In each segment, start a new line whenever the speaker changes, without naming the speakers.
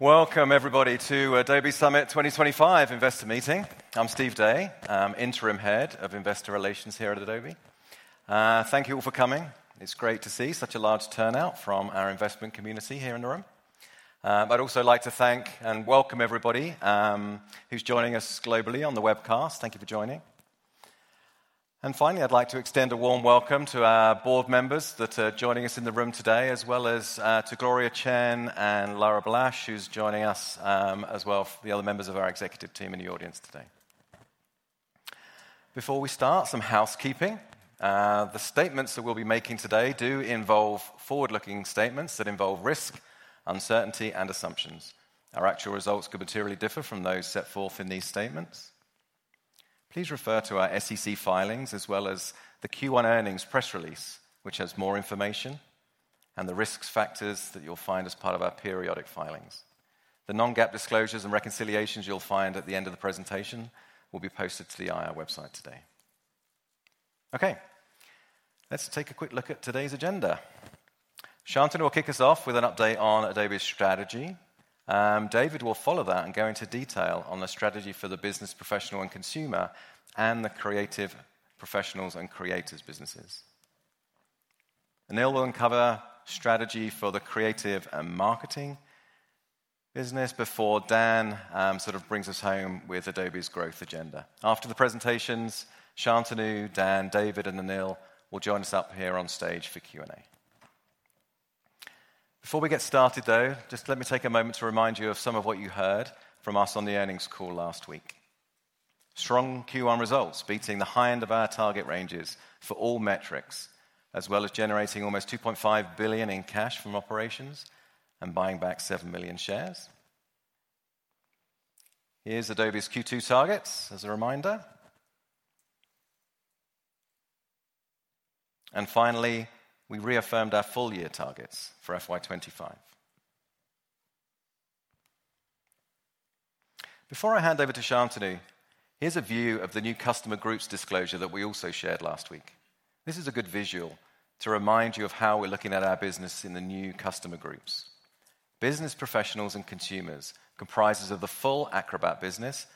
Welcome, everybody, to Adobe Summit 2025 Investor Meeting. I'm Steve Day, Interim Head of Investor Relations here at Adobe. Thank you all for coming. It's great to see such a large turnout from our investment community here in the room. I'd also like to thank and welcome everybody who's joining us globally on the webcast. Thank you for joining. Finally, I'd like to extend a warm welcome to our board members that are joining us in the room today, as well as to Gloria Chen and Laura Blasch, who's joining us as well as the other members of our executive team in the audience today. Before we start, some housekeeping. The statements that we'll be making today do involve forward-looking statements that involve risk, uncertainty, and assumptions. Our actual results could materially differ from those set forth in these statements. Please refer to our SEC filings, as well as the Q1 earnings press release, which has more information and the risk factors that you'll find as part of our periodic filings. The non-GAAP disclosures and reconciliations you'll find at the end of the presentation will be posted to the IR website today. Okay, let's take a quick look at today's agenda. Shantanu will kick us off with an update on Adobe's strategy. David will follow that and go into detail on the strategy for the business professional and consumer and the creative professionals and creators' businesses. Anil will uncover strategy for the creative and marketing business before Dan sort of brings us home with Adobe's growth agenda. After the presentations, Shantanu, Dan, David, and Anil will join us up here on stage for Q&A. Before we get started, though, just let me take a moment to remind you of some of what you heard from us on the earnings call last week. Strong Q1 results, beating the high end of our target ranges for all metrics, as well as generating almost $2.5 billion in cash from operations and buying back 7 million shares. Here is Adobe's Q2 targets as a reminder. Finally, we reaffirmed our full-year targets for FY2025. Before I hand over to Shantanu, here is a view of the new customer groups disclosure that we also shared last week. This is a good visual to remind you of how we are looking at our business in the new customer groups. Business professionals and consumers comprise the full Acrobat business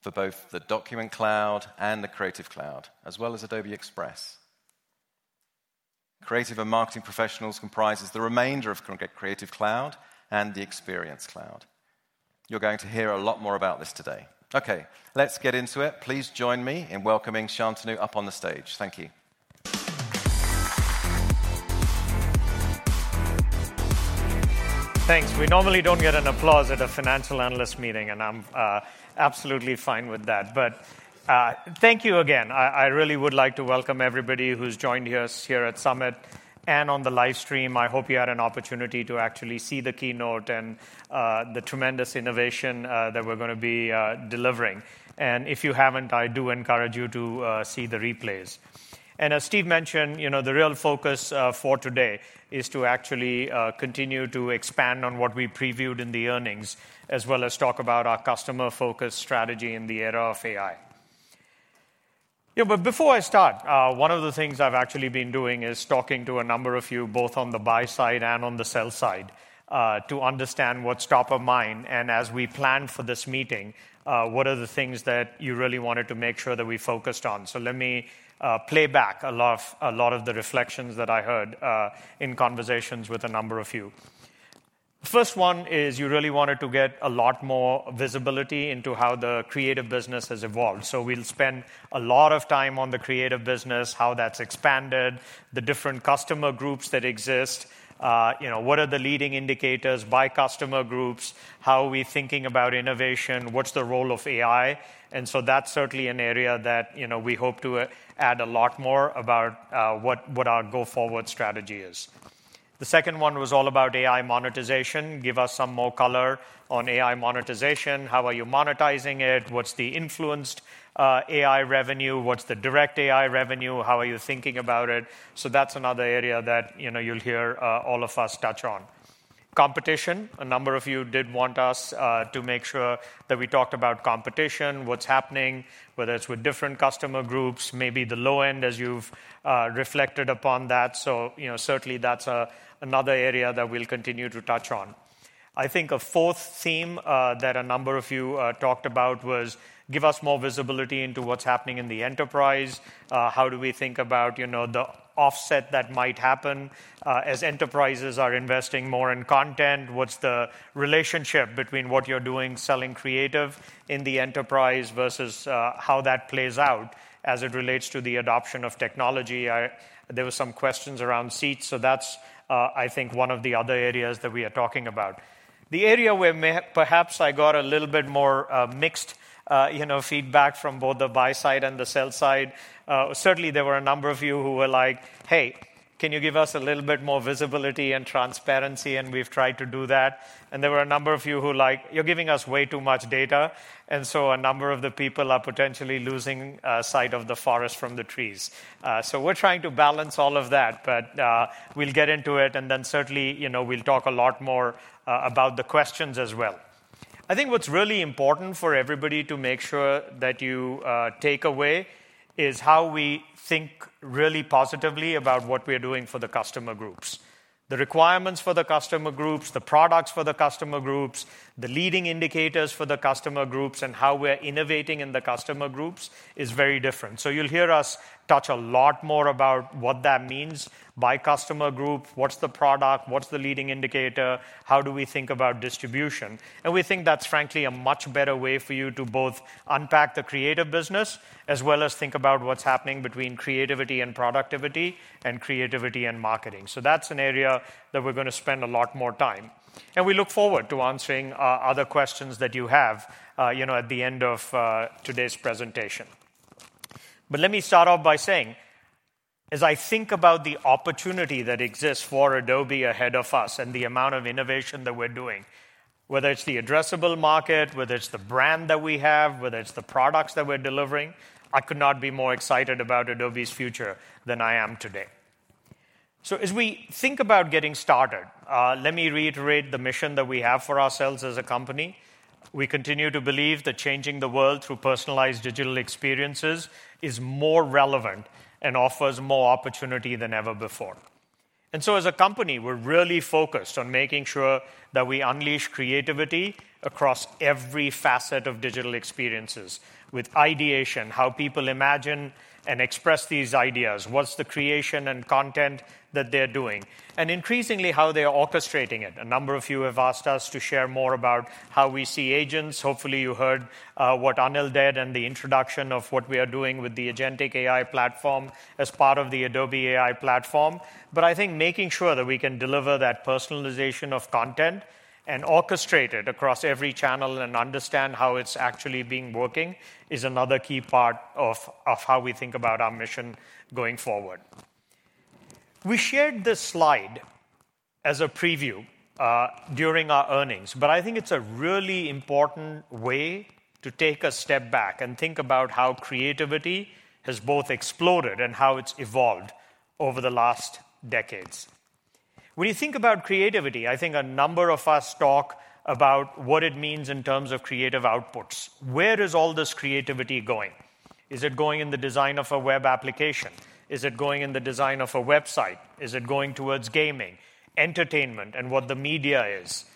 for both the Document Cloud and the Creative Cloud, as well as Adobe Express. Creative and marketing professionals comprise the remainder of Creative Cloud and the Experience Cloud. You're going to hear a lot more about this today. Okay, let's get into it. Please join me in welcoming Shantanu up on the stage. Thank you.
Thanks. We normally do not get an applause at a financial analyst meeting, and I am absolutely fine with that. Thank you again. I really would like to welcome everybody who has joined us here at Summit and on the live stream. I hope you had an opportunity to actually see the keynote and the tremendous innovation that we are going to be delivering. If you have not, I do encourage you to see the replays. As Steve mentioned, the real focus for today is to actually continue to expand on what we previewed in the earnings, as well as talk about our customer-focused strategy in the era of AI. Before I start, one of the things I have actually been doing is talking to a number of you, both on the buy side and on the sell side, to understand what is top of mind. As we planned for this meeting, what are the things that you really wanted to make sure that we focused on? Let me play back a lot of the reflections that I heard in conversations with a number of you. The first one is you really wanted to get a lot more visibility into how the creative business has evolved. We will spend a lot of time on the creative business, how that has expanded, the different customer groups that exist, what are the leading indicators by customer groups, how are we thinking about innovation, what is the role of AI. That is certainly an area that we hope to add a lot more about what our go-forward strategy is. The second one was all about AI monetization. Give us some more color on AI monetization. How are you monetizing it? What is the influenced AI revenue? What's the direct AI revenue? How are you thinking about it? That's another area that you'll hear all of us touch on. Competition. A number of you did want us to make sure that we talked about competition, what's happening, whether it's with different customer groups, maybe the low end, as you've reflected upon that. Certainly, that's another area that we'll continue to touch on. I think a fourth theme that a number of you talked about was give us more visibility into what's happening in the enterprise. How do we think about the offset that might happen as enterprises are investing more in content? What's the relationship between what you're doing, selling creative in the enterprise, versus how that plays out as it relates to the adoption of technology? There were some questions around seats. That is, I think, one of the other areas that we are talking about. The area where perhaps I got a little bit more mixed feedback from both the buy side and the sell side. Certainly, there were a number of you who were like, "Hey, can you give us a little bit more visibility and transparency?" We have tried to do that. There were a number of you who were like, "You're giving us way too much data." A number of the people are potentially losing sight of the forest from the trees. We are trying to balance all of that, but we will get into it. Certainly, we will talk a lot more about the questions as well. I think what's really important for everybody to make sure that you take away is how we think really positively about what we're doing for the customer groups. The requirements for the customer groups, the products for the customer groups, the leading indicators for the customer groups, and how we're innovating in the customer groups is very different. You'll hear us touch a lot more about what that means, by customer group, what's the product, what's the leading indicator, how do we think about distribution. We think that's, frankly, a much better way for you to both unpack the creative business as well as think about what's happening between creativity and productivity and creativity and marketing. That's an area that we're going to spend a lot more time. We look forward to answering other questions that you have at the end of today's presentation. Let me start off by saying, as I think about the opportunity that exists for Adobe ahead of us and the amount of innovation that we're doing, whether it's the addressable market, whether it's the brand that we have, whether it's the products that we're delivering, I could not be more excited about Adobe's future than I am today. As we think about getting started, let me reiterate the mission that we have for ourselves as a company. We continue to believe that changing the world through personalized digital experiences is more relevant and offers more opportunity than ever before. As a company, we're really focused on making sure that we unleash creativity across every facet of digital experiences with ideation, how people imagine and express these ideas, what's the creation and content that they're doing, and increasingly how they're orchestrating it. A number of you have asked us to share more about how we see agents. Hopefully, you heard what Anil did and the introduction of what we are doing with the Agentic AI platform as part of the Adobe AI platform. I think making sure that we can deliver that personalization of content and orchestrate it across every channel and understand how it's actually being working is another key part of how we think about our mission going forward. We shared this slide as a preview during our earnings, but I think it's a really important way to take a step back and think about how creativity has both exploded and how it's evolved over the last decades. When you think about creativity, I think a number of us talk about what it means in terms of creative outputs. Where is all this creativity going? Is it going in the design of a web application? Is it going in the design of a website? Is it going towards gaming, entertainment, and what the media is?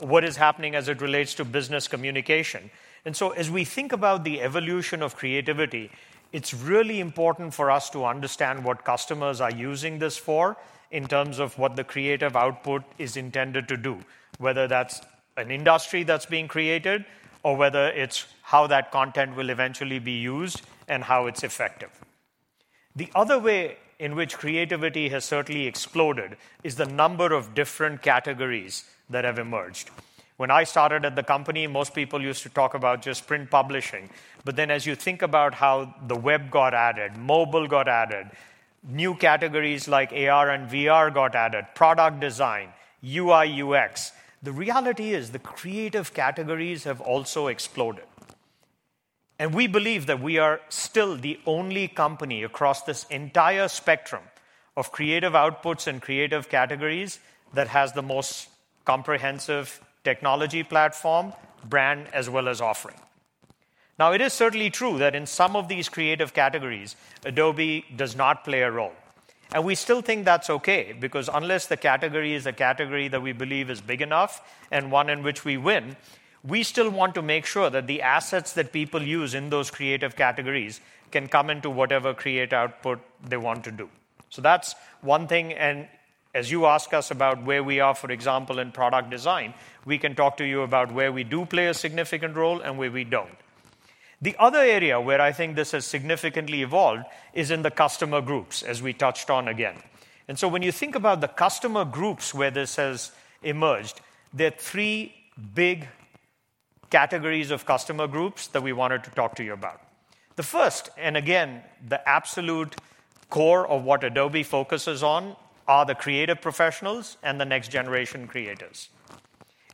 What is happening as it relates to business communication? As we think about the evolution of creativity, it's really important for us to understand what customers are using this for in terms of what the creative output is intended to do, whether that's an industry that's being created or whether it's how that content will eventually be used and how it's effective. The other way in which creativity has certainly exploded is the number of different categories that have emerged. When I started at the company, most people used to talk about just print publishing. As you think about how the web got added, mobile got added, new categories like AR and VR got added, product design, UI/UX, the reality is the creative categories have also exploded. We believe that we are still the only company across this entire spectrum of creative outputs and creative categories that has the most comprehensive technology platform, brand, as well as offering. It is certainly true that in some of these creative categories, Adobe does not play a role. We still think that's okay because unless the category is a category that we believe is big enough and one in which we win, we still want to make sure that the assets that people use in those creative categories can come into whatever creative output they want to do. That's one thing. As you ask us about where we are, for example, in product design, we can talk to you about where we do play a significant role and where we do not. The other area where I think this has significantly evolved is in the customer groups, as we touched on again. When you think about the customer groups where this has emerged, there are three big categories of customer groups that we wanted to talk to you about. The first, and again, the absolute core of what Adobe focuses on, are the creative professionals and the next generation creators.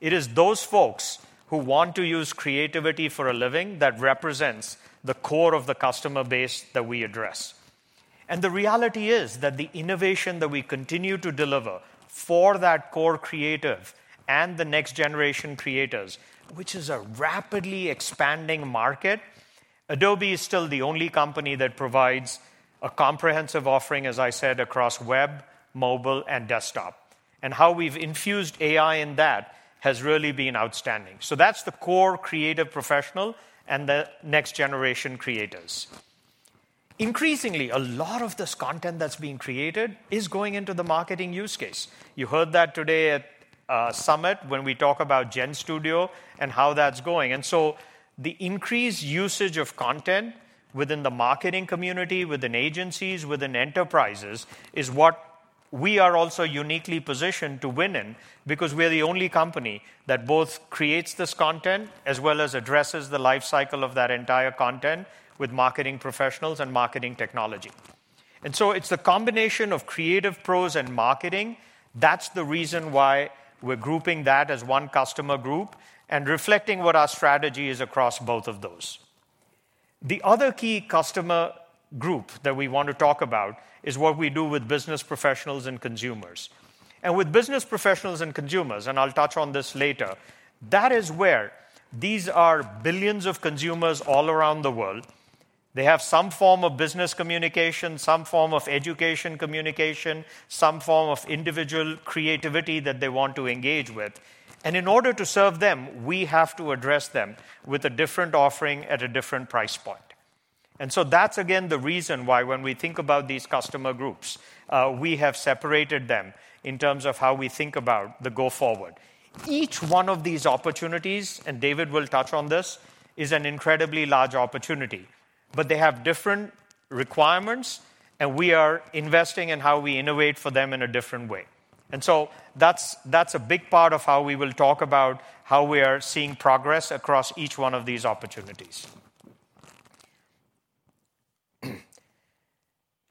It is those folks who want to use creativity for a living that represents the core of the customer base that we address. The reality is that the innovation that we continue to deliver for that core creative and the next generation creators, which is a rapidly expanding market, Adobe is still the only company that provides a comprehensive offering, as I said, across web, mobile, and desktop. How we've infused AI in that has really been outstanding. That's the core creative professional and the next generation creators. Increasingly, a lot of this content that's being created is going into the marketing use case. You heard that today at Summit when we talk about GenStudio and how that's going. The increased usage of content within the marketing community, within agencies, within enterprises is what we are also uniquely positioned to win in because we're the only company that both creates this content as well as addresses the lifecycle of that entire content with marketing professionals and marketing technology. It is the combination of creative pros and marketing. That's the reason why we're grouping that as one customer group and reflecting what our strategy is across both of those. The other key customer group that we want to talk about is what we do with business professionals and consumers. With business professionals and consumers, and I'll touch on this later, that is where these are billions of consumers all around the world. They have some form of business communication, some form of education communication, some form of individual creativity that they want to engage with. In order to serve them, we have to address them with a different offering at a different price point. That is, again, the reason why when we think about these customer groups, we have separated them in terms of how we think about the go-forward. Each one of these opportunities, and David will touch on this, is an incredibly large opportunity, but they have different requirements, and we are investing in how we innovate for them in a different way. That is a big part of how we will talk about how we are seeing progress across each one of these opportunities.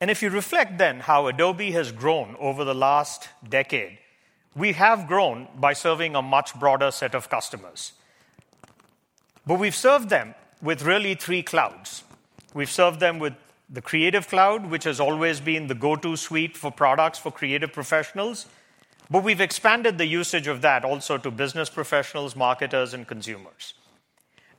If you reflect then how Adobe has grown over the last decade, we have grown by serving a much broader set of customers. We have served them with really three clouds. We've served them with the Creative Cloud, which has always been the go-to suite for products for creative professionals. We've expanded the usage of that also to business professionals, marketers, and consumers.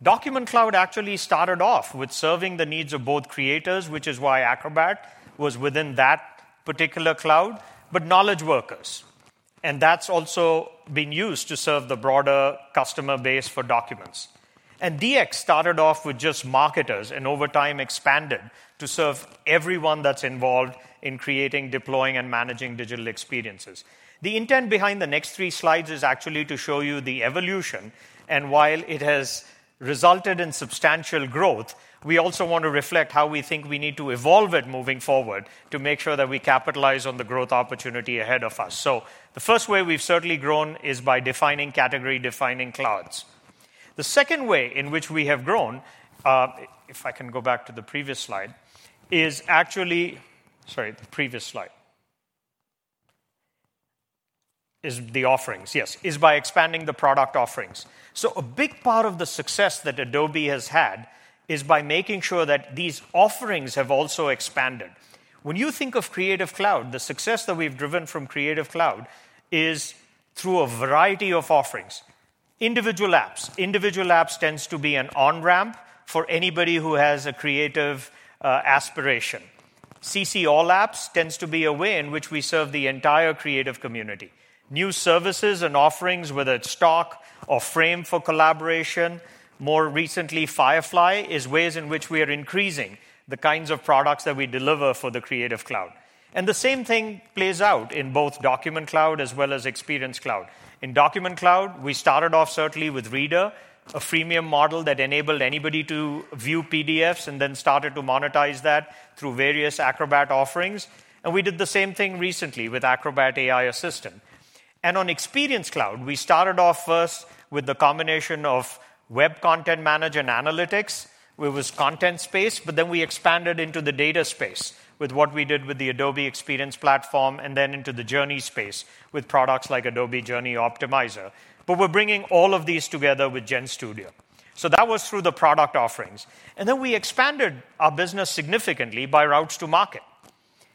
Document Cloud actually started off with serving the needs of both creators, which is why Acrobat was within that particular cloud, but Knowledge Workers. That's also been used to serve the broader customer base for documents. DX started off with just marketers and over time expanded to serve everyone that's involved in creating, deploying, and managing digital experiences. The intent behind the next three slides is actually to show you the evolution. While it has resulted in substantial growth, we also want to reflect how we think we need to evolve it moving forward to make sure that we capitalize on the growth opportunity ahead of us. The first way we have certainly grown is by defining category, defining clouds. The second way in which we have grown, if I can go back to the previous slide, actually, sorry, the previous slide, is the offerings, yes, is by expanding the product offerings. A big part of the success that Adobe has had is by making sure that these offerings have also expanded. When you think of Creative Cloud, the success that we have driven from Creative Cloud is through a variety of offerings. Individual apps. Individual apps tends to be an on-ramp for anybody who has a creative aspiration. CC all apps tends to be a way in which we serve the entire creative community. New services and offerings, whether it's stock or Frame.io for collaboration, more recently Firefly, is ways in which we are increasing the kinds of products that we deliver for the Creative Cloud. The same thing plays out in both Document Cloud as well as Experience Cloud. In Document Cloud, we started off certainly with Reader, a freemium model that enabled anybody to view PDFs and then started to monetize that through various Acrobat offerings. We did the same thing recently with Acrobat AI Assistant. On Experience Cloud, we started off first with the combination of web content manager and analytics, where it was content space, but then we expanded into the data space with what we did with the Adobe Experience Platform and then into the journey space with products like Adobe Journey Optimizer. We are bringing all of these together with GenStudio. That was through the product offerings. Then we expanded our business significantly by routes to market.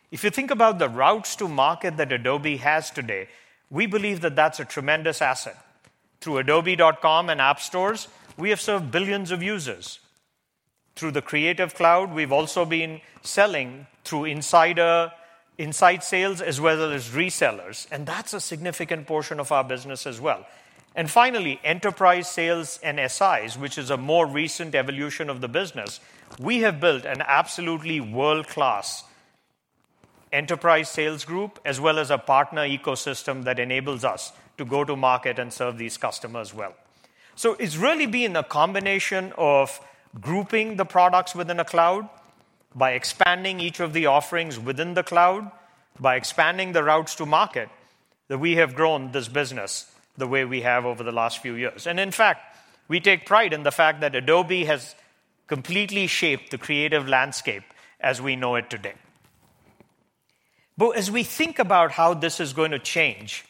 If you think about the routes to market that Adobe has today, we believe that is a tremendous asset. Through adobe.com and app stores, we have served billions of users. Through the Creative Cloud, we have also been selling through inside sales as well as resellers. That is a significant portion of our business as well. Finally, enterprise sales and SIs, which is a more recent evolution of the business, we have built an absolutely world-class enterprise sales group as well as a partner ecosystem that enables us to go to market and serve these customers well. It has really been a combination of grouping the products within a cloud, by expanding each of the offerings within the cloud, by expanding the routes to market that we have grown this business the way we have over the last few years. In fact, we take pride in the fact that Adobe has completely shaped the creative landscape as we know it today. As we think about how this is going to change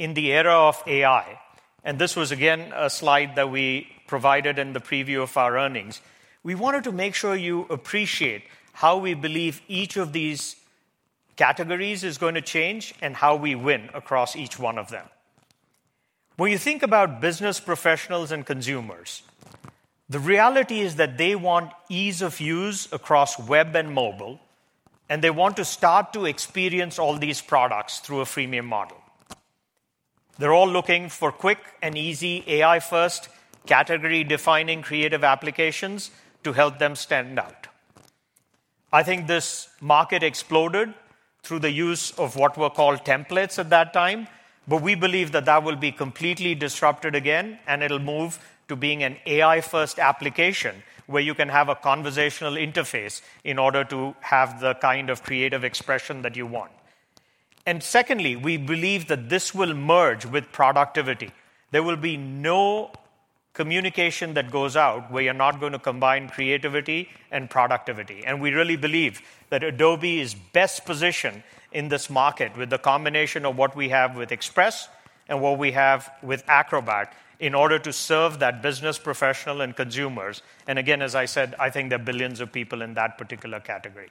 in the era of AI, and this was again a slide that we provided in the preview of our earnings, we wanted to make sure you appreciate how we believe each of these categories is going to change and how we win across each one of them. When you think about business professionals and consumers, the reality is that they want ease of use across web and mobile, and they want to start to experience all these products through a freemium model. They're all looking for quick and easy AI-first category-defining creative applications to help them stand out. I think this market exploded through the use of what were called templates at that time, but we believe that that will be completely disrupted again, and it'll move to being an AI-first application where you can have a conversational interface in order to have the kind of creative expression that you want. Secondly, we believe that this will merge with productivity. There will be no communication that goes out where you're not going to combine creativity and productivity. We really believe that Adobe is best positioned in this market with the combination of what we have with Express and what we have with Acrobat in order to serve that business professional and consumers. Again, as I said, I think there are billions of people in that particular category.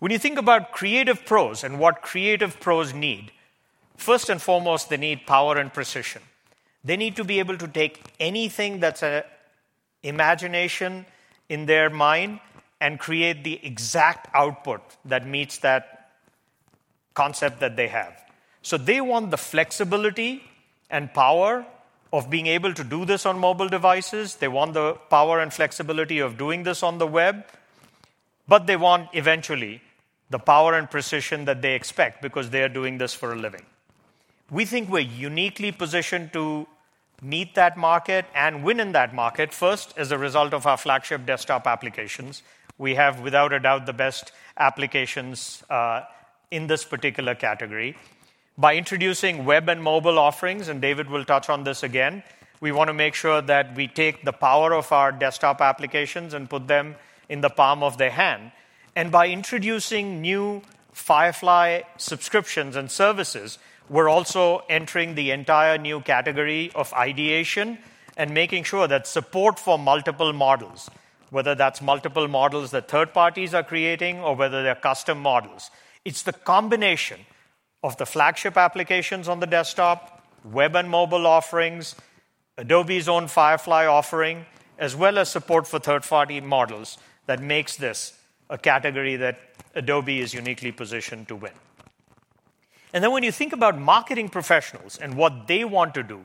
When you think about creative pros and what creative pros need, first and foremost, they need power and precision. They need to be able to take anything that's an imagination in their mind and create the exact output that meets that concept that they have. They want the flexibility and power of being able to do this on mobile devices. They want the power and flexibility of doing this on the web, but they want eventually the power and precision that they expect because they are doing this for a living. We think we're uniquely positioned to meet that market and win in that market first as a result of our flagship desktop applications. We have, without a doubt, the best applications in this particular category. By introducing web and mobile offerings, and David will touch on this again, we want to make sure that we take the power of our desktop applications and put them in the palm of their hand. By introducing new Firefly subscriptions and services, we're also entering the entire new category of ideation and making sure that support for multiple models, whether that's multiple models that third parties are creating or whether they're custom models, it's the combination of the flagship applications on the desktop, web and mobile offerings, Adobe's own Firefly offering, as well as support for third-party models that makes this a category that Adobe is uniquely positioned to win. When you think about marketing professionals and what they want to do,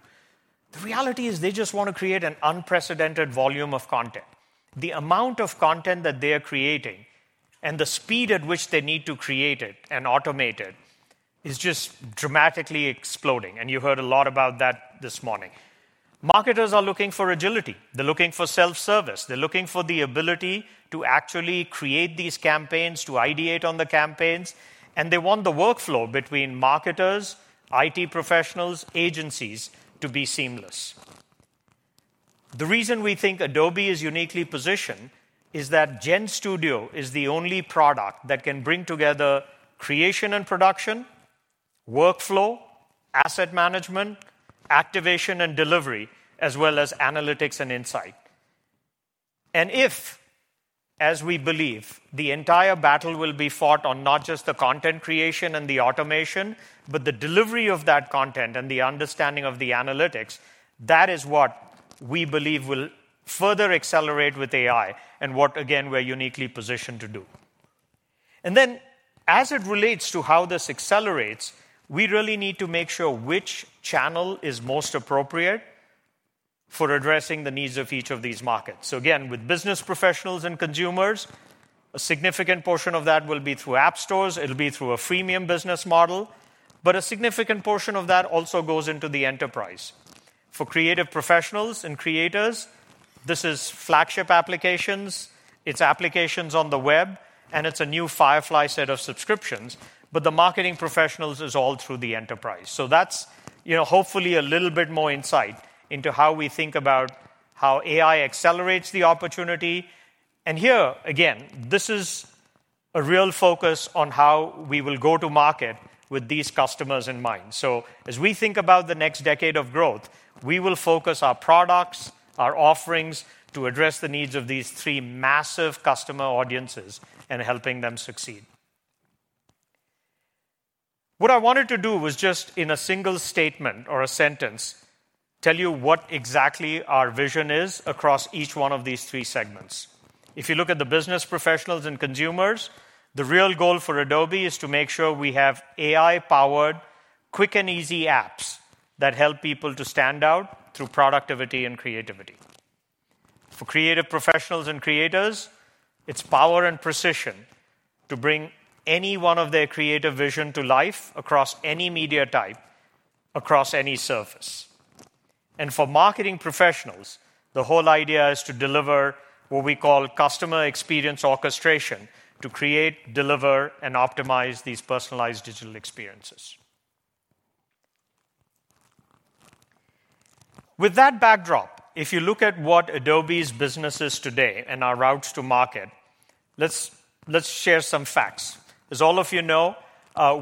the reality is they just want to create an unprecedented volume of content. The amount of content that they are creating and the speed at which they need to create it and automate it is just dramatically exploding. You heard a lot about that this morning. Marketers are looking for agility. They're looking for self-service. They're looking for the ability to actually create these campaigns, to ideate on the campaigns. They want the workflow between marketers, IT professionals, agencies to be seamless. The reason we think Adobe is uniquely positioned is that GenStudio is the only product that can bring together creation and production, workflow, asset management, activation and delivery, as well as analytics and insight. If, as we believe, the entire battle will be fought on not just the content creation and the automation, but the delivery of that content and the understanding of the analytics, that is what we believe will further accelerate with AI and what, again, we're uniquely positioned to do. As it relates to how this accelerates, we really need to make sure which channel is most appropriate for addressing the needs of each of these markets. Again, with business professionals and consumers, a significant portion of that will be through app stores. It'll be through a freemium business model. A significant portion of that also goes into the enterprise. For creative professionals and creators, this is flagship applications. It's applications on the web, and it's a new Firefly set of subscriptions. The marketing professionals is all through the enterprise. That's hopefully a little bit more insight into how we think about how AI accelerates the opportunity. Here, again, this is a real focus on how we will go to market with these customers in mind. As we think about the next decade of growth, we will focus our products, our offerings to address the needs of these three massive customer audiences and helping them succeed. What I wanted to do was just, in a single statement or a sentence, tell you what exactly our vision is across each one of these three segments. If you look at the business professionals and consumers, the real goal for Adobe is to make sure we have AI-powered, quick and easy apps that help people to stand out through productivity and creativity. For creative professionals and creators, it's power and precision to bring any one of their creative vision to life across any media type, across any surface. For marketing professionals, the whole idea is to deliver what we call customer experience orchestration to create, deliver, and optimize these personalized digital experiences. With that backdrop, if you look at what Adobe's business is today and our routes to market, let's share some facts. As all of you know,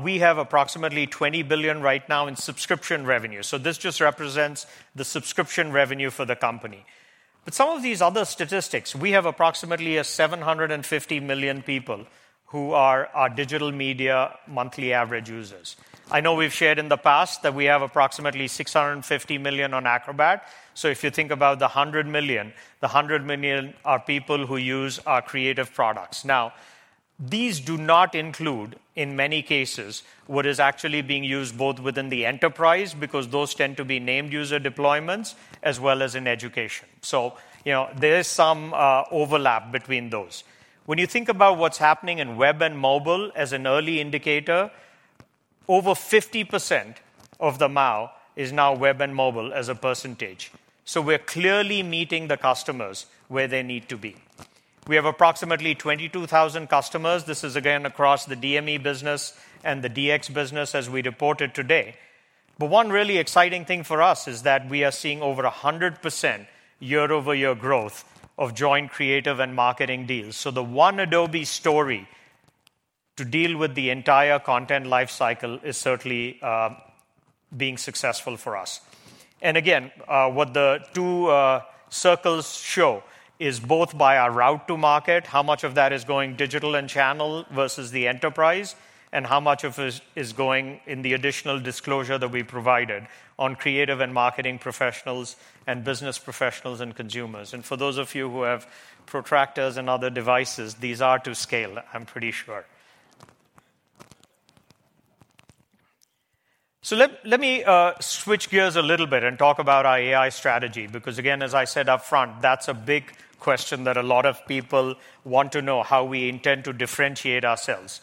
we have approximately $20 billion right now in subscription revenue. This just represents the subscription revenue for the company. Some of these other statistics, we have approximately 750 million people who are our digital media monthly average users. I know we've shared in the past that we have approximately 650 million on Acrobat. If you think about the 100 million, the 100 million are people who use our creative products. Now, these do not include, in many cases, what is actually being used both within the enterprise because those tend to be named user deployments as well as in education. There is some overlap between those. When you think about what's happening in web and mobile as an early indicator, over 50% of the MAU is now web and mobile as a percentage. We are clearly meeting the customers where they need to be. We have approximately 22,000 customers. This is, again, across the DME business and the DX business as we report it today. One really exciting thing for us is that we are seeing over 100% year-over-year growth of joint creative and marketing deals. The one Adobe story to deal with the entire content lifecycle is certainly being successful for us. What the two circles show is both by our route to market, how much of that is going digital and channel versus the enterprise, and how much of it is going in the additional disclosure that we provided on creative and marketing professionals and business professionals and consumers. For those of you who have protractors and other devices, these are to scale, I'm pretty sure. Let me switch gears a little bit and talk about our AI strategy because, as I said upfront, that's a big question that a lot of people want to know how we intend to differentiate ourselves.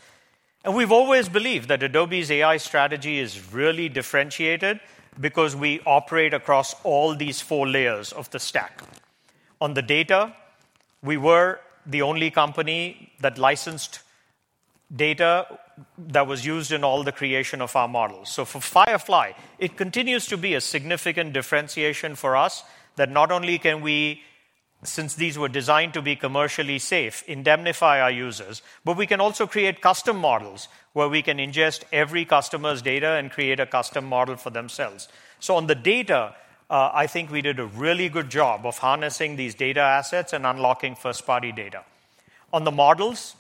We've always believed that Adobe's AI strategy is really differentiated because we operate across all these four layers of the stack. On the data, we were the only company that licensed data that was used in all the creation of our models. For Firefly, it continues to be a significant differentiation for us that not only can we, since these were designed to be commercially safe, indemnify our users, but we can also create custom models where we can ingest every customer's data and create a custom model for themselves. On the data, I think we did a really good job of harnessing these data assets and unlocking first-party data. On the models,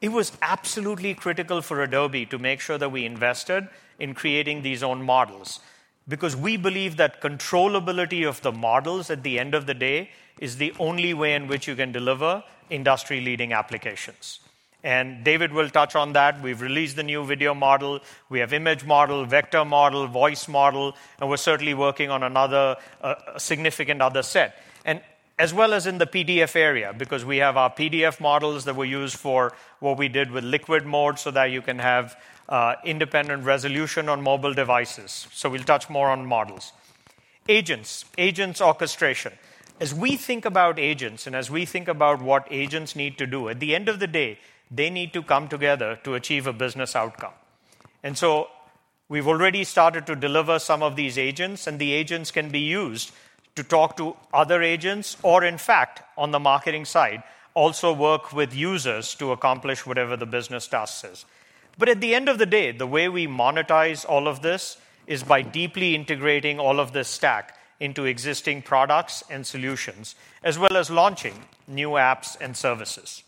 it was absolutely critical for Adobe to make sure that we invested in creating these own models because we believe that controllability of the models at the end of the day is the only way in which you can deliver industry-leading applications. David will touch on that. We've released the new video model. We have image model, vector model, voice model. We're certainly working on another significant other set, as well as in the PDF area because we have our PDF models that were used for what we did with Liquid Mode so that you can have independent resolution on mobile devices. We'll touch more on models. Agents, agents orchestration. As we think about agents and as we think about what agents need to do, at the end of the day, they need to come together to achieve a business outcome. We've already started to deliver some of these agents, and the agents can be used to talk to other agents or, in fact, on the marketing side, also work with users to accomplish whatever the business task is. At the end of the day, the way we monetize all of this is by deeply integrating all of this stack into existing products and solutions, as well as launching new apps and services.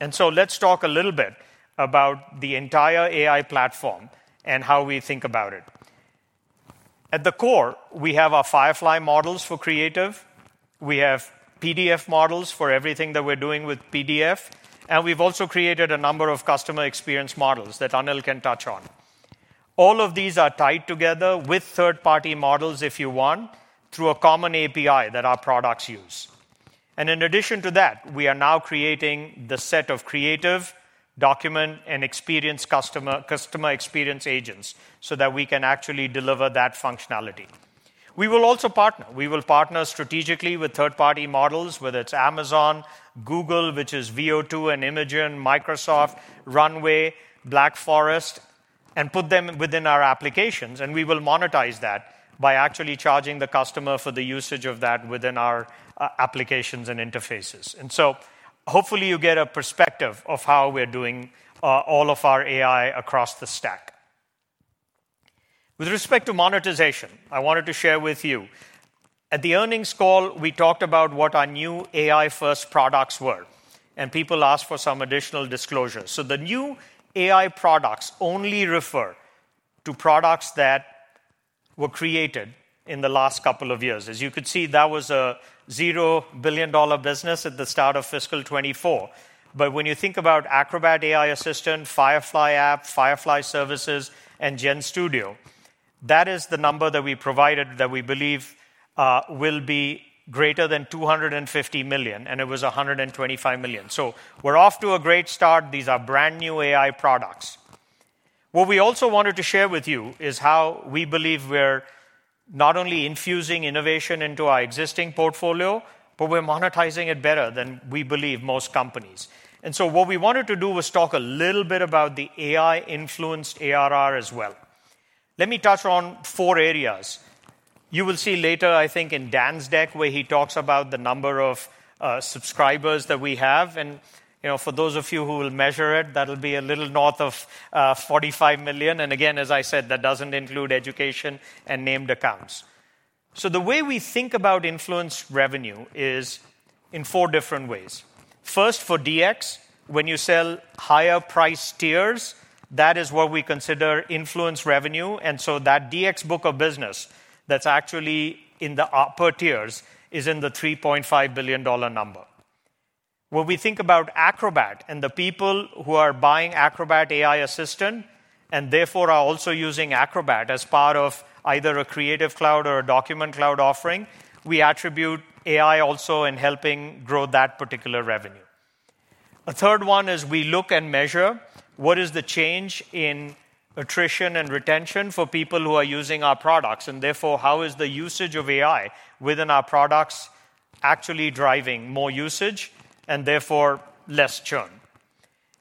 Let's talk a little bit about the entire AI platform and how we think about it. At the core, we have our Firefly models for creative. We have PDF models for everything that we're doing with PDF. We've also created a number of customer experience models that Anil can touch on. All of these are tied together with third-party models, if you want, through a common API that our products use. In addition to that, we are now creating the set of creative document and experience customer experience agents so that we can actually deliver that functionality. We will also partner. We will partner strategically with third-party models, whether it's Amazon, Google, which is Veo and Imagen, Microsoft, Runway, Black Forest, and put them within our applications. We will monetize that by actually charging the customer for the usage of that within our applications and interfaces. Hopefully, you get a perspective of how we're doing all of our AI across the stack. With respect to monetization, I wanted to share with you. At the earnings call, we talked about what our new AI-first products were, and people asked for some additional disclosures. The new AI products only refer to products that were created in the last couple of years. As you could see, that was a $0 billion business at the start of fiscal 2024. When you think about Acrobat AI Assistant, Firefly app, Firefly Services, and GenStudio, that is the number that we provided that we believe will be greater than 250 million, and it was 125 million. We are off to a great start. These are brand new AI products. What we also wanted to share with you is how we believe we are not only infusing innovation into our existing portfolio, but we are monetizing it better than we believe most companies. What we wanted to do was talk a little bit about the AI-influenced ARR as well. Let me touch on four areas. You will see later, I think, in Dan's deck, where he talks about the number of subscribers that we have. For those of you who will measure it, that will be a little north of 45 million. As I said, that does not include education and named accounts. The way we think about influence revenue is in four different ways. First, for DX, when you sell higher price tiers, that is what we consider influence revenue. That DX book of business that is actually in the upper tiers is in the $3.5 billion number. When we think about Acrobat and the people who are buying Acrobat AI Assistant and therefore are also using Acrobat as part of either a Creative Cloud or a Document Cloud offering, we attribute AI also in helping grow that particular revenue. A third one is we look and measure what is the change in attrition and retention for people who are using our products. Therefore, how is the usage of AI within our products actually driving more usage and therefore less churn?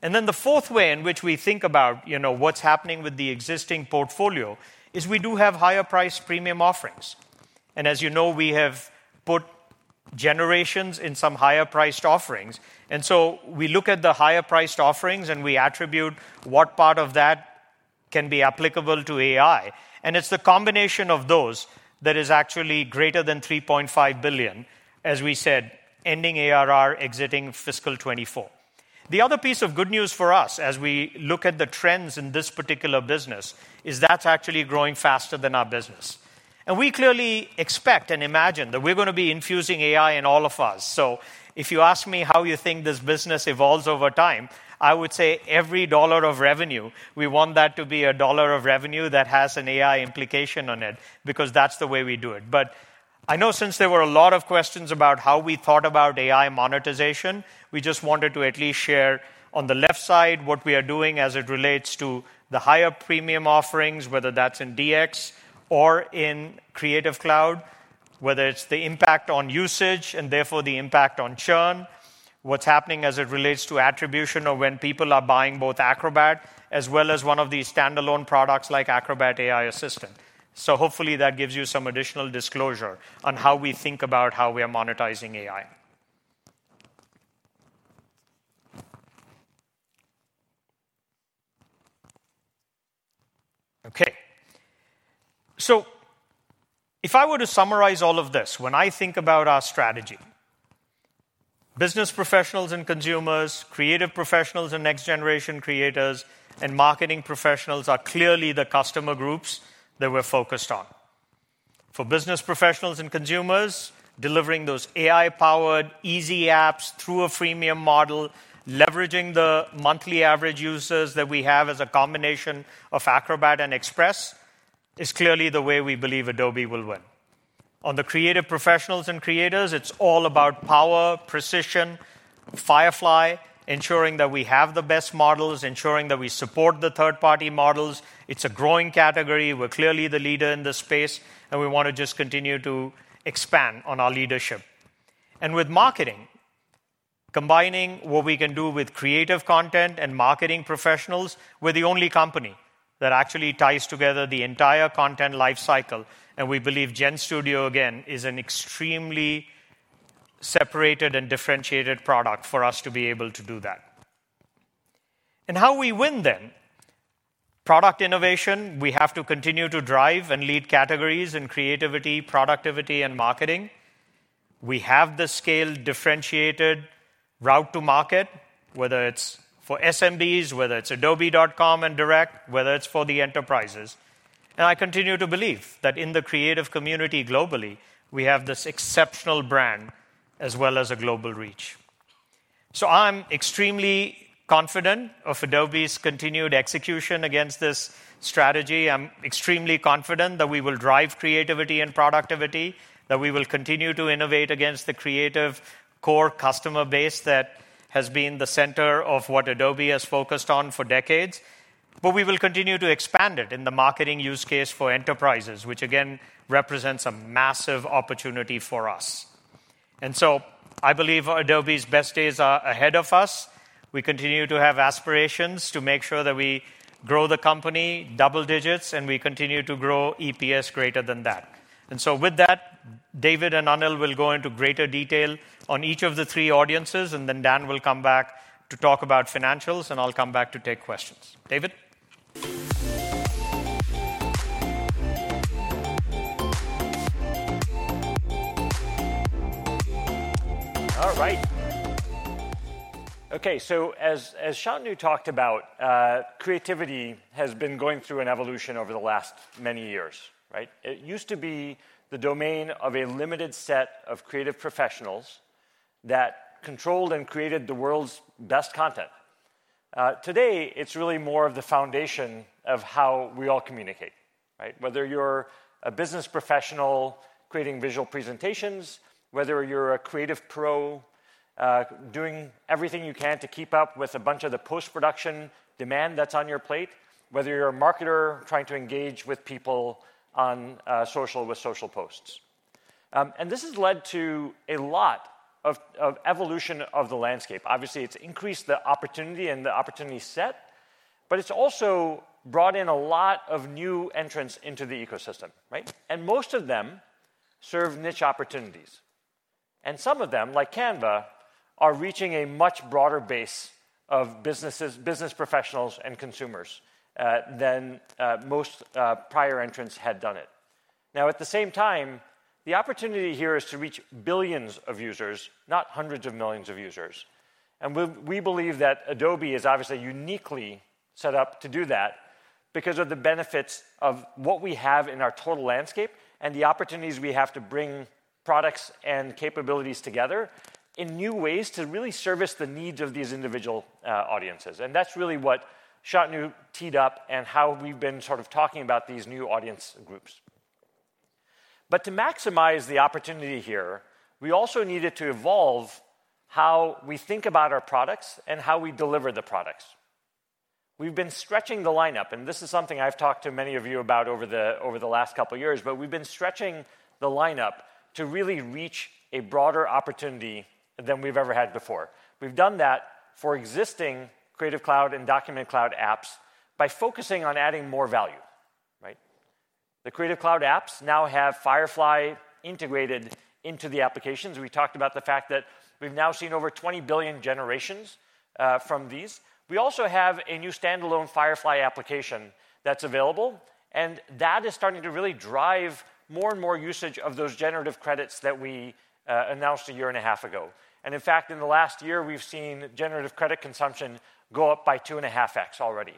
The fourth way in which we think about what's happening with the existing portfolio is we do have higher price premium offerings. As you know, we have put generations in some higher-priced offerings. We look at the higher-priced offerings and we attribute what part of that can be applicable to AI. It is the combination of those that is actually greater than $3.5 billion, as we said, ending ARR exiting fiscal 2024. The other piece of good news for us, as we look at the trends in this particular business, is that's actually growing faster than our business. We clearly expect and imagine that we're going to be infusing AI in all of us. If you ask me how you think this business evolves over time, I would say every dollar of revenue, we want that to be a dollar of revenue that has an AI implication on it because that's the way we do it. I know since there were a lot of questions about how we thought about AI monetization, we just wanted to at least share on the left side what we are doing as it relates to the higher premium offerings, whether that's in DX or in Creative Cloud, whether it's the impact on usage and therefore the impact on churn, what's happening as it relates to attribution or when people are buying both Acrobat as well as one of these standalone products like Acrobat AI Assistant. Hopefully, that gives you some additional disclosure on how we think about how we are monetizing AI. Okay. If I were to summarize all of this, when I think about our strategy, business professionals and consumers, creative professionals and next-generation creators, and marketing professionals are clearly the customer groups that we're focused on. For business professionals and consumers, delivering those AI-powered easy apps through a freemium model, leveraging the monthly average users that we have as a combination of Acrobat and Express is clearly the way we believe Adobe will win. On the creative professionals and creators, it's all about power, precision, Firefly, ensuring that we have the best models, ensuring that we support the third-party models. It's a growing category. We're clearly the leader in this space, and we want to just continue to expand on our leadership. With marketing, combining what we can do with creative content and marketing professionals, we're the only company that actually ties together the entire content lifecycle. We believe GenStudio, again, is an extremely separated and differentiated product for us to be able to do that. How we win then? Product innovation, we have to continue to drive and lead categories in creativity, productivity, and marketing. We have the scale differentiated route to market, whether it is for SMBs, whether it is Adobe.com and direct, whether it is for the enterprises. I continue to believe that in the creative community globally, we have this exceptional brand as well as a global reach. I am extremely confident of Adobe's continued execution against this strategy. I am extremely confident that we will drive creativity and productivity, that we will continue to innovate against the creative core customer base that has been the center of what Adobe has focused on for decades. We will continue to expand it in the marketing use case for enterprises, which again represents a massive opportunity for us. I believe Adobe's best days are ahead of us. We continue to have aspirations to make sure that we grow the company double digits, and we continue to grow EPS greater than that. With that, David and Anil will go into greater detail on each of the three audiences. Dan will come back to talk about financials, and I'll come back to take questions. David?
All right. Okay. As Shantanu talked about, creativity has been going through an evolution over the last many years. It used to be the domain of a limited set of creative professionals that controlled and created the world's best content. Today, it's really more of the foundation of how we all communicate, whether you're a business professional creating visual presentations, whether you're a creative pro doing everything you can to keep up with a bunch of the post-production demand that's on your plate, whether you're a marketer trying to engage with people on social with social posts. This has led to a lot of evolution of the landscape. Obviously, it's increased the opportunity and the opportunity set, but it's also brought in a lot of new entrants into the ecosystem. Most of them serve niche opportunities. Some of them, like Canva, are reaching a much broader base of businesses, business professionals, and consumers than most prior entrants had done it. Now, at the same time, the opportunity here is to reach billions of users, not hundreds of millions of users. We believe that Adobe is obviously uniquely set up to do that because of the benefits of what we have in our total landscape and the opportunities we have to bring products and capabilities together in new ways to really service the needs of these individual audiences. That is really what Shantanu teed up and how we've been sort of talking about these new audience groups. To maximize the opportunity here, we also needed to evolve how we think about our products and how we deliver the products. We've been stretching the lineup, and this is something I've talked to many of you about over the last couple of years, but we've been stretching the lineup to really reach a broader opportunity than we've ever had before. We've done that for existing Creative Cloud and Document Cloud apps by focusing on adding more value. The Creative Cloud apps now have Firefly integrated into the applications. We talked about the fact that we've now seen over 20 billion generations from these. We also have a new standalone Firefly application that's available, and that is starting to really drive more and more usage of those generative credits that we announced a year and a half ago. In fact, in the last year, we've seen generative credit consumption go up by 2.5x already.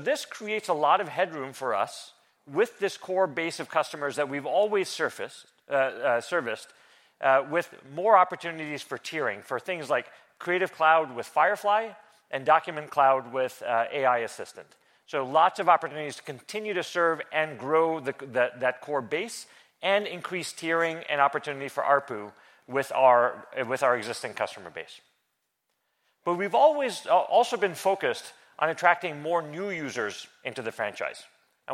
This creates a lot of headroom for us with this core base of customers that we've always serviced with more opportunities for tiering for things like Creative Cloud with Firefly and Document Cloud with AI Assistant. Lots of opportunities to continue to serve and grow that core base and increase tiering and opportunity for ARPU with our existing customer base. We have always also been focused on attracting more new users into the franchise.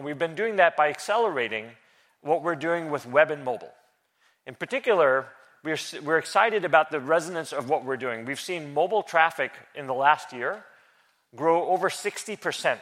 We have been doing that by accelerating what we are doing with web and mobile. In particular, we are excited about the resonance of what we are doing. We have seen mobile traffic in the last year grow over 60%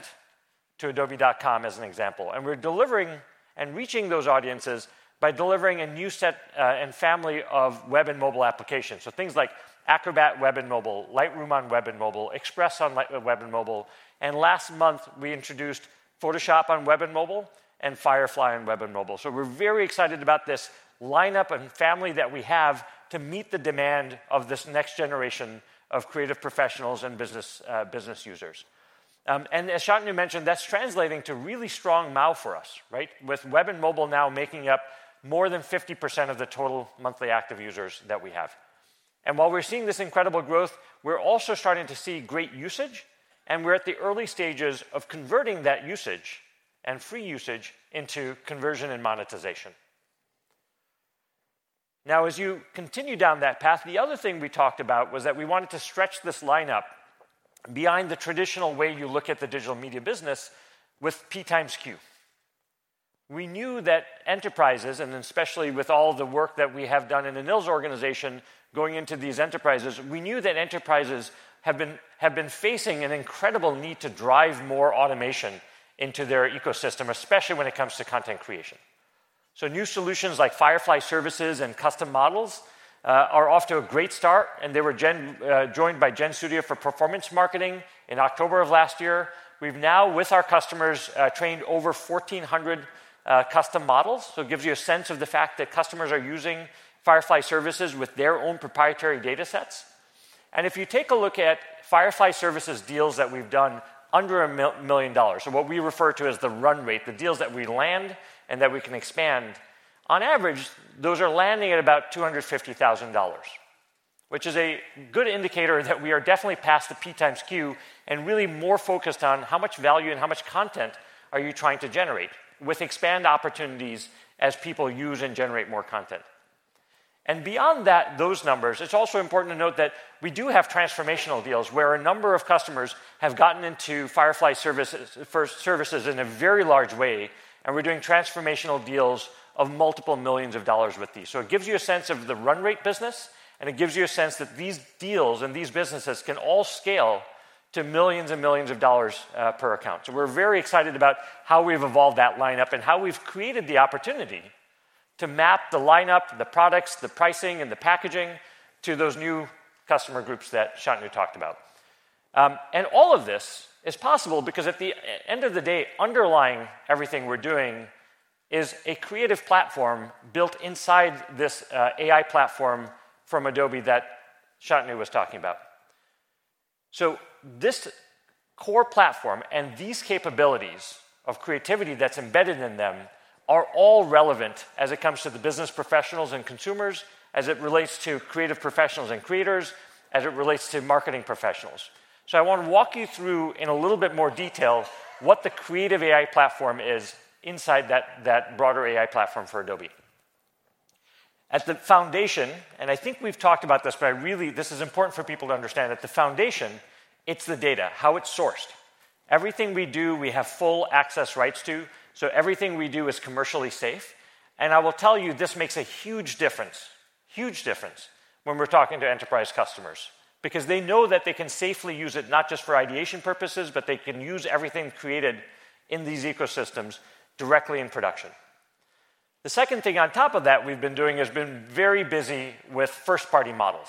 to Adobe.com, as an example. We are delivering and reaching those audiences by delivering a new set and family of web and mobile applications. Things like Acrobat Web and Mobile, Lightroom on Web and Mobile, Express on Web and Mobile. Last month, we introduced Photoshop on Web and Mobile and Firefly on Web and Mobile. We are very excited about this lineup and family that we have to meet the demand of this next generation of creative professionals and business users. As Shantanu mentioned, that's translating to really strong MAU for us, with web and mobile now making up more than 50% of the total monthly active users that we have. While we're seeing this incredible growth, we're also starting to see great usage, and we're at the early stages of converting that usage and free usage into conversion and monetization. As you continue down that path, the other thing we talked about was that we wanted to stretch this lineup behind the traditional way you look at the digital media business with P times Q. We knew that enterprises, and especially with all the work that we have done in Anil's organization going into these enterprises, we knew that enterprises have been facing an incredible need to drive more automation into their ecosystem, especially when it comes to content creation. New solutions like Firefly Services and custom models are off to a great start. They were joined by GenStudio for performance marketing in October of last year. We've now, with our customers, trained over 1,400 custom models. It gives you a sense of the fact that customers are using Firefly Services with their own proprietary data sets. If you take a look at Firefly Services deals that we've done under $1 million, what we refer to as the run rate, the deals that we land and that we can expand, on average, those are landing at about $250,000, which is a good indicator that we are definitely past the P times Q and really more focused on how much value and how much content you are trying to generate with expand opportunities as people use and generate more content. Beyond those numbers, it's also important to note that we do have transformational deals where a number of customers have gotten into Firefly Services in a very large way, and we're doing transformational deals of multiple millions of dollars with these. It gives you a sense of the run rate business, and it gives you a sense that these deals and these businesses can all scale to millions and millions of dollars per account. We are very excited about how we've evolved that lineup and how we've created the opportunity to map the lineup, the products, the pricing, and the packaging to those new customer groups that Shantanu talked about. All of this is possible because at the end of the day, underlying everything we're doing is a creative platform built inside this AI platform from Adobe that Shantanu was talking about. This core platform and these capabilities of creativity that's embedded in them are all relevant as it comes to the business professionals and consumers, as it relates to creative professionals and creators, as it relates to marketing professionals. I want to walk you through in a little bit more detail what the creative AI platform is inside that broader AI platform for Adobe. At the foundation, and I think we've talked about this, but this is important for people to understand that the foundation, it's the data, how it's sourced. Everything we do, we have full access rights to. Everything we do is commercially safe. I will tell you, this makes a huge difference, huge difference when we're talking to enterprise customers because they know that they can safely use it not just for ideation purposes, but they can use everything created in these ecosystems directly in production. The second thing on top of that we've been doing has been very busy with first-party models.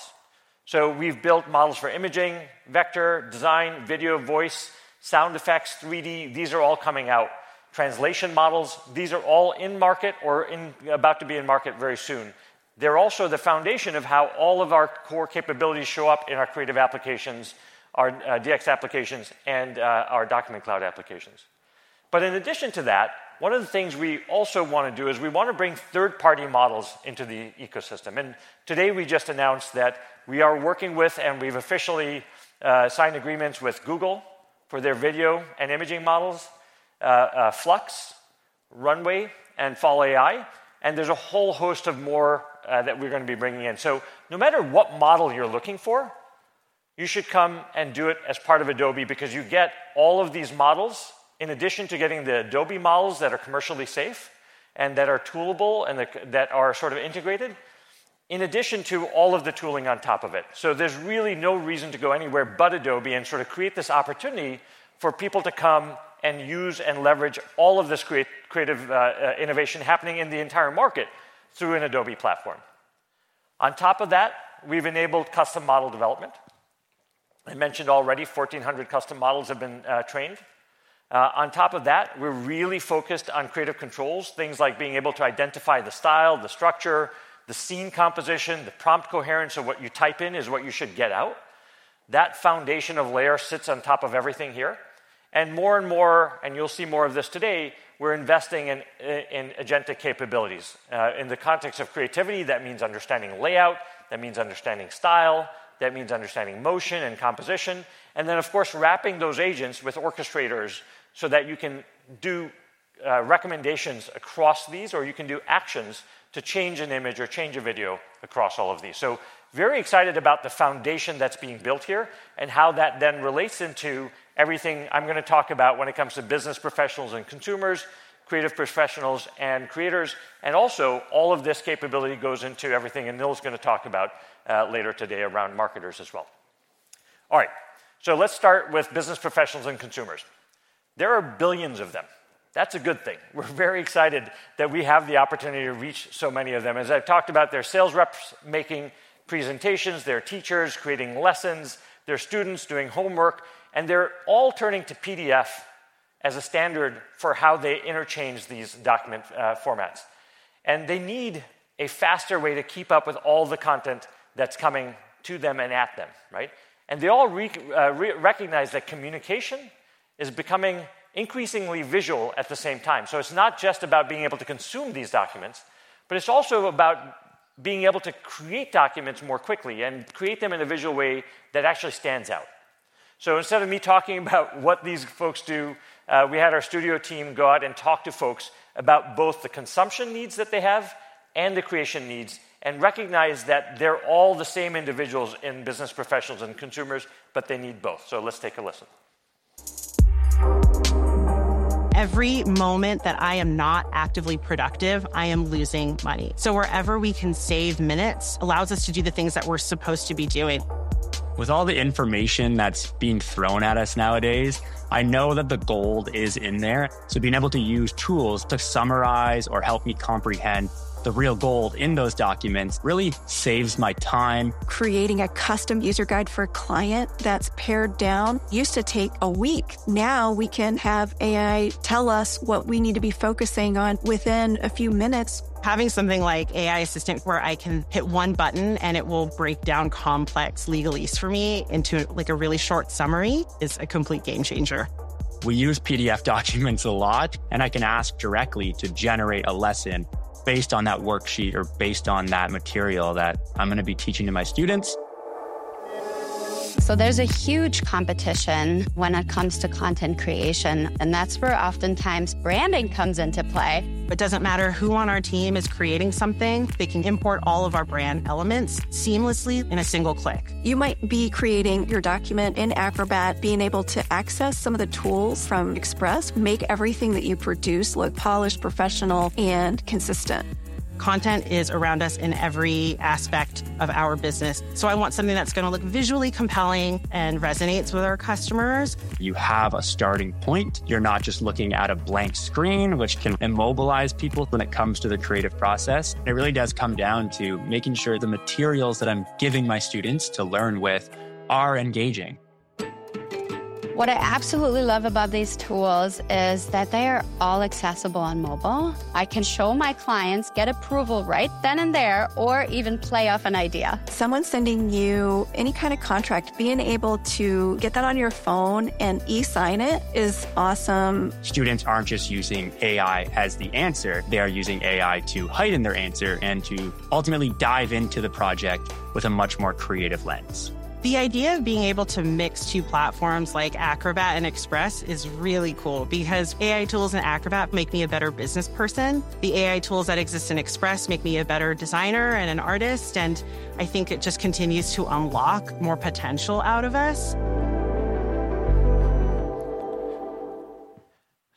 We've built models for imaging, vector, design, video, voice, sound effects, 3D. These are all coming out. Translation models, these are all in market or about to be in market very soon. They're also the foundation of how all of our core capabilities show up in our creative applications, our DX applications, and our Document Cloud applications. In addition to that, one of the things we also want to do is we want to bring third-party models into the ecosystem. Today, we just announced that we are working with, and we've officially signed agreements with Google for their video and imaging models, Flux, Runway, and Fall AI. There is a whole host of more that we're going to be bringing in. No matter what model you're looking for, you should come and do it as part of Adobe because you get all of these models in addition to getting the Adobe models that are commercially safe and that are toolable and that are sort of integrated in addition to all of the tooling on top of it. There is really no reason to go anywhere but Adobe and sort of create this opportunity for people to come and use and leverage all of this creative innovation happening in the entire market through an Adobe platform. On top of that, we've enabled custom model development. I mentioned already 1,400 custom models have been trained. On top of that, we're really focused on creative controls, things like being able to identify the style, the structure, the scene composition, the prompt coherence of what you type in is what you should get out. That foundation of layer sits on top of everything here. More and more, and you'll see more of this today, we're investing in agentic capabilities. In the context of creativity, that means understanding layout, that means understanding style, that means understanding motion and composition, and then, of course, wrapping those agents with orchestrators so that you can do recommendations across these, or you can do actions to change an image or change a video across all of these. am very excited about the foundation that is being built here and how that then relates into everything I am going to talk about when it comes to business professionals and consumers, creative professionals and creators. Also, all of this capability goes into everything Anil is going to talk about later today around marketers as well. All right. Let's start with business professionals and consumers. There are billions of them. That is a good thing. We are very excited that we have the opportunity to reach so many of them. As I have talked about, there are sales reps making presentations, there are teachers creating lessons, there are students doing homework, and they are all turning to PDF as a standard for how they interchange these document formats. They need a faster way to keep up with all the content that is coming to them and at them. They all recognize that communication is becoming increasingly visual at the same time. It is not just about being able to consume these documents, but it is also about being able to create documents more quickly and create them in a visual way that actually stands out. Instead of me talking about what these folks do, we had our studio team go out and talk to folks about both the consumption needs that they have and the creation needs and recognize that they are all the same individuals in business professionals and consumers, but they need both. Let's take a listen.
Every moment that I am not actively productive, I am losing money. Wherever we can save minutes allows us to do the things that we are supposed to be doing. With all the information that is being thrown at us nowadays, I know that the gold is in there. Being able to use tools to summarize or help me comprehend the real gold in those documents really saves my time. Creating a custom user guide for a client that's pared down used to take a week. Now we can have AI tell us what we need to be focusing on within a few minutes. Having something like AI Assistant where I can hit one button and it will break down complex legalese for me into a really short summary is a complete game changer. We use PDF documents a lot, and I can ask directly to generate a lesson based on that worksheet or based on that material that I'm going to be teaching to my students. There is a huge competition when it comes to content creation, and that's where oftentimes branding comes into play. It doesn't matter who on our team is creating something. They can import all of our brand elements seamlessly in a single click. You might be creating your document in Acrobat, being able to access some of the tools from Express, make everything that you produce look polished, professional, and consistent. Content is around us in every aspect of our business. I want something that's going to look visually compelling and resonates with our customers. You have a starting point. You're not just looking at a blank screen, which can immobilize people when it comes to the creative process. It really does come down to making sure the materials that I'm giving my students to learn with are engaging. What I absolutely love about these tools is that they are all accessible on mobile. I can show my clients, get approval right then and there, or even play off an idea. Someone sending you any kind of contract, being able to get that on your phone and e-sign it is awesome. Students are not just using AI as the answer. They are using AI to heighten their answer and to ultimately dive into the project with a much more creative lens. The idea of being able to mix two platforms like Acrobat and Express is really cool because AI tools in Acrobat make me a better business person. The AI tools that exist in Express make me a better designer and an artist. I think it just continues to unlock more potential out of us.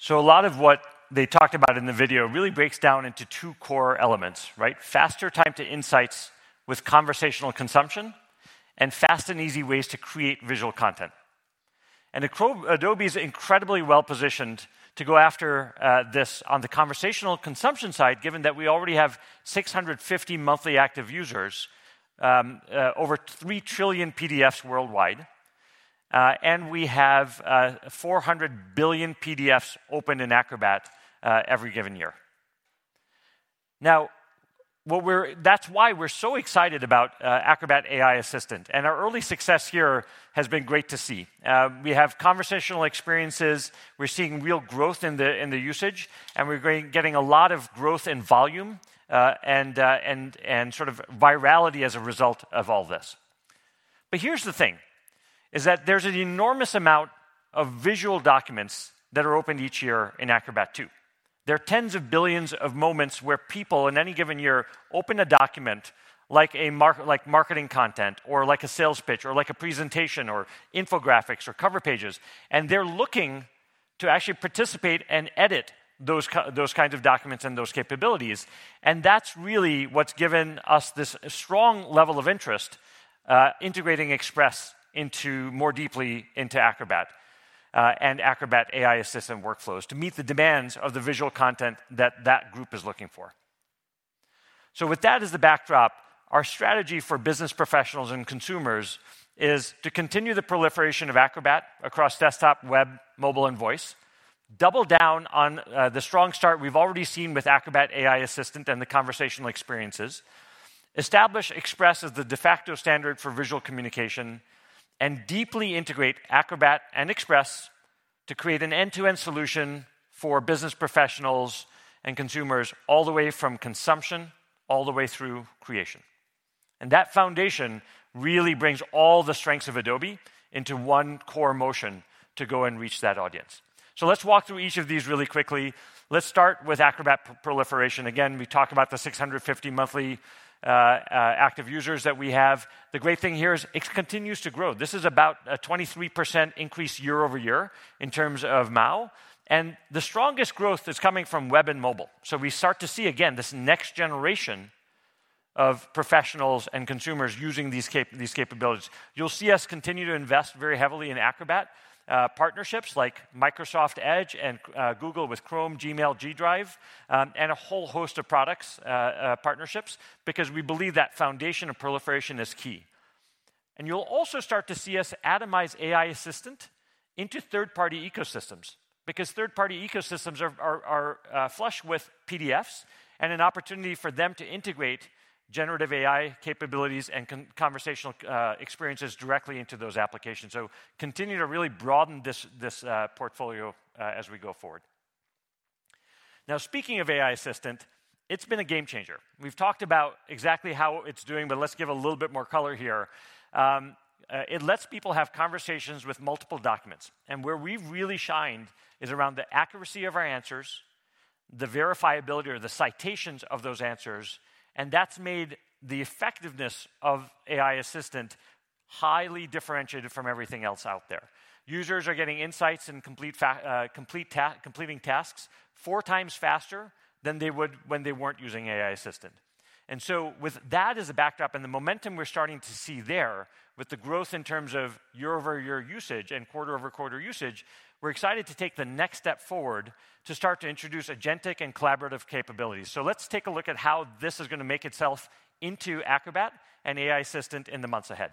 A lot of what they talked about in the video really breaks down into two core elements: faster time to insights with conversational consumption and fast and easy ways to create visual content. Adobe is incredibly well positioned to go after this on the conversational consumption side, given that we already have 650 million monthly active users, over 3 trillion PDFs worldwide, and we have 400 billion PDFs open in Acrobat every given year. That is why we are so excited about Acrobat AI Assistant. Our early success here has been great to see. We have conversational experiences. We are seeing real growth in the usage, and we are getting a lot of growth in volume and sort of virality as a result of all this. Here is the thing: there is an enormous amount of visual documents that are opened each year in Acrobat too. There are tens of billions of moments where people in any given year open a document like marketing content or like a sales pitch or like a presentation or infographics or cover pages, and they're looking to actually participate and edit those kinds of documents and those capabilities. That's really what's given us this strong level of interest, integrating Express more deeply into Acrobat and Acrobat AI Assistant workflows to meet the demands of the visual content that that group is looking for. With that as the backdrop, our strategy for business professionals and consumers is to continue the proliferation of Acrobat across desktop, web, mobile, and voice, double down on the strong start we've already seen with Acrobat AI Assistant and the conversational experiences, establish Express as the de facto standard for visual communication, and deeply integrate Acrobat and Express to create an end-to-end solution for business professionals and consumers all the way from consumption all the way through creation. That foundation really brings all the strengths of Adobe into one core motion to go and reach that audience. Let's walk through each of these really quickly. Let's start with Acrobat proliferation. Again, we talk about the 650 million monthly active users that we have. The great thing here is it continues to grow. This is about a 23% increase year over year in terms of MAU. The strongest growth is coming from web and mobile. We start to see, again, this next generation of professionals and consumers using these capabilities. You'll see us continue to invest very heavily in Acrobat partnerships like Microsoft Edge and Google with Chrome, Gmail, G Drive, and a whole host of product partnerships because we believe that foundation of proliferation is key. You'll also start to see us atomize AI Assistant into third-party ecosystems because third-party ecosystems are flush with PDFs and an opportunity for them to integrate generative AI capabilities and conversational experiences directly into those applications. We continue to really broaden this portfolio as we go forward. Now, speaking of AI Assistant, it's been a game changer. We've talked about exactly how it's doing, but let's give a little bit more color here. It lets people have conversations with multiple documents. Where we've really shined is around the accuracy of our answers, the verifiability or the citations of those answers. That has made the effectiveness of AI Assistant highly differentiated from everything else out there. Users are getting insights and completing tasks four times faster than they would when they were not using AI Assistant. With that as a backdrop and the momentum we are starting to see there with the growth in terms of year over year usage and quarter over quarter usage, we are excited to take the next step forward to start to introduce agentic and collaborative capabilities. Let's take a look at how this is going to make itself into Acrobat and AI Assistant in the months ahead.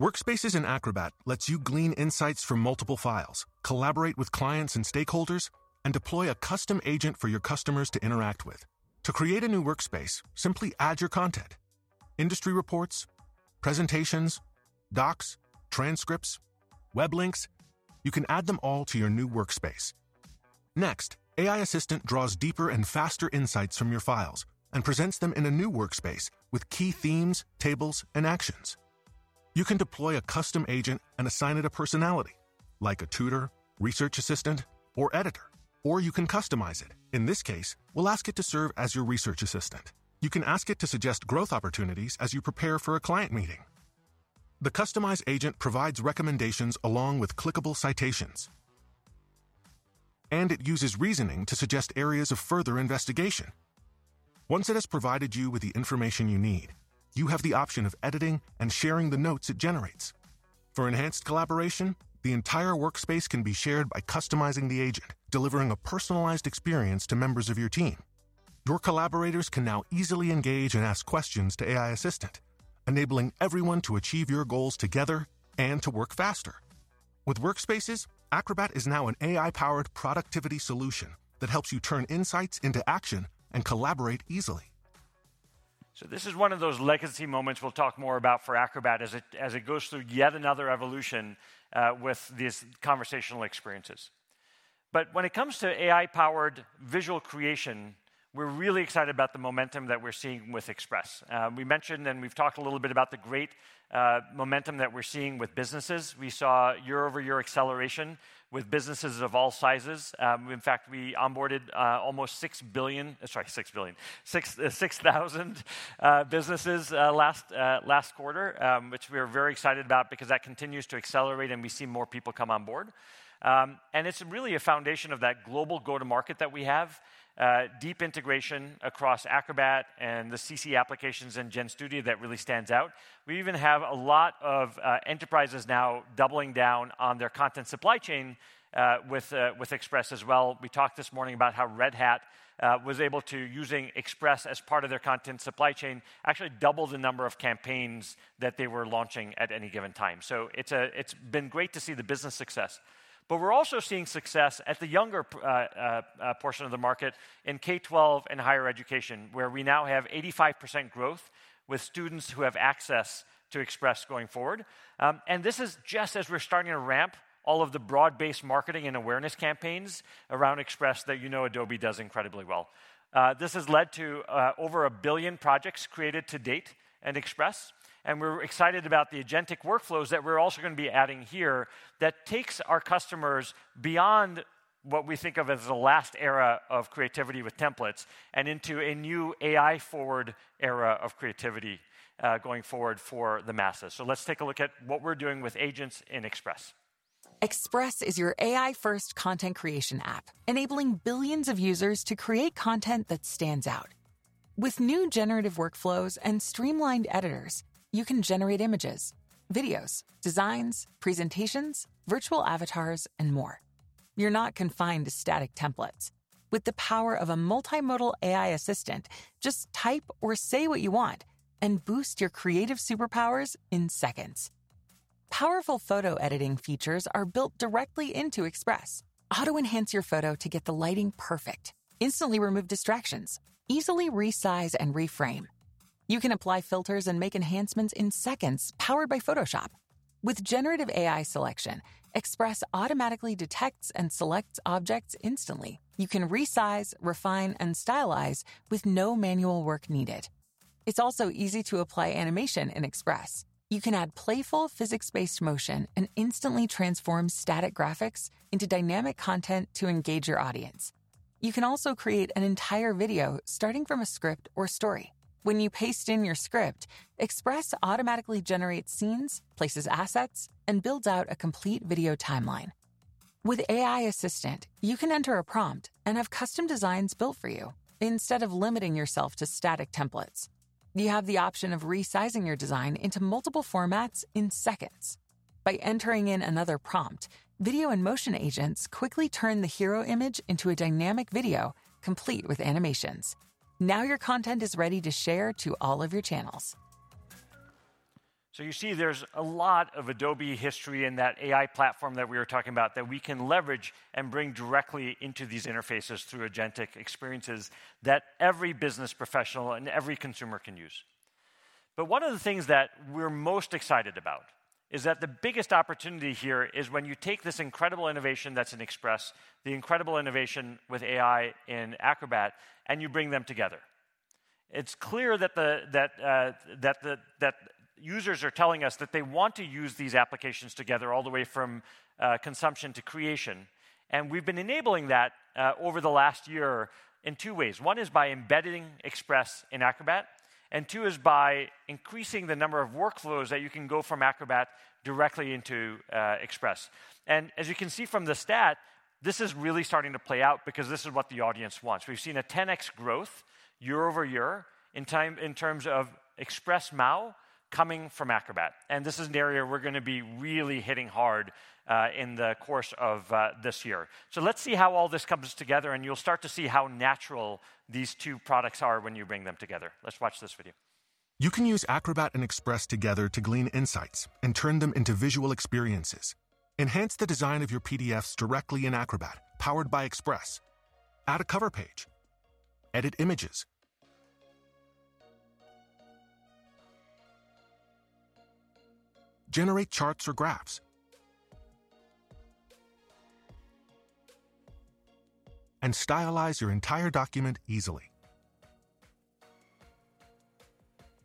Workspaces in Acrobat lets you glean insights from multiple files, collaborate with clients and stakeholders, and deploy a custom agent for your customers to interact with. To create a new workspace, simply add your content: industry reports, presentations, docs, transcripts, web links. You can add them all to your new workspace. Next, AI Assistant draws deeper and faster insights from your files and presents them in a new workspace with key themes, tables, and actions. You can deploy a custom agent and assign it a personality like a tutor, research assistant, or editor, or you can customize it. In this case, we'll ask it to serve as your research assistant. You can ask it to suggest growth opportunities as you prepare for a client meeting. The customized agent provides recommendations along with clickable citations, and it uses reasoning to suggest areas of further investigation. Once it has provided you with the information you need, you have the option of editing and sharing the notes it generates. For enhanced collaboration, the entire workspace can be shared by customizing the agent, delivering a personalized experience to members of your team. Your collaborators can now easily engage and ask questions to AI Assistant, enabling everyone to achieve your goals together and to work faster. With workspaces, Acrobat is now an AI-powered productivity solution that helps you turn insights into action and collaborate easily.
This is one of those legacy moments we'll talk more about for Acrobat as it goes through yet another evolution with these conversational experiences. When it comes to AI-powered visual creation, we're really excited about the momentum that we're seeing with Express. We mentioned and we've talked a little bit about the great momentum that we're seeing with businesses. We saw year-over-year acceleration with businesses of all sizes. In fact, we onboarded almost 6,000 businesses last quarter, which we are very excited about because that continues to accelerate and we see more people come on board. It is really a foundation of that global go-to-market that we have, deep integration across Acrobat and the CC applications and GenStudio that really stands out. We even have a lot of enterprises now doubling down on their content supply chain with Express as well. We talked this morning about how Red Hat was able to, using Express as part of their content supply chain, actually double the number of campaigns that they were launching at any given time. It has been great to see the business success. We're also seeing success at the younger portion of the market in K-12 and higher education, where we now have 85% growth with students who have access to Express going forward. This is just as we're starting to ramp all of the broad-based marketing and awareness campaigns around Express that you know Adobe does incredibly well. This has led to over a billion projects created to date in Express. We're excited about the agentic workflows that we're also going to be adding here that takes our customers beyond what we think of as the last era of creativity with templates and into a new AI-forward era of creativity going forward for the masses. Let's take a look at what we're doing with agents in Express.
Express is your AI-first content creation app, enabling billions of users to create content that stands out. With new generative workflows and streamlined editors, you can generate images, videos, designs, presentations, virtual avatars, and more. You're not confined to static templates. With the power of a multimodal AI Assistant, just type or say what you want and boost your creative superpowers in seconds. Powerful photo editing features are built directly into Express. Auto-enhance your photo to get the lighting perfect, instantly remove distractions, easily resize and reframe. You can apply filters and make enhancements in seconds powered by Photoshop. With generative AI selection, Express automatically detects and selects objects instantly. You can resize, refine, and stylize with no manual work needed. It's also easy to apply animation in Express. You can add playful physics-based motion and instantly transform static graphics into dynamic content to engage your audience. You can also create an entire video starting from a script or story. When you paste in your script, Express automatically generates scenes, places assets, and builds out a complete video timeline. With AI Assistant, you can enter a prompt and have custom designs built for you instead of limiting yourself to static templates. You have the option of resizing your design into multiple formats in seconds. By entering in another prompt, video and motion agents quickly turn the hero image into a dynamic video complete with animations. Your content is ready to share to all of your channels.
You see there is a lot of Adobe history in that AI platform that we were talking about that we can leverage and bring directly into these interfaces through agentic experiences that every business professional and every consumer can use. One of the things that we're most excited about is that the biggest opportunity here is when you take this incredible innovation that's in Express, the incredible innovation with AI in Acrobat, and you bring them together. It's clear that users are telling us that they want to use these applications together all the way from consumption to creation. We've been enabling that over the last year in two ways. One is by embedding Express in Acrobat, and two is by increasing the number of workflows that you can go from Acrobat directly into Express. As you can see from the stat, this is really starting to play out because this is what the audience wants. We've seen a 10x growth year over year in terms of Express MAU coming from Acrobat. This is an area we're going to be really hitting hard in the course of this year. Let's see how all this comes together, and you'll start to see how natural these two products are when you bring them together. Let's watch this video.
You can use Acrobat and Express together to glean insights and turn them into visual experiences. Enhance the design of your PDFs directly in Acrobat, powered by Express. Add a cover page, edit images, generate charts or graphs, and stylize your entire document easily.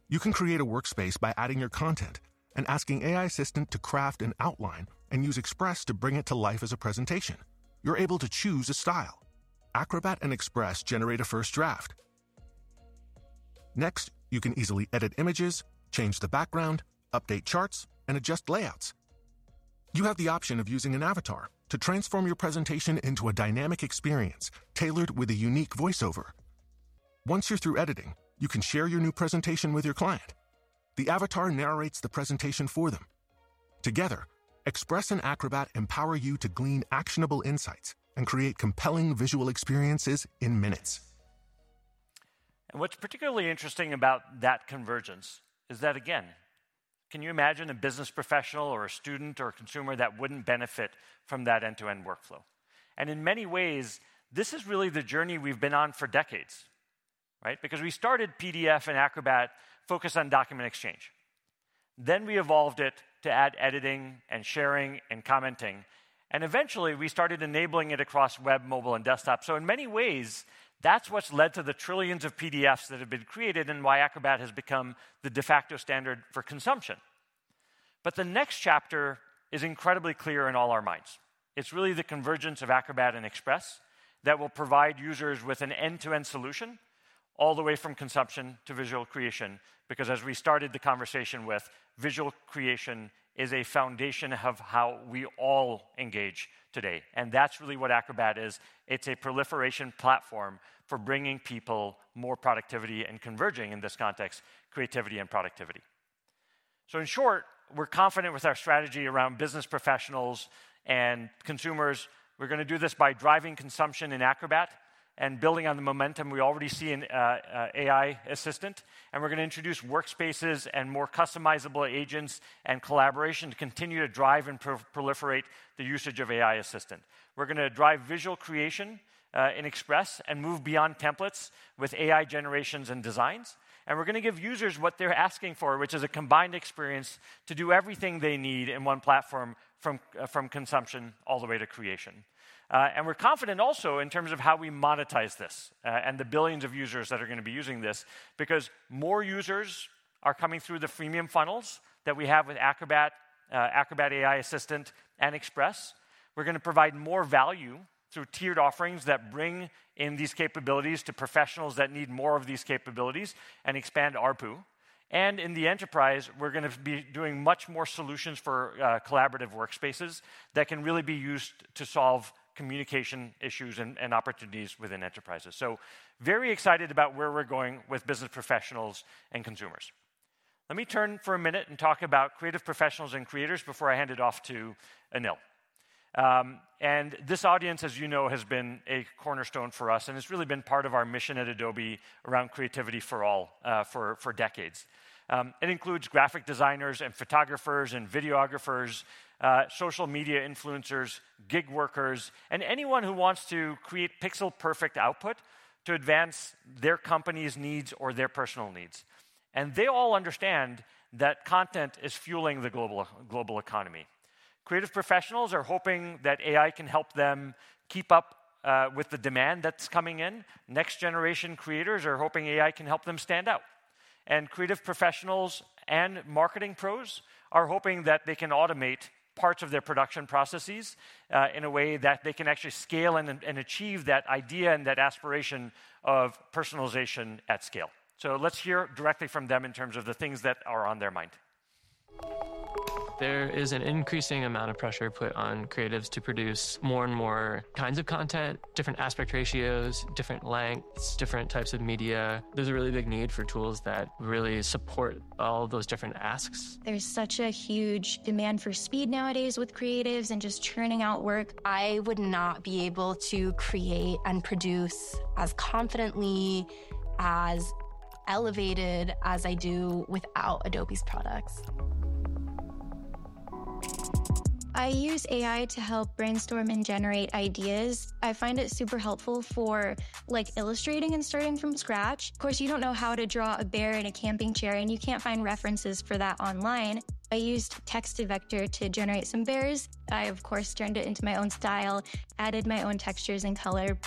You can create a workspace by adding your content and asking AI Assistant to craft an outline and use Express to bring it to life as a presentation. You're able to choose a style. Acrobat and Express generate a first draft. Next, you can easily edit images, change the background, update charts, and adjust layouts. You have the option of using an avatar to transform your presentation into a dynamic experience tailored with a unique voiceover. Once you're through editing, you can share your new presentation with your client. The avatar narrates the presentation for them. Together, Express and Acrobat empower you to glean actionable insights and create compelling visual experiences in minutes.
What is particularly interesting about that convergence is that, again, can you imagine a business professional or a student or a consumer that wouldn't benefit from that end-to-end workflow? In many ways, this is really the journey we've been on for decades, right? Because we started PDF and Acrobat focused on document exchange. Then we evolved it to add editing and sharing and commenting. Eventually, we started enabling it across web, mobile, and desktop. In many ways, that's what's led to the trillions of PDFs that have been created and why Acrobat has become the de facto standard for consumption. The next chapter is incredibly clear in all our minds. It's really the convergence of Acrobat and Express that will provide users with an end-to-end solution all the way from consumption to visual creation because, as we started the conversation with, visual creation is a foundation of how we all engage today. That's really what Acrobat is. It's a proliferation platform for bringing people more productivity and converging in this context, creativity and productivity. In short, we're confident with our strategy around business professionals and consumers. We're going to do this by driving consumption in Acrobat and building on the momentum we already see in AI Assistant. We're going to introduce workspaces and more customizable agents and collaboration to continue to drive and proliferate the usage of AI Assistant. We're going to drive visual creation in Express and move beyond templates with AI generations and designs. We're going to give users what they're asking for, which is a combined experience to do everything they need in one platform from consumption all the way to creation. We're confident also in terms of how we monetize this and the billions of users that are going to be using this because more users are coming through the freemium funnels that we have with Acrobat, Acrobat AI Assistant, and Express. We're going to provide more value through tiered offerings that bring in these capabilities to professionals that need more of these capabilities and expand ARPU. In the enterprise, we're going to be doing much more solutions for collaborative workspaces that can really be used to solve communication issues and opportunities within enterprises. Very excited about where we're going with business professionals and consumers. Let me turn for a minute and talk about creative professionals and creators before I hand it off to Anil. This audience, as you know, has been a cornerstone for us, and it's really been part of our mission at Adobe around creativity for all for decades. It includes graphic designers and photographers and videographers, social media influencers, gig workers, and anyone who wants to create pixel-perfect output to advance their company's needs or their personal needs. They all understand that content is fueling the global economy. Creative professionals are hoping that AI can help them keep up with the demand that's coming in. Next-generation creators are hoping AI can help them stand out. Creative professionals and marketing pros are hoping that they can automate parts of their production processes in a way that they can actually scale and achieve that idea and that aspiration of personalization at scale. Let's hear directly from them in terms of the things that are on their mind.
There is an increasing amount of pressure put on creatives to produce more and more kinds of content, different aspect ratios, different lengths, different types of media. There is a really big need for tools that really support all of those different asks. There is such a huge demand for speed nowadays with creatives and just churning out work. I would not be able to create and produce as confidently, as elevated as I do without Adobe's products. I use AI to help brainstorm and generate ideas. I find it super helpful for illustrating and starting from scratch. Of course, you do not know how to draw a bear in a camping chair, and you cannot find references for that online. I used Text to Vector to generate some bears. I, of course, turned it into my own style, added my own textures and color.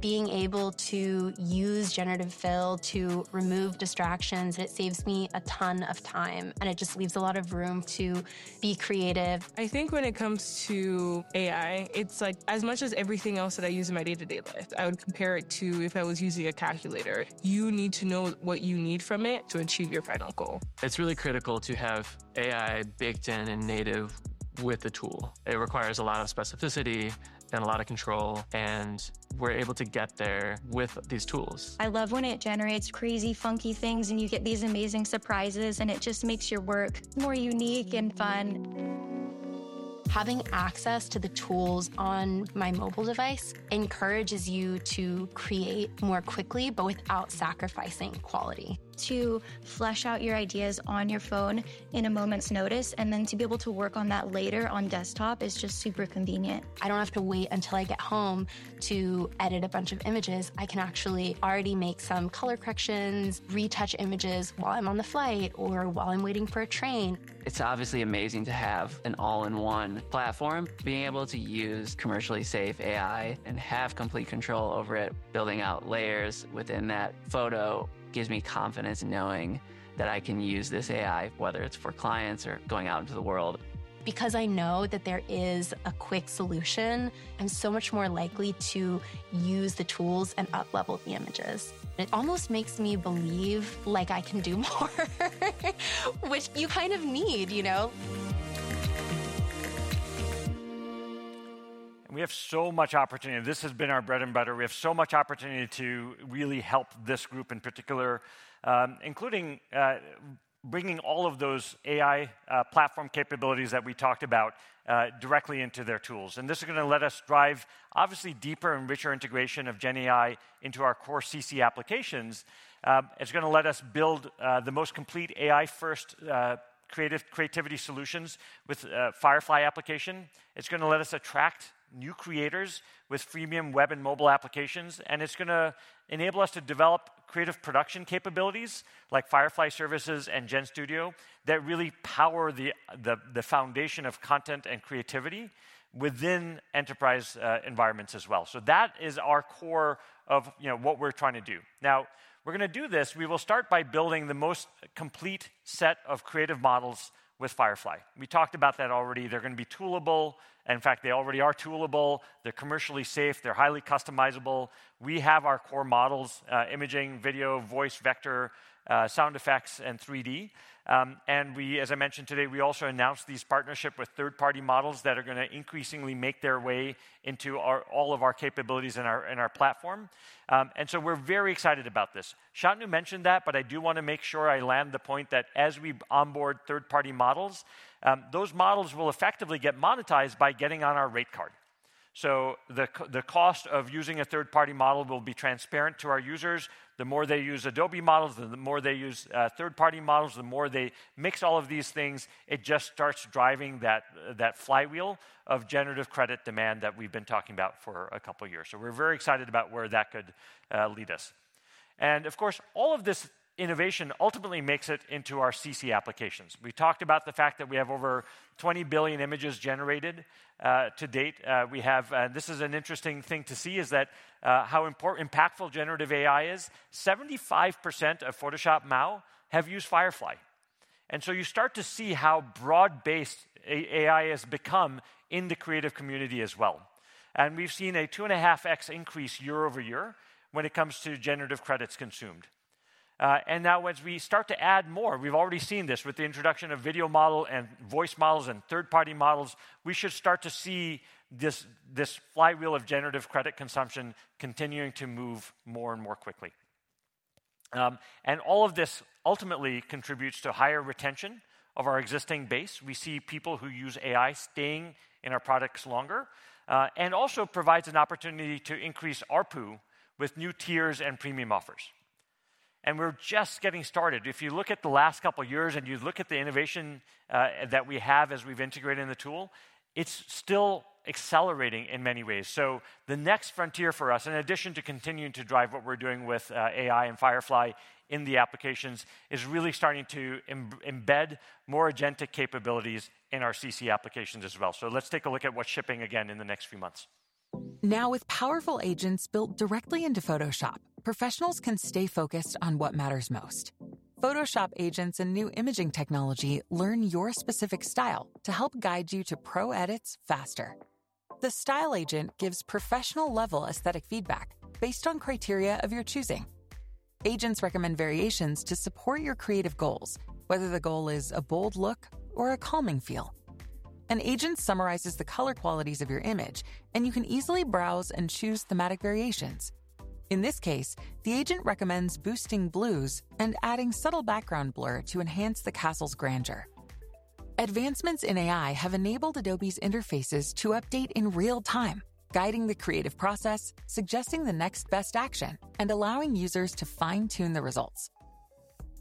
Being able to use generative fill to remove distractions, it saves me a ton of time, and it just leaves a lot of room to be creative. I think when it comes to AI, it is like as much as everything else that I use in my day-to-day life, I would compare it to if I was using a calculator. You need to know what you need from it to achieve your final goal. It is really critical to have AI baked in and native with the tool. It requires a lot of specificity and a lot of control, and we're able to get there with these tools. I love when it generates crazy, funky things, and you get these amazing surprises, and it just makes your work more unique and fun. Having access to the tools on my mobile device encourages you to create more quickly, but without sacrificing quality. To flesh out your ideas on your phone in a moment's notice and then to be able to work on that later on desktop is just super convenient. I don't have to wait until I get home to edit a bunch of images. I can actually already make some color corrections, retouch images while I'm on the flight or while I'm waiting for a train. It's obviously amazing to have an all-in-one platform. Being able to use commercially safe AI and have complete control over it, building out layers within that photo gives me confidence in knowing that I can use this AI, whether it's for clients or going out into the world. Because I know that there is a quick solution, I'm so much more likely to use the tools and up-level the images. It almost makes me believe like I can do more, which you kind of need, you know?
We have so much opportunity. This has been our bread and butter. We have so much opportunity to really help this group in particular, including bringing all of those AI platform capabilities that we talked about directly into their tools. This is going to let us drive obviously deeper and richer integration of GenAI into our core CC applications. It's going to let us build the most complete AI-first creative creativity solutions with Firefly application. It's going to let us attract new creators with freemium web and mobile applications. It's going to enable us to develop creative production capabilities like Firefly Services and GenStudio that really power the foundation of content and creativity within enterprise environments as well. That is our core of what we're trying to do. Now, we're going to do this. We will start by building the most complete set of creative models with Firefly. We talked about that already. They're going to be toolable. In fact, they already are toolable. They're commercially safe. They're highly customizable. We have our core models: imaging, video, voice, vector, sound effects, and 3D. As I mentioned today, we also announced these partnerships with third-party models that are going to increasingly make their way into all of our capabilities in our platform. We are very excited about this. Shantanu mentioned that, but I do want to make sure I land the point that as we onboard third-party models, those models will effectively get monetized by getting on our rate card. The cost of using a third-party model will be transparent to our users. The more they use Adobe models, the more they use third-party models, the more they mix all of these things. It just starts driving that flywheel of generative credit demand that we have been talking about for a couple of years. We are very excited about where that could lead us. Of course, all of this innovation ultimately makes it into our CC applications. We talked about the fact that we have over 20 billion images generated to date. We have, and this is an interesting thing to see, is how impactful generative AI is. 75% of Photoshop MAU have used Firefly. You start to see how broad-based AI has become in the creative community as well. We've seen a 2.5x increase year over year when it comes to generative credits consumed. Now, as we start to add more, we've already seen this with the introduction of video models and voice models and third-party models. We should start to see this flywheel of generative credit consumption continuing to move more and more quickly. All of this ultimately contributes to higher retention of our existing base. We see people who use AI staying in our products longer and also provides an opportunity to increase ARPU with new tiers and premium offers. We're just getting started. If you look at the last couple of years and you look at the innovation that we have as we've integrated in the tool, it's still accelerating in many ways. The next frontier for us, in addition to continuing to drive what we're doing with AI and Firefly in the applications, is really starting to embed more agentic capabilities in our CC applications as well. Let's take a look at what's shipping again in the next few months.
Now, with powerful agents built directly into Photoshop, professionals can stay focused on what matters most. Photoshop agents and new imaging technology learn your specific style to help guide you to pro edits faster. The style agent gives professional-level aesthetic feedback based on criteria of your choosing. Agents recommend variations to support your creative goals, whether the goal is a bold look or a calming feel. An agent summarizes the color qualities of your image, and you can easily browse and choose thematic variations. In this case, the agent recommends boosting blues and adding subtle background blur to enhance the castle's grandeur. Advancements in AI have enabled Adobe's interfaces to update in real time, guiding the creative process, suggesting the next best action, and allowing users to fine-tune the results.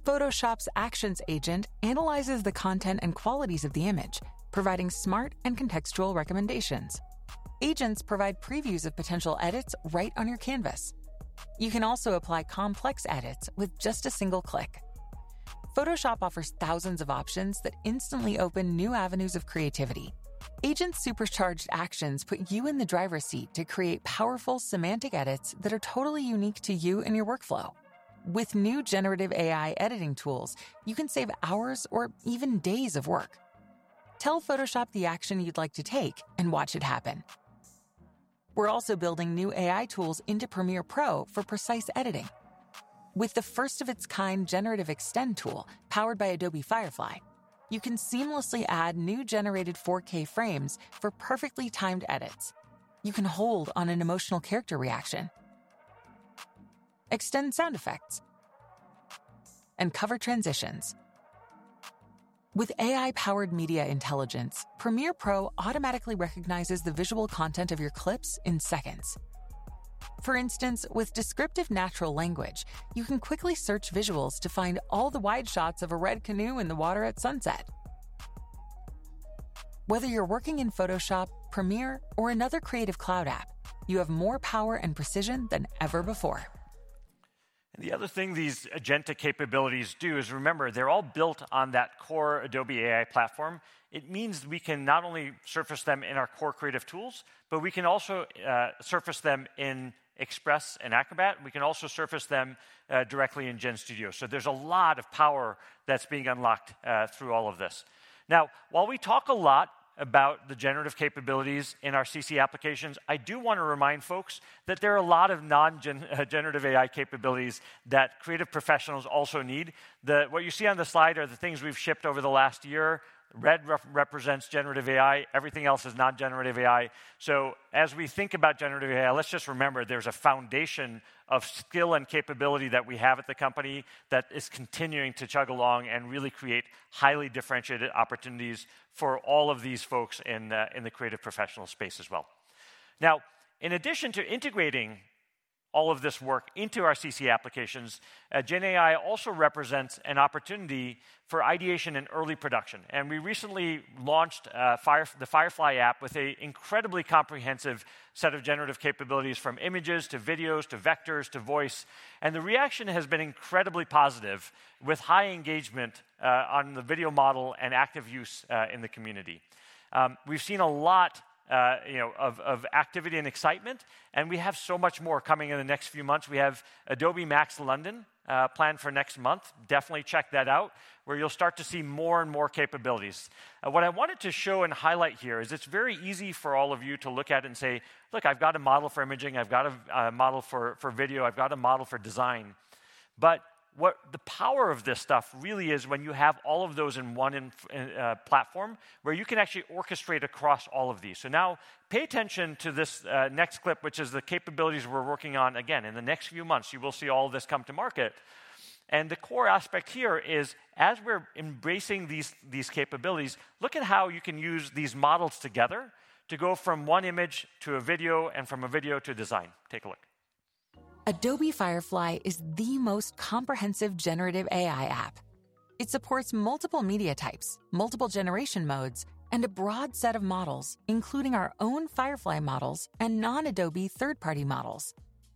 Photoshop's actions agent analyzes the content and qualities of the image, providing smart and contextual recommendations. Agents provide previews of potential edits right on your canvas. You can also apply complex edits with just a single click. Photoshop offers thousands of options that instantly open new avenues of creativity. Agents' supercharged actions put you in the driver's seat to create powerful semantic edits that are totally unique to you and your workflow. With new generative AI editing tools, you can save hours or even days of work. Tell Photoshop the action you'd like to take and watch it happen. We're also building new AI tools into Premiere Pro for precise editing. With the first-of-its-kind generative extend tool powered by Adobe Firefly, you can seamlessly add new generated 4K frames for perfectly timed edits. You can hold on an emotional character reaction, extend sound effects, and cover transitions. With AI-powered media intelligence, Premiere Pro automatically recognizes the visual content of your clips in seconds. For instance, with descriptive natural language, you can quickly search visuals to find all the wide shots of a red canoe in the water at sunset. Whether you're working in Photoshop, Premiere, or another Creative Cloud app, you have more power and precision than ever before.
The other thing these agentic capabilities do is remember they're all built on that core Adobe AI platform. It means we can not only surface them in our core creative tools, but we can also surface them in Express and Acrobat. We can also surface them directly in GenStudio. There is a lot of power that's being unlocked through all of this. Now, while we talk a lot about the generative capabilities in our CC applications, I do want to remind folks that there are a lot of non-generative AI capabilities that creative professionals also need. What you see on the slide are the things we've shipped over the last year. Red represents generative AI. Everything else is not generative AI. As we think about generative AI, let's just remember there's a foundation of skill and capability that we have at the company that is continuing to chug along and really create highly differentiated opportunities for all of these folks in the creative professional space as well. In addition to integrating all of this work into our CC applications, GenAI also represents an opportunity for ideation and early production. We recently launched the Firefly app with an incredibly comprehensive set of generative capabilities from images to videos to vectors to voice. The reaction has been incredibly positive with high engagement on the video model and active use in the community. We've seen a lot of activity and excitement, and we have so much more coming in the next few months. We have Adobe Max London planned for next month. Definitely check that out, where you'll start to see more and more capabilities. What I wanted to show and highlight here is it's very easy for all of you to look at and say, "Look, I've got a model for imaging. I've got a model for video. I've got a model for design." The power of this stuff really is when you have all of those in one platform where you can actually orchestrate across all of these. Now pay attention to this next clip, which is the capabilities we're working on. Again, in the next few months, you will see all of this come to market. The core aspect here is, as we're embracing these capabilities, look at how you can use these models together to go from one image to a video and from a video to design. Take a look.
Adobe Firefly is the most comprehensive generative AI app. It supports multiple media types, multiple generation modes, and a broad set of models, including our own Firefly models and non-Adobe third-party models.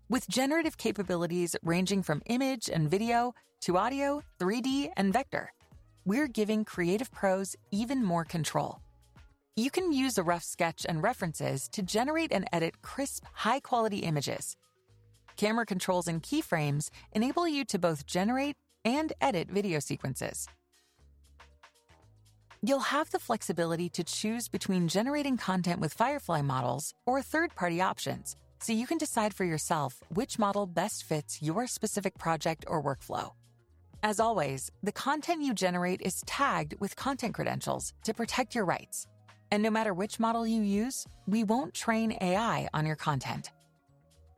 With generative capabilities ranging from image and video to audio, 3D, and vector, we're giving creative pros even more control. You can use a rough sketch and references to generate and edit crisp, high-quality images. Camera controls and keyframes enable you to both generate and edit video sequences. You'll have the flexibility to choose between generating content with Firefly models or third-party options, so you can decide for yourself which model best fits your specific project or workflow. As always, the content you generate is tagged with content credentials to protect your rights. No matter which model you use, we won't train AI on your content.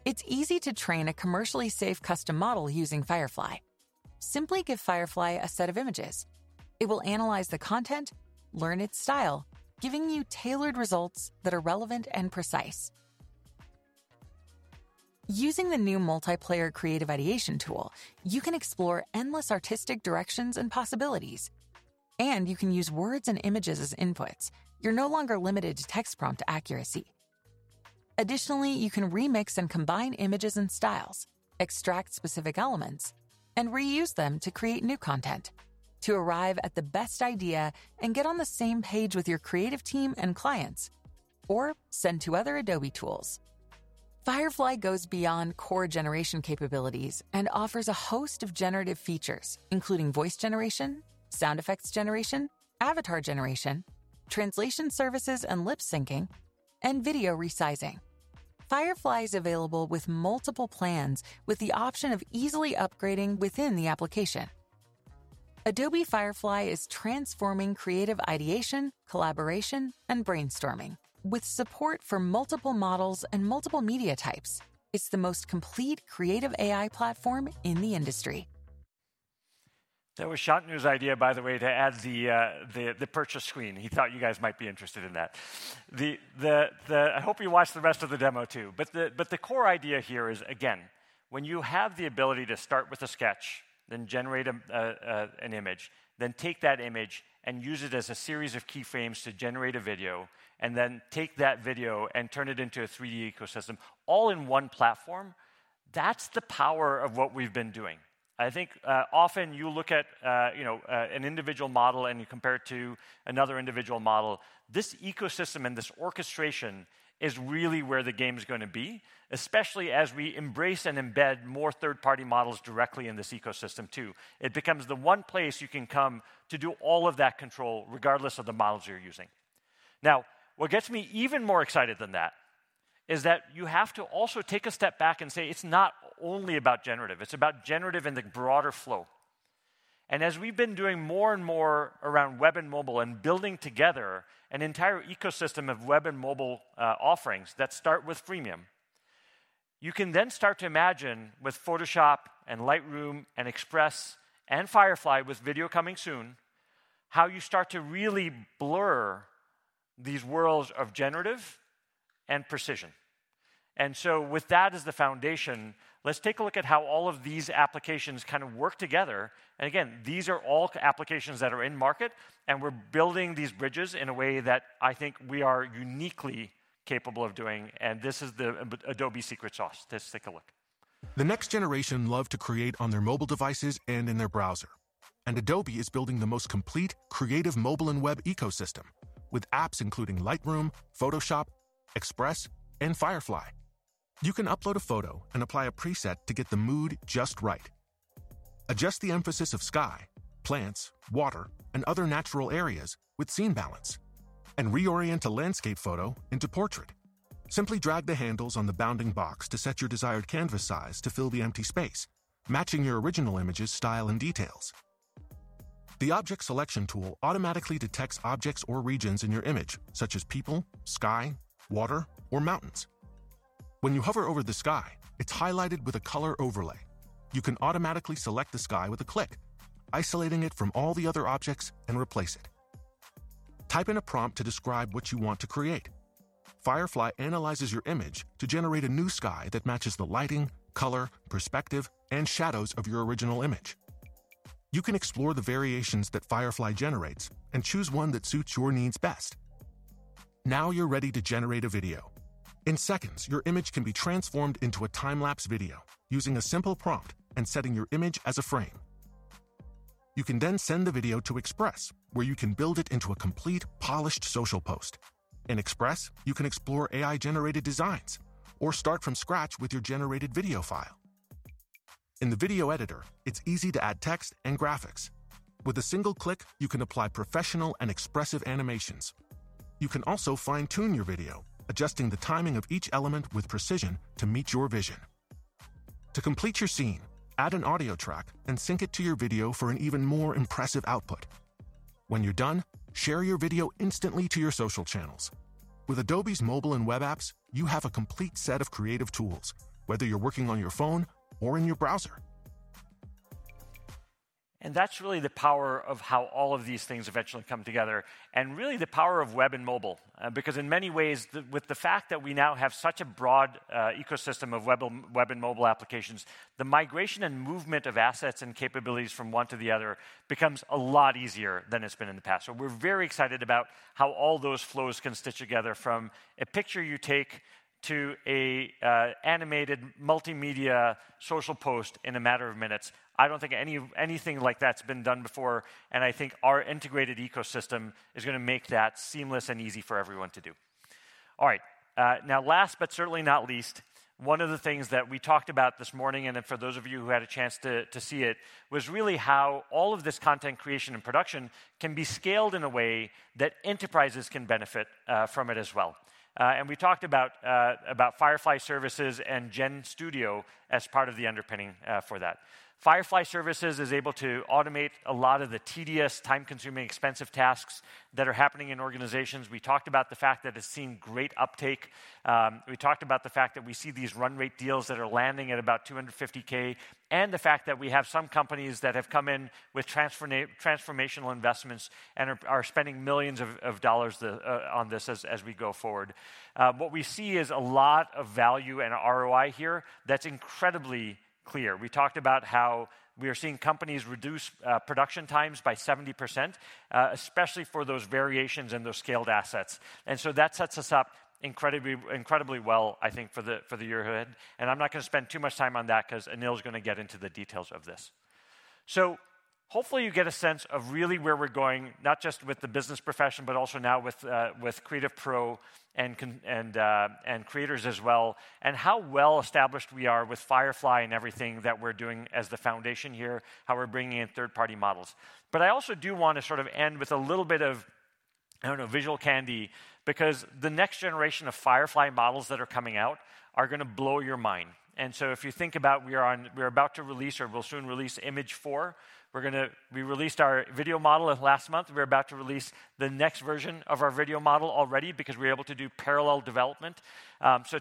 It's easy to train a commercially safe custom model using Firefly. Simply give Firefly a set of images. It will analyze the content, learn its style, giving you tailored results that are relevant and precise. Using the new multiplayer creative ideation tool, you can explore endless artistic directions and possibilities. You can use words and images as inputs. You are no longer limited to text prompt accuracy. Additionally, you can remix and combine images and styles, extract specific elements, and reuse them to create new content to arrive at the best idea and get on the same page with your creative team and clients, or send to other Adobe tools. Firefly goes beyond core generation capabilities and offers a host of generative features, including voice generation, sound effects generation, avatar generation, translation services and lip syncing, and video resizing. Firefly is available with multiple plans with the option of easily upgrading within the application. Adobe Firefly is transforming creative ideation, collaboration, and brainstorming. With support for multiple models and multiple media types, it's the most complete creative AI platform in the industry.
That was Shantanu's idea, by the way, to add the purchase screen. He thought you guys might be interested in that. I hope you watch the rest of the demo, too. The core idea here is, again, when you have the ability to start with a sketch, then generate an image, then take that image and use it as a series of keyframes to generate a video, and then take that video and turn it into a 3D ecosystem, all in one platform, that's the power of what we've been doing. I think often you look at an individual model and you compare it to another individual model. This ecosystem and this orchestration is really where the game is going to be, especially as we embrace and embed more third-party models directly in this ecosystem, too. It becomes the one place you can come to do all of that control, regardless of the models you're using. Now, what gets me even more excited than that is that you have to also take a step back and say it's not only about generative. It's about generative in the broader flow. As we've been doing more and more around web and mobile and building together an entire ecosystem of web and mobile offerings that start with freemium, you can then start to imagine with Photoshop and Lightroom and Express and Firefly with video coming soon, how you start to really blur these worlds of generative and precision. With that as the foundation, let's take a look at how all of these applications kind of work together. These are all applications that are in market, and we're building these bridges in a way that I think we are uniquely capable of doing. This is the Adobe secret sauce. Let's take a look.
The next generation love to create on their mobile devices and in their browser. Adobe is building the most complete creative mobile and web ecosystem with apps including Lightroom, Photoshop, Express, and Firefly. You can upload a photo and apply a preset to get the mood just right. Adjust the emphasis of sky, plants, water, and other natural areas with Scene Balance and reorient a landscape photo into portrait. Simply drag the handles on the bounding box to set your desired canvas size to fill the empty space, matching your original image's style and details. The object selection tool automatically detects objects or regions in your image, such as people, sky, water, or mountains. When you hover over the sky, it is highlighted with a color overlay. You can automatically select the sky with a click, isolating it from all the other objects and replace it. Type in a prompt to describe what you want to create. Firefly analyzes your image to generate a new sky that matches the lighting, color, perspective, and shadows of your original image. You can explore the variations that Firefly generates and choose one that suits your needs best. Now you are ready to generate a video. In seconds, your image can be transformed into a time-lapse video using a simple prompt and setting your image as a frame. You can then send the video to Express, where you can build it into a complete, polished social post. In Express, you can explore AI-generated designs or start from scratch with your generated video file. In the video editor, it's easy to add text and graphics. With a single click, you can apply professional and expressive animations. You can also fine-tune your video, adjusting the timing of each element with precision to meet your vision. To complete your scene, add an audio track and sync it to your video for an even more impressive output. When you're done, share your video instantly to your social channels. With Adobe's mobile and web apps, you have a complete set of creative tools, whether you're working on your phone or in your browser.
That is really the power of how all of these things eventually come together, and really the power of web and mobile. In many ways, with the fact that we now have such a broad ecosystem of web and mobile applications, the migration and movement of assets and capabilities from one to the other becomes a lot easier than it's been in the past. We are very excited about how all those flows can stitch together from a picture you take to an animated multimedia social post in a matter of minutes. I do not think anything like that has been done before. I think our integrated ecosystem is going to make that seamless and easy for everyone to do. All right. Now, last but certainly not least, one of the things that we talked about this morning, and for those of you who had a chance to see it, was really how all of this content creation and production can be scaled in a way that enterprises can benefit from it as well. We talked about Firefly Services and GenStudio as part of the underpinning for that. Firefly Services is able to automate a lot of the tedious, time-consuming, expensive tasks that are happening in organizations. We talked about the fact that it has seen great uptake. We talked about the fact that we see these run-rate deals that are landing at about $250,000, and the fact that we have some companies that have come in with transformational investments and are spending millions of dollars on this as we go forward. What we see is a lot of value and ROI here that's incredibly clear. We talked about how we are seeing companies reduce production times by 70%, especially for those variations and those scaled assets. That sets us up incredibly well, I think, for the year ahead. I'm not going to spend too much time on that because Anil is going to get into the details of this. Hopefully you get a sense of really where we're going, not just with the business profession, but also now with Creative Pro and creators as well, and how well established we are with Firefly and everything that we're doing as the foundation here, how we're bringing in third-party models. I also do want to sort of end with a little bit of, I don't know, visual candy, because the next generation of Firefly models that are coming out are going to blow your mind. If you think about we are about to release, or we'll soon release, Image 4, we released our video model last month. We're about to release the next version of our video model already because we're able to do parallel development.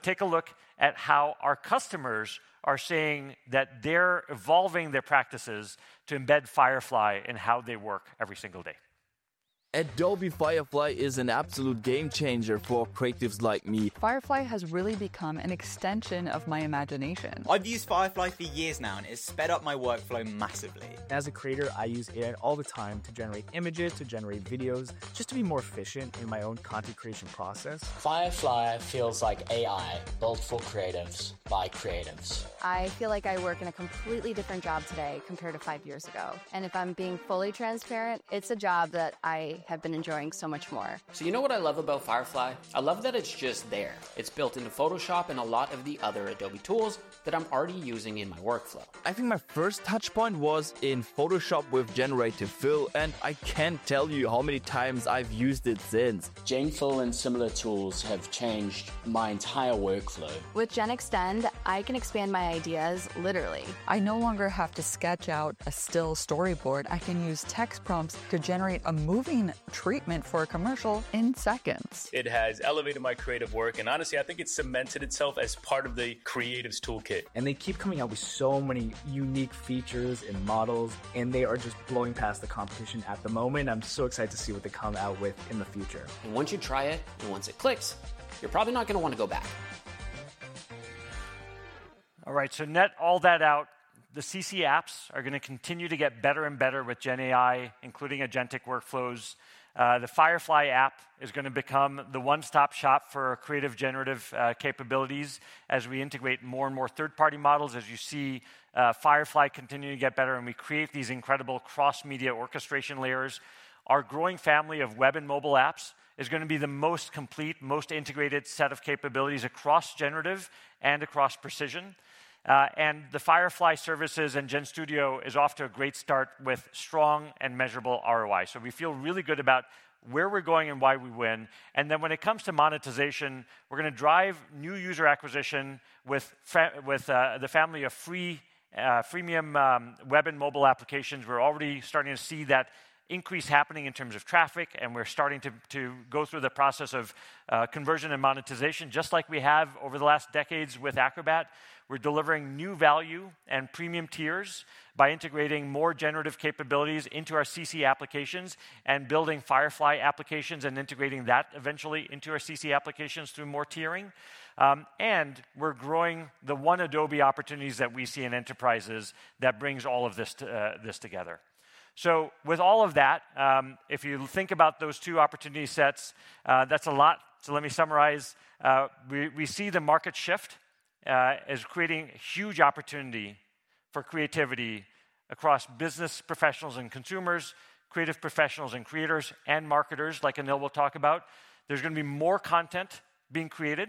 Take a look at how our customers are saying that they're evolving their practices to embed Firefly in how they work every single day.
Adobe Firefly is an absolute game changer for creatives like me. Firefly has really become an extension of my imagination. I've used Firefly for years now, and it has sped up my workflow massively. As a creator, I use AI all the time to generate images, to generate videos, just to be more efficient in my own content creation process. Firefly feels like AI built for creatives by creatives. I feel like I work in a completely different job today compared to five years ago. If I'm being fully transparent, it's a job that I have been enjoying so much more. You know what I love about Firefly? I love that it's just there. It's built into Photoshop and a lot of the other Adobe tools that I'm already using in my workflow. I think my first touchpoint was in Photoshop with Generative Fill, and I can't tell you how many times I've used it since. GenFill and similar tools have changed my entire workflow. With GenExtend, I can expand my ideas literally. I no longer have to sketch out a still storyboard. I can use text prompts to generate a moving treatment for a commercial in seconds. It has elevated my creative work, and honestly, I think it's cemented itself as part of the creatives' toolkit. They keep coming out with so many unique features and models, and they are just blowing past the competition at the moment. I'm so excited to see what they come out with in the future. Once you try it, and once it clicks, you're probably not going to want to go back.
All right, to net all that out, the CC apps are going to continue to get better and better with GenAI, including agentic workflows. The Firefly app is going to become the one-stop shop for creative generative capabilities as we integrate more and more third-party models. As you see Firefly continue to get better and we create these incredible cross-media orchestration layers, our growing family of web and mobile apps is going to be the most complete, most integrated set of capabilities across generative and across precision. The Firefly Services and GenStudio is off to a great start with strong and measurable ROI. We feel really good about where we're going and why we win. When it comes to monetization, we're going to drive new user acquisition with the family of freemium web and mobile applications. We're already starting to see that increase happening in terms of traffic, and we're starting to go through the process of conversion and monetization, just like we have over the last decades with Acrobat. We're delivering new value and premium tiers by integrating more generative capabilities into our CC applications and building Firefly applications and integrating that eventually into our CC applications through more tiering. We're growing the one Adobe opportunities that we see in enterprises that brings all of this together. With all of that, if you think about those two opportunity sets, that's a lot. Let me summarize. We see the market shift as creating a huge opportunity for creativity across business professionals and consumers, creative professionals and creators, and marketers like Anil will talk about. There's going to be more content being created,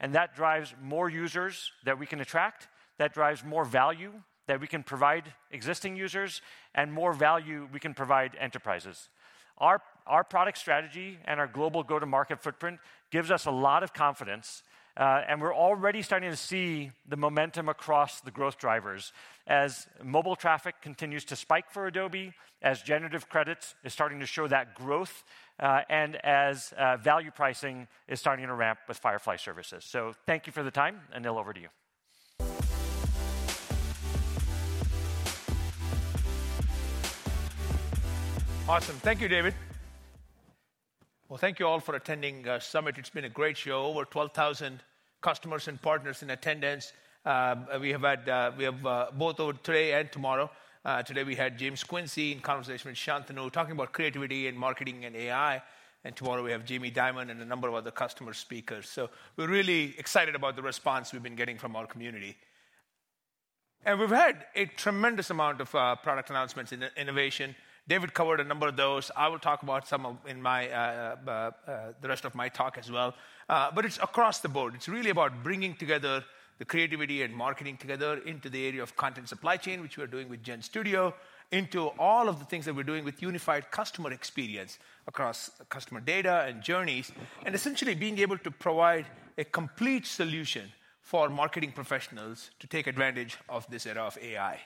and that drives more users that we can attract, that drives more value that we can provide existing users, and more value we can provide enterprises. Our product strategy and our global go-to-market footprint gives us a lot of confidence, and we're already starting to see the momentum across the growth drivers as mobile traffic continues to spike for Adobe, as generative credits are starting to show that growth, and as value pricing is starting to ramp with Firefly Services. Thank you for the time. Anil, over to you.
Awesome. Thank you, David. Thank you all for attending our summit. It's been a great show. Over 12,000 customers and partners in attendance. We have both over today and tomorrow. Today we had James Quincey in conversation with Shantanu talking about creativity and marketing and AI. Tomorrow we have Jamie Dimon and a number of other customer speakers. We are really excited about the response we've been getting from our community. We have had a tremendous amount of product announcements in innovation. David covered a number of those. I will talk about some in the rest of my talk as well. It is across the board. It is really about bringing together the creativity and marketing together into the area of content supply chain, which we are doing with GenStudio, into all of the things that we are doing with unified customer experience across customer data and journeys, and essentially being able to provide a complete solution for marketing professionals to take advantage of this era of AI.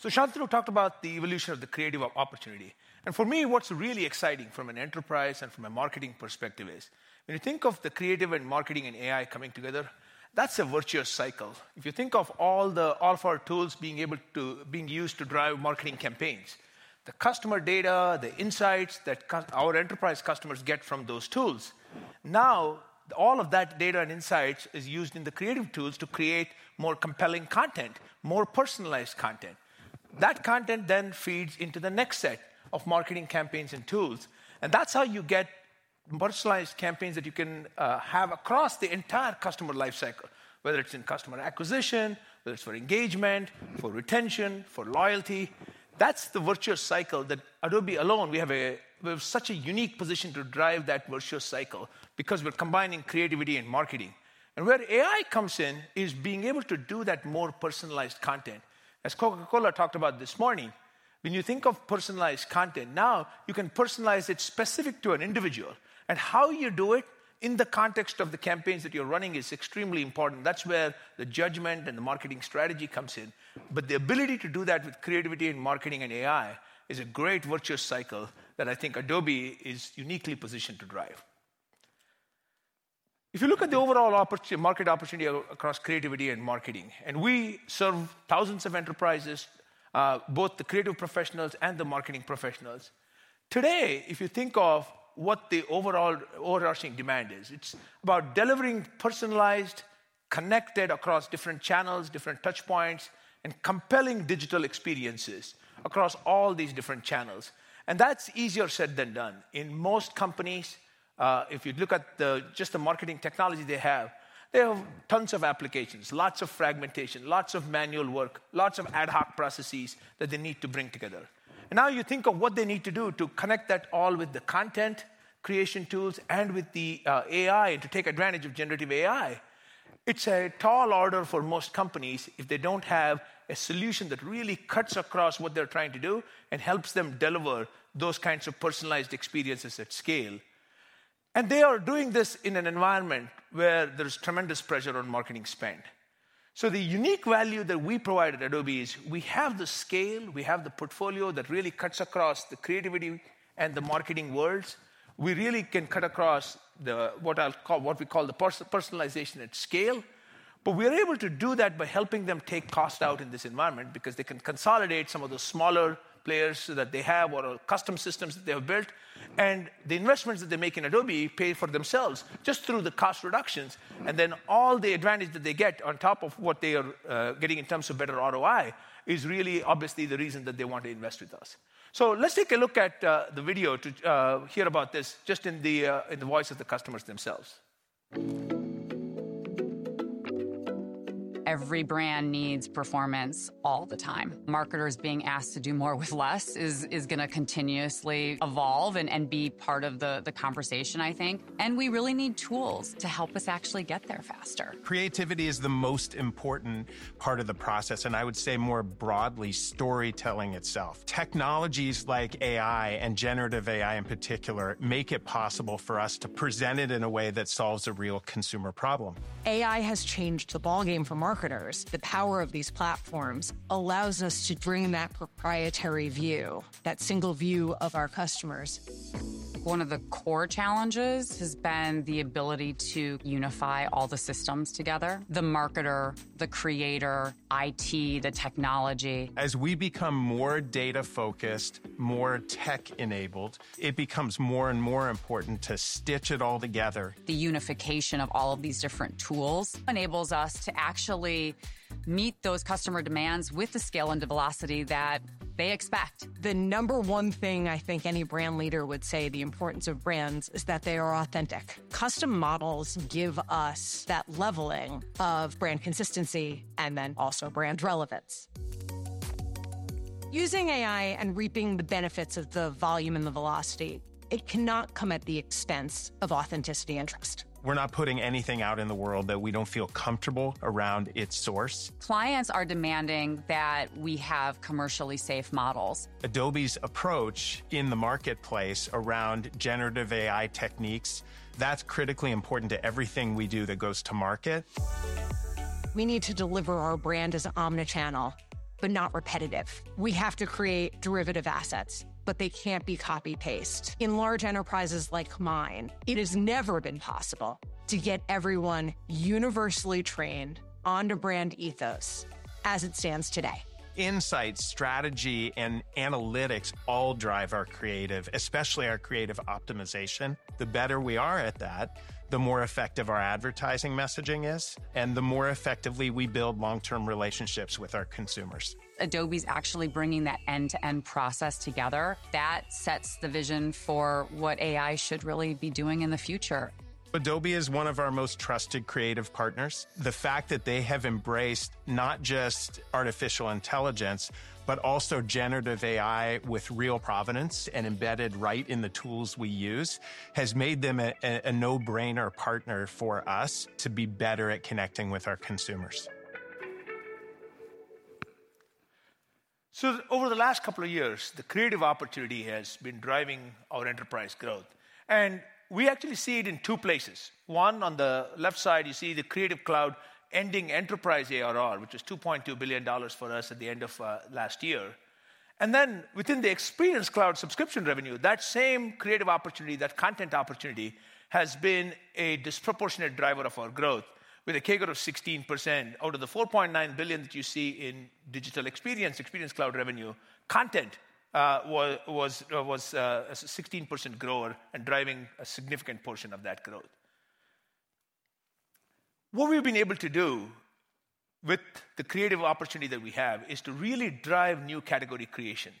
Shantanu talked about the evolution of the creative opportunity. For me, what is really exciting from an enterprise and from a marketing perspective is when you think of the creative and marketing and AI coming together, that is a virtuous cycle. If you think of all of our tools being used to drive marketing campaigns, the customer data, the insights that our enterprise customers get from those tools, now all of that data and insights are used in the creative tools to create more compelling content, more personalized content. That content then feeds into the next set of marketing campaigns and tools. That is how you get personalized campaigns that you can have across the entire customer life cycle, whether it's in customer acquisition, whether it's for engagement, for retention, for loyalty. That is the virtuous cycle that Adobe alone, we have such a unique position to drive that virtuous cycle because we're combining creativity and marketing. Where AI comes in is being able to do that more personalized content. As Coca-Cola talked about this morning, when you think of personalized content, now you can personalize it specific to an individual. How you do it in the context of the campaigns that you're running is extremely important. That's where the judgment and the marketing strategy comes in. The ability to do that with creativity and marketing and AI is a great virtuous cycle that I think Adobe is uniquely positioned to drive. If you look at the overall market opportunity across creativity and marketing, and we serve thousands of enterprises, both the creative professionals and the marketing professionals, today, if you think of what the overarching demand is, it's about delivering personalized, connected across different channels, different touchpoints, and compelling digital experiences across all these different channels. That's easier said than done. In most companies, if you look at just the marketing technology they have, they have tons of applications, lots of fragmentation, lots of manual work, lots of ad hoc processes that they need to bring together. Now you think of what they need to do to connect that all with the content creation tools and with the AI to take advantage of generative AI. It's a tall order for most companies if they don't have a solution that really cuts across what they're trying to do and helps them deliver those kinds of personalized experiences at scale. They are doing this in an environment where there's tremendous pressure on marketing spend. The unique value that we provide at Adobe is we have the scale, we have the portfolio that really cuts across the creativity and the marketing worlds. We really can cut across what we call the personalization at scale. We are able to do that by helping them take cost out in this environment because they can consolidate some of those smaller players that they have or custom systems that they have built. The investments that they make in Adobe pay for themselves just through the cost reductions. All the advantage that they get on top of what they are getting in terms of better ROI is really obviously the reason that they want to invest with us. Let's take a look at the video to hear about this just in the voice of the customers themselves.
Every brand needs performance all the time. Marketers being asked to do more with less is going to continuously evolve and be part of the conversation, I think. We really need tools to help us actually get there faster. Creativity is the most important part of the process, and I would say more broadly, storytelling itself. Technologies like AI and generative AI in particular make it possible for us to present it in a way that solves a real consumer problem. AI has changed the ballgame for marketers. The power of these platforms allows us to bring that proprietary view, that single view of our customers. One of the core challenges has been the ability to unify all the systems together: the marketer, the creator, IT, the technology. As we become more data-focused, more tech-enabled, it becomes more and more important to stitch it all together. The unification of all of these different tools enables us to actually meet those customer demands with the scale and the velocity that they expect. The number one thing I think any brand leader would say, the importance of brands, is that they are authentic. Custom models give us that leveling of brand consistency and then also brand relevance. Using AI and reaping the benefits of the volume and the velocity, it cannot come at the expense of authenticity and trust. We're not putting anything out in the world that we don't feel comfortable around its source. Clients are demanding that we have commercially safe models. Adobe's approach in the marketplace around generative AI techniques, that's critically important to everything we do that goes to market. We need to deliver our brand as omnichannel, but not repetitive. We have to create derivative assets, but they can't be copy-paste. In large enterprises like mine, it has never been possible to get everyone universally trained on the brand ethos as it stands today. Insights, strategy, and analytics all drive our creative, especially our creative optimization. The better we are at that, the more effective our advertising messaging is, and the more effectively we build long-term relationships with our consumers. Adobe's actually bringing that end-to-end process together. That sets the vision for what AI should really be doing in the future. Adobe is one of our most trusted creative partners. The fact that they have embraced not just artificial intelligence, but also generative AI with real provenance and embedded right in the tools we use has made them a no-brainer partner for us to be better at connecting with our consumers.
Over the last couple of years, the creative opportunity has been driving our enterprise growth. We actually see it in two places. One, on the left side, you see the Creative Cloud ending enterprise ARR, which was $2.2 billion for us at the end of last year. Within the Experience Cloud subscription revenue, that same creative opportunity, that content opportunity has been a disproportionate driver of our growth with a CAGR of 16%. Out of the $4.9 billion that you see in digital experience, Experience Cloud revenue, content was a 16% grower and driving a significant portion of that growth. What we've been able to do with the creative opportunity that we have is to really drive new category creation.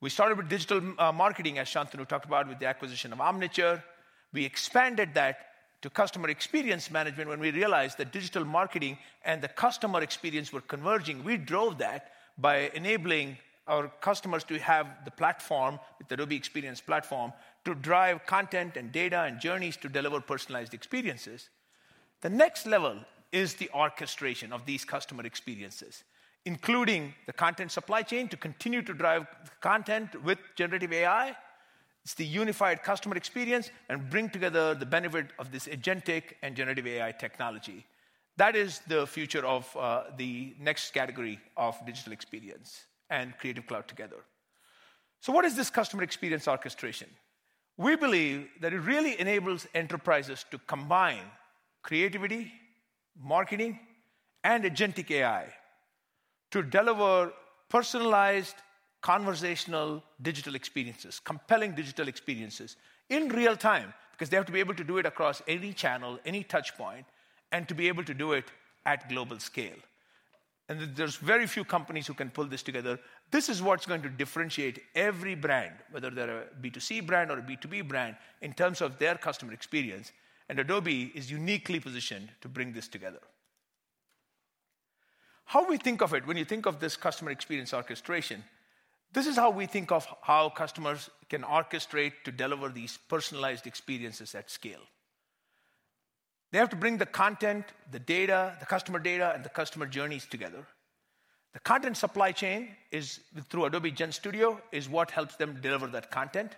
We started with digital marketing, as Shantanu talked about, with the acquisition of Omniture. We expanded that to customer experience management when we realized that digital marketing and the customer experience were converging. We drove that by enabling our customers to have the platform, the Adobe Experience Platform, to drive content and data and journeys to deliver personalized experiences. The next level is the orchestration of these customer experiences, including the content supply chain to continue to drive content with generative AI. It is the unified customer experience and bring together the benefit of this agentic and generative AI technology. That is the future of the next category of digital experience and Creative Cloud together. What is this customer experience orchestration? We believe that it really enables enterprises to combine creativity, marketing, and agentic AI to deliver personalized, conversational digital experiences, compelling digital experiences in real time because they have to be able to do it across any channel, any touchpoint, and to be able to do it at global scale. There are very few companies who can pull this together. This is what's going to differentiate every brand, whether they're a B2C brand or a B2B brand, in terms of their customer experience. Adobe is uniquely positioned to bring this together. How we think of it, when you think of this customer experience orchestration, this is how we think of how customers can orchestrate to deliver these personalized experiences at scale. They have to bring the content, the data, the customer data, and the customer journeys together. The content supply chain through Adobe GenStudio is what helps them deliver that content.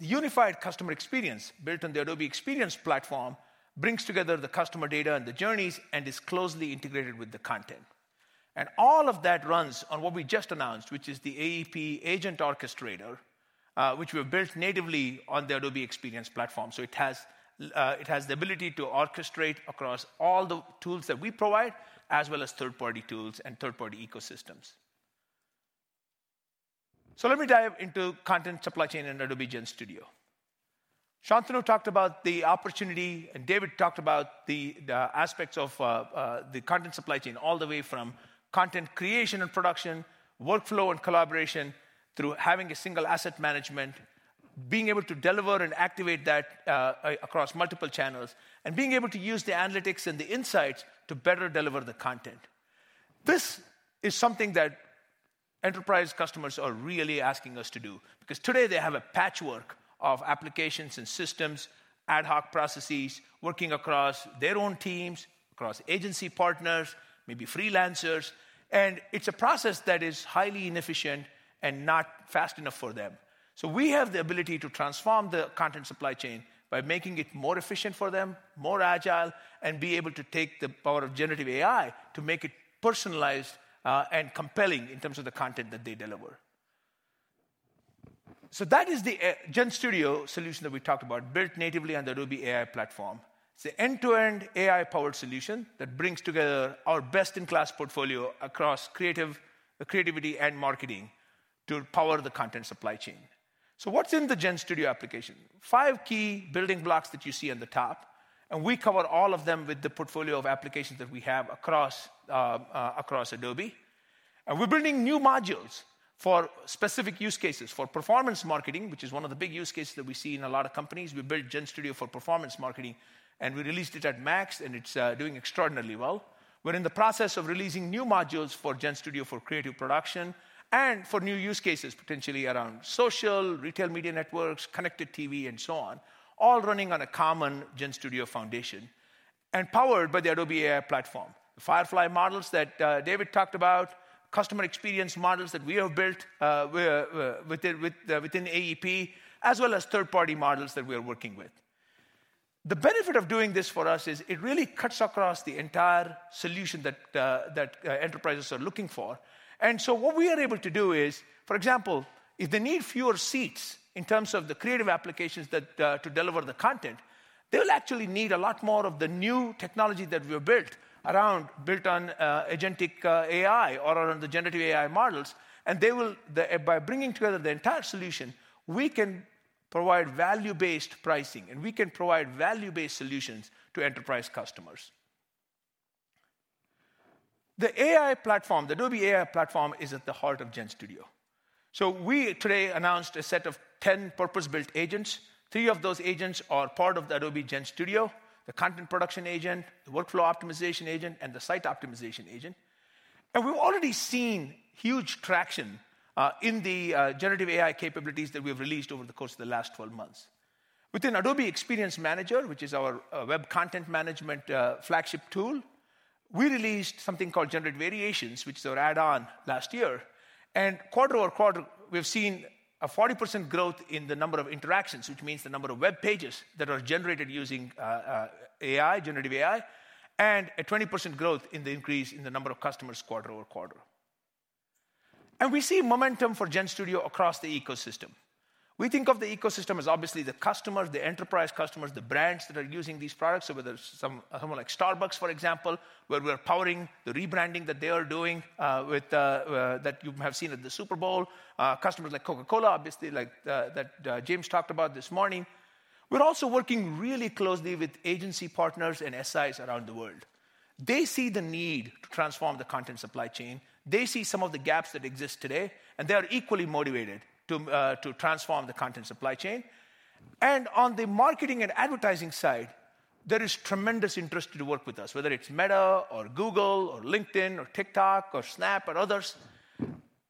The unified customer experience built on the Adobe Experience Platform brings together the customer data and the journeys and is closely integrated with the content. All of that runs on what we just announced, which is the AEP Agent Orchestrator, which we have built natively on the Adobe Experience Platform. It has the ability to orchestrate across all the tools that we provide, as well as third-party tools and third-party ecosystems. Let me dive into content supply chain and Adobe GenStudio. Shantanu talked about the opportunity, and David talked about the aspects of the content supply chain all the way from content creation and production, workflow and collaboration, through having a single asset management, being able to deliver and activate that across multiple channels, and being able to use the analytics and the insights to better deliver the content. This is something that enterprise customers are really asking us to do because today they have a patchwork of applications and systems, ad hoc processes, working across their own teams, across agency partners, maybe freelancers. It's a process that is highly inefficient and not fast enough for them. We have the ability to transform the content supply chain by making it more efficient for them, more agile, and be able to take the power of generative AI to make it personalized and compelling in terms of the content that they deliver. That is the GenStudio solution that we talked about, built natively on the Adobe AI platform. It is an end-to-end AI-powered solution that brings together our best-in-class portfolio across creativity and marketing to power the content supply chain. What is in the GenStudio application? Five key building blocks that you see on the top, and we cover all of them with the portfolio of applications that we have across Adobe. We are building new modules for specific use cases for performance marketing, which is one of the big use cases that we see in a lot of companies. We built GenStudio for performance marketing, and we released it at Max, and it is doing extraordinarily well. We are in the process of releasing new modules for GenStudio for creative production and for new use cases, potentially around social, retail media networks, connected TV, and so on, all running on a common GenStudio foundation and powered by the Adobe AI platform. The Firefly models that David talked about, customer experience models that we have built within AEP, as well as third-party models that we are working with. The benefit of doing this for us is it really cuts across the entire solution that enterprises are looking for. What we are able to do is, for example, if they need fewer seats in terms of the creative applications to deliver the content, they will actually need a lot more of the new technology that we have built around, built on agentic AI or on the generative AI models. By bringing together the entire solution, we can provide value-based pricing, and we can provide value-based solutions to enterprise customers. The AI platform, the Adobe AI platform, is at the heart of GenStudio. We today announced a set of 10 purpose-built agents. Three of those agents are part of the Adobe GenStudio: the content production agent, the workflow optimization agent, and the site optimization agent. We have already seen huge traction in the generative AI capabilities that we have released over the course of the last 12 months. Within Adobe Experience Manager, which is our web content management flagship tool, we released something called Generative Variations, which is our add-on last year. Quarter over quarter, we've seen a 40% growth in the number of interactions, which means the number of web pages that are generated using AI, generative AI, and a 20% growth in the increase in the number of customers quarter over quarter. We see momentum for GenStudio across the ecosystem. We think of the ecosystem as obviously the customers, the enterprise customers, the brands that are using these products, so whether it's someone like Starbucks, for example, where we're powering the rebranding that they are doing that you have seen at the Super Bowl, customers like Coca-Cola, obviously, like that James talked about this morning. We're also working really closely with agency partners and SIs around the world. They see the need to transform the content supply chain. They see some of the gaps that exist today, and they are equally motivated to transform the content supply chain. On the marketing and advertising side, there is tremendous interest to work with us, whether it's Meta or Google or LinkedIn or TikTok or Snap or others.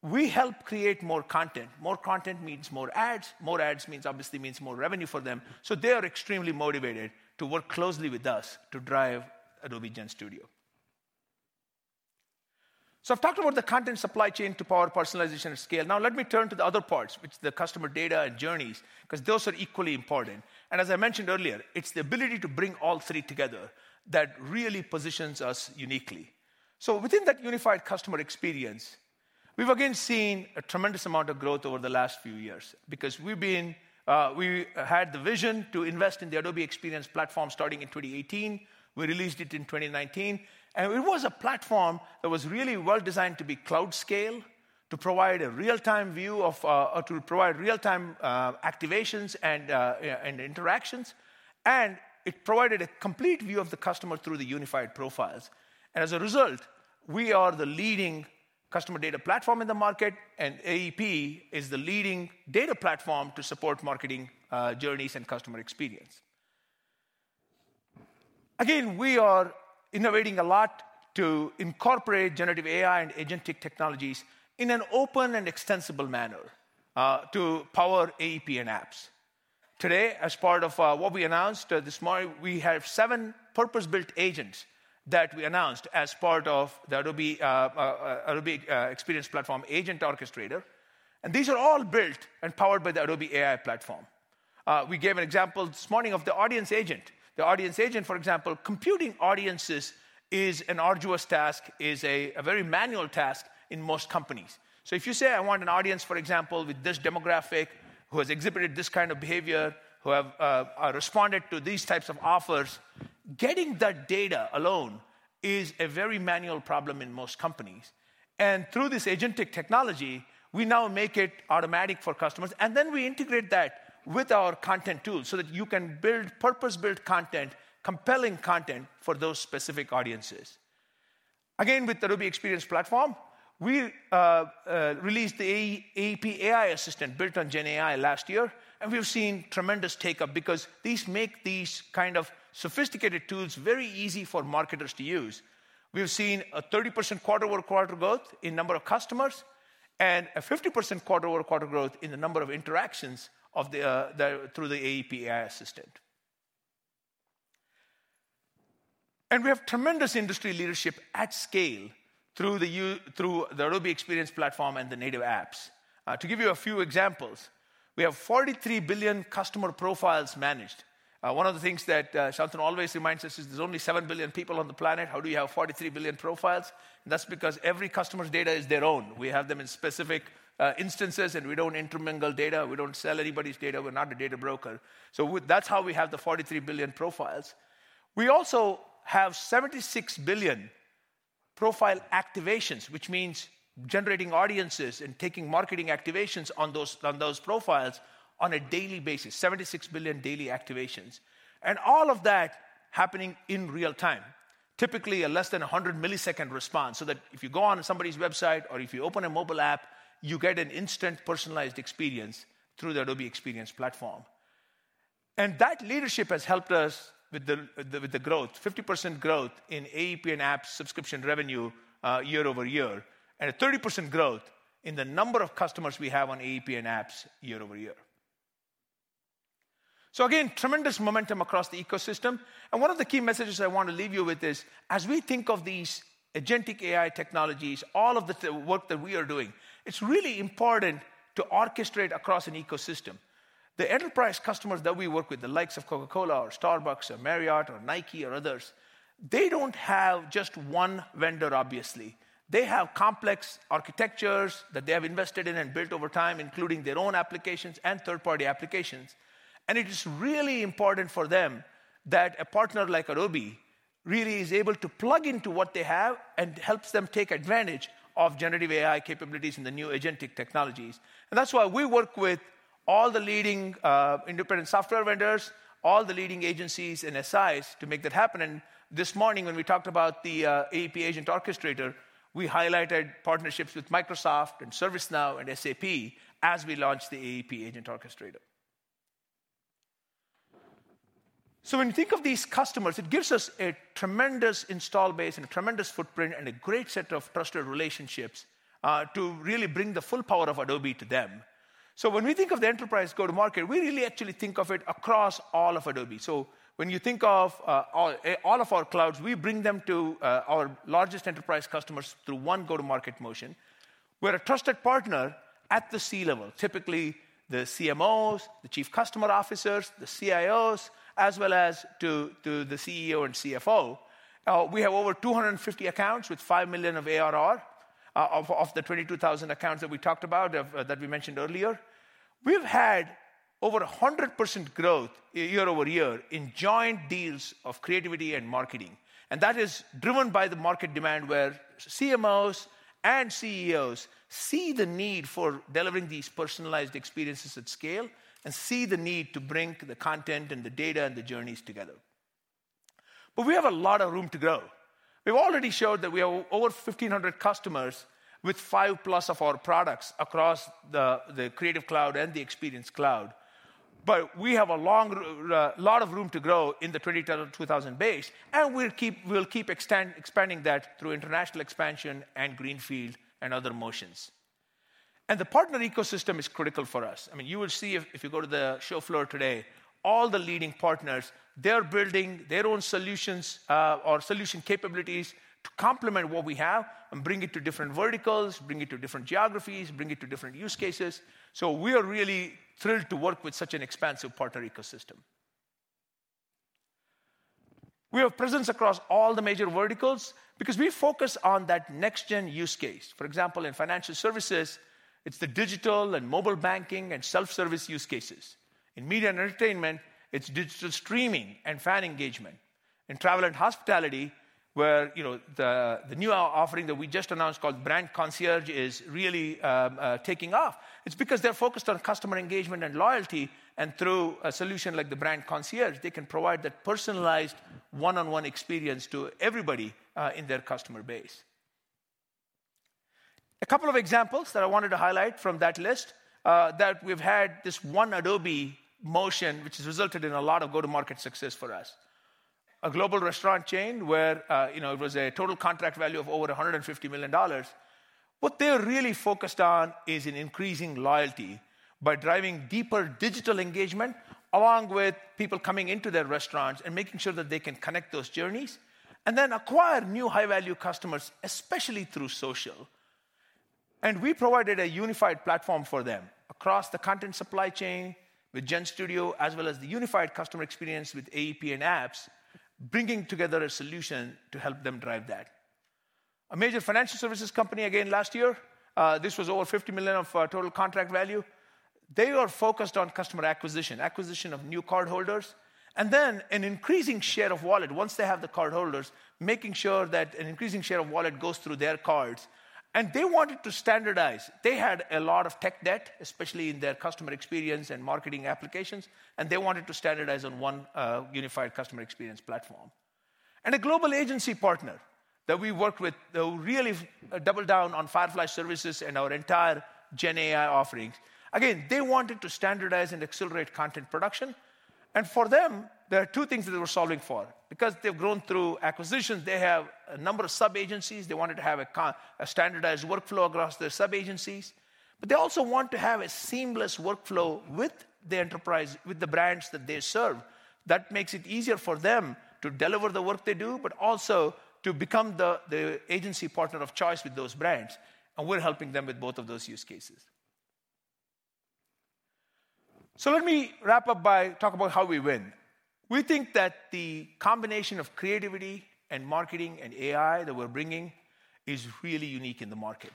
We help create more content. More content means more ads. More ads obviously means more revenue for them. They are extremely motivated to work closely with us to drive Adobe GenStudio. I've talked about the content supply chain to power personalization at scale. Now let me turn to the other parts, which are the customer data and journeys, because those are equally important. As I mentioned earlier, it's the ability to bring all three together that really positions us uniquely. Within that unified customer experience, we've again seen a tremendous amount of growth over the last few years because we had the vision to invest in the Adobe Experience Platform starting in 2018. We released it in 2019, and it was a platform that was really well designed to be cloud-scale, to provide a real-time view of, to provide real-time activations and interactions. It provided a complete view of the customer through the unified profiles. As a result, we are the leading customer data platform in the market, and AEP is the leading data platform to support marketing journeys and customer experience. Again, we are innovating a lot to incorporate generative AI and agentic technologies in an open and extensible manner to power AEP and apps. Today, as part of what we announced this morning, we have seven purpose-built agents that we announced as part of the Adobe Experience Platform Agent Orchestrator. These are all built and powered by the Adobe AI platform. We gave an example this morning of the audience agent. The audience agent, for example, computing audiences is an arduous task, is a very manual task in most companies. If you say, "I want an audience, for example, with this demographic who has exhibited this kind of behavior, who have responded to these types of offers," getting that data alone is a very manual problem in most companies. Through this agentic technology, we now make it automatic for customers. We integrate that with our content tools so that you can build purpose-built content, compelling content for those specific audiences. Again, with the Adobe Experience Platform, we released the AEP AI Assistant built on GenAI last year, and we've seen tremendous take-up because these make these kind of sophisticated tools very easy for marketers to use. We've seen a 30% quarter-over-quarter growth in number of customers and a 50% quarter-over-quarter growth in the number of interactions through the AEP AI Assistant. We have tremendous industry leadership at scale through the Adobe Experience Platform and the native apps. To give you a few examples, we have 43 billion customer profiles managed. One of the things that Shantanu always reminds us is there's only 7 billion people on the planet. How do you have 43 billion profiles? That's because every customer's data is their own. We have them in specific instances, and we don't intermingle data. We don't sell anybody's data. We're not a data broker. That is how we have the 43 billion profiles. We also have 76 billion profile activations, which means generating audiences and taking marketing activations on those profiles on a daily basis, 76 billion daily activations. All of that happening in real time, typically a less than 100-millisecond response so that if you go on somebody's website or if you open a mobile app, you get an instant personalized experience through the Adobe Experience Platform. That leadership has helped us with the growth, 50% growth in AEP and apps subscription revenue year over year and a 30% growth in the number of customers we have on AEP and apps year over year. Again, tremendous momentum across the ecosystem. One of the key messages I want to leave you with is, as we think of these agentic AI technologies, all of the work that we are doing, it's really important to orchestrate across an ecosystem. The enterprise customers that we work with, the likes of Coca-Cola or Starbucks or Marriott or Nike or others, they don't have just one vendor, obviously. They have complex architectures that they have invested in and built over time, including their own applications and third-party applications. It is really important for them that a partner like Adobe really is able to plug into what they have and helps them take advantage of generative AI capabilities in the new agentic technologies. That's why we work with all the leading independent software vendors, all the leading agencies and SIs to make that happen. This morning, when we talked about the AEP Agent Orchestrator, we highlighted partnerships with Microsoft and ServiceNow and SAP as we launched the AEP Agent Orchestrator. When you think of these customers, it gives us a tremendous install base and a tremendous footprint and a great set of trusted relationships to really bring the full power of Adobe to them. When we think of the enterprise go-to-market, we really actually think of it across all of Adobe. When you think of all of our clouds, we bring them to our largest enterprise customers through one go-to-market motion. We're a trusted partner at the C-level, typically the CMOs, the chief customer officers, the CIOs, as well as to the CEO and CFO. We have over 250 accounts with $5 million of ARR of the 22,000 accounts that we talked about, that we mentioned earlier. We've had over 100% growth year over year in joint deals of creativity and marketing. That is driven by the market demand where CMOs and CEOs see the need for delivering these personalized experiences at scale and see the need to bring the content and the data and the journeys together. We have a lot of room to grow. We've already showed that we have over 1,500 customers with five plus of our products across the Creative Cloud and the Experience Cloud. We have a lot of room to grow in the 20,000 base, and we'll keep expanding that through international expansion and greenfield and other motions. The partner ecosystem is critical for us. I mean, you will see if you go to the show floor today, all the leading partners, they're building their own solutions or solution capabilities to complement what we have and bring it to different verticals, bring it to different geographies, bring it to different use cases. We are really thrilled to work with such an expansive partner ecosystem. We have presence across all the major verticals because we focus on that next-gen use case. For example, in financial services, it's the digital and mobile banking and self-service use cases. In media and entertainment, it's digital streaming and fan engagement. In travel and hospitality, where the new offering that we just announced called Brand Concierge is really taking off, it's because they're focused on customer engagement and loyalty. Through a solution like the Brand Concierge, they can provide that personalized one-on-one experience to everybody in their customer base. A couple of examples that I wanted to highlight from that list that we've had this one Adobe motion, which has resulted in a lot of go-to-market success for us. A global restaurant chain where it was a total contract value of over $150 million. What they're really focused on is in increasing loyalty by driving deeper digital engagement along with people coming into their restaurants and making sure that they can connect those journeys and then acquire new high-value customers, especially through social. We provided a unified platform for them across the content supply chain with GenStudio, as well as the unified customer experience with AEP and apps, bringing together a solution to help them drive that. A major financial services company again last year, this was over $50 million of total contract value. They are focused on customer acquisition, acquisition of new cardholders, and then an increasing share of wallet once they have the cardholders, making sure that an increasing share of wallet goes through their cards. They wanted to standardize. They had a lot of tech debt, especially in their customer experience and marketing applications, and they wanted to standardize on one unified customer experience platform. A global agency partner that we worked with really doubled down on Firefly Services and our entire GenAI offerings. They wanted to standardize and accelerate content production. For them, there are two things that they were solving for. Because they've grown through acquisitions, they have a number of sub-agencies. They wanted to have a standardized workflow across their sub-agencies. They also want to have a seamless workflow with the enterprise, with the brands that they serve. That makes it easier for them to deliver the work they do, but also to become the agency partner of choice with those brands. We are helping them with both of those use cases. Let me wrap up by talking about how we win. We think that the combination of creativity and marketing and AI that we are bringing is really unique in the market.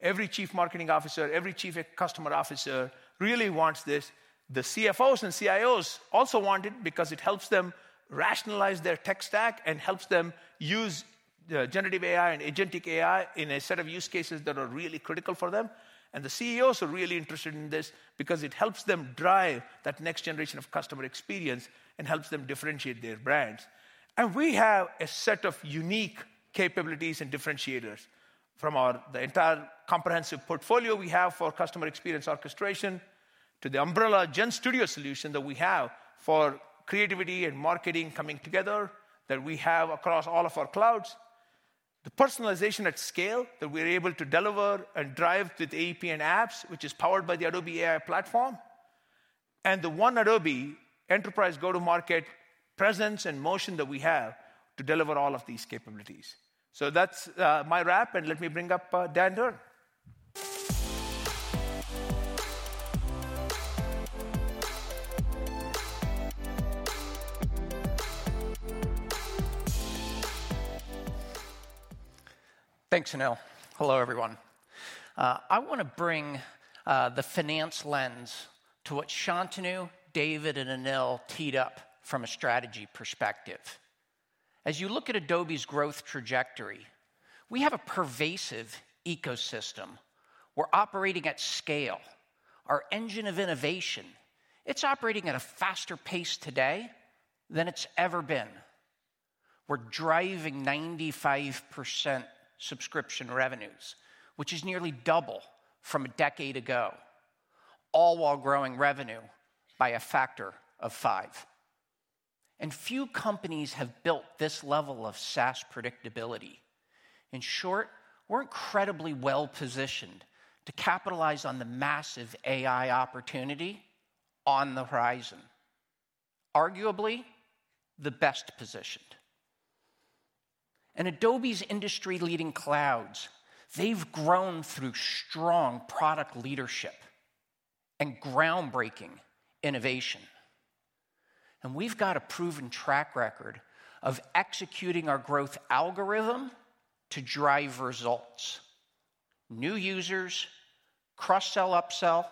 Every chief marketing officer, every chief customer officer really wants this. The CFOs and CIOs also want it because it helps them rationalize their tech stack and helps them use generative AI and agentic AI in a set of use cases that are really critical for them. The CEOs are really interested in this because it helps them drive that next generation of customer experience and helps them differentiate their brands. We have a set of unique capabilities and differentiators from the entire comprehensive portfolio we have for customer experience orchestration to the umbrella GenStudio solution that we have for creativity and marketing coming together that we have across all of our clouds, the personalization at scale that we're able to deliver and drive with AEP and apps, which is powered by the Adobe AI platform, and the one Adobe enterprise go-to-market presence and motion that we have to deliver all of these capabilities. That's my wrap, and let me bring up Dan Durn.
Thanks, Anil. Hello, everyone. I want to bring the finance lens to what Shantanu, David, and Anil teed up from a strategy perspective. As you look at Adobe's growth trajectory, we have a pervasive ecosystem. We're operating at scale. Our engine of innovation, it's operating at a faster pace today than it's ever been. We're driving 95% subscription revenues, which is nearly double from a decade ago, all while growing revenue by a factor of five. Few companies have built this level of SaaS predictability. In short, we're incredibly well positioned to capitalize on the massive AI opportunity on the horizon, arguably the best positioned. Adobe's industry-leading clouds have grown through strong product leadership and groundbreaking innovation. We've got a proven track record of executing our growth algorithm to drive results: new users, cross-sell/upsell,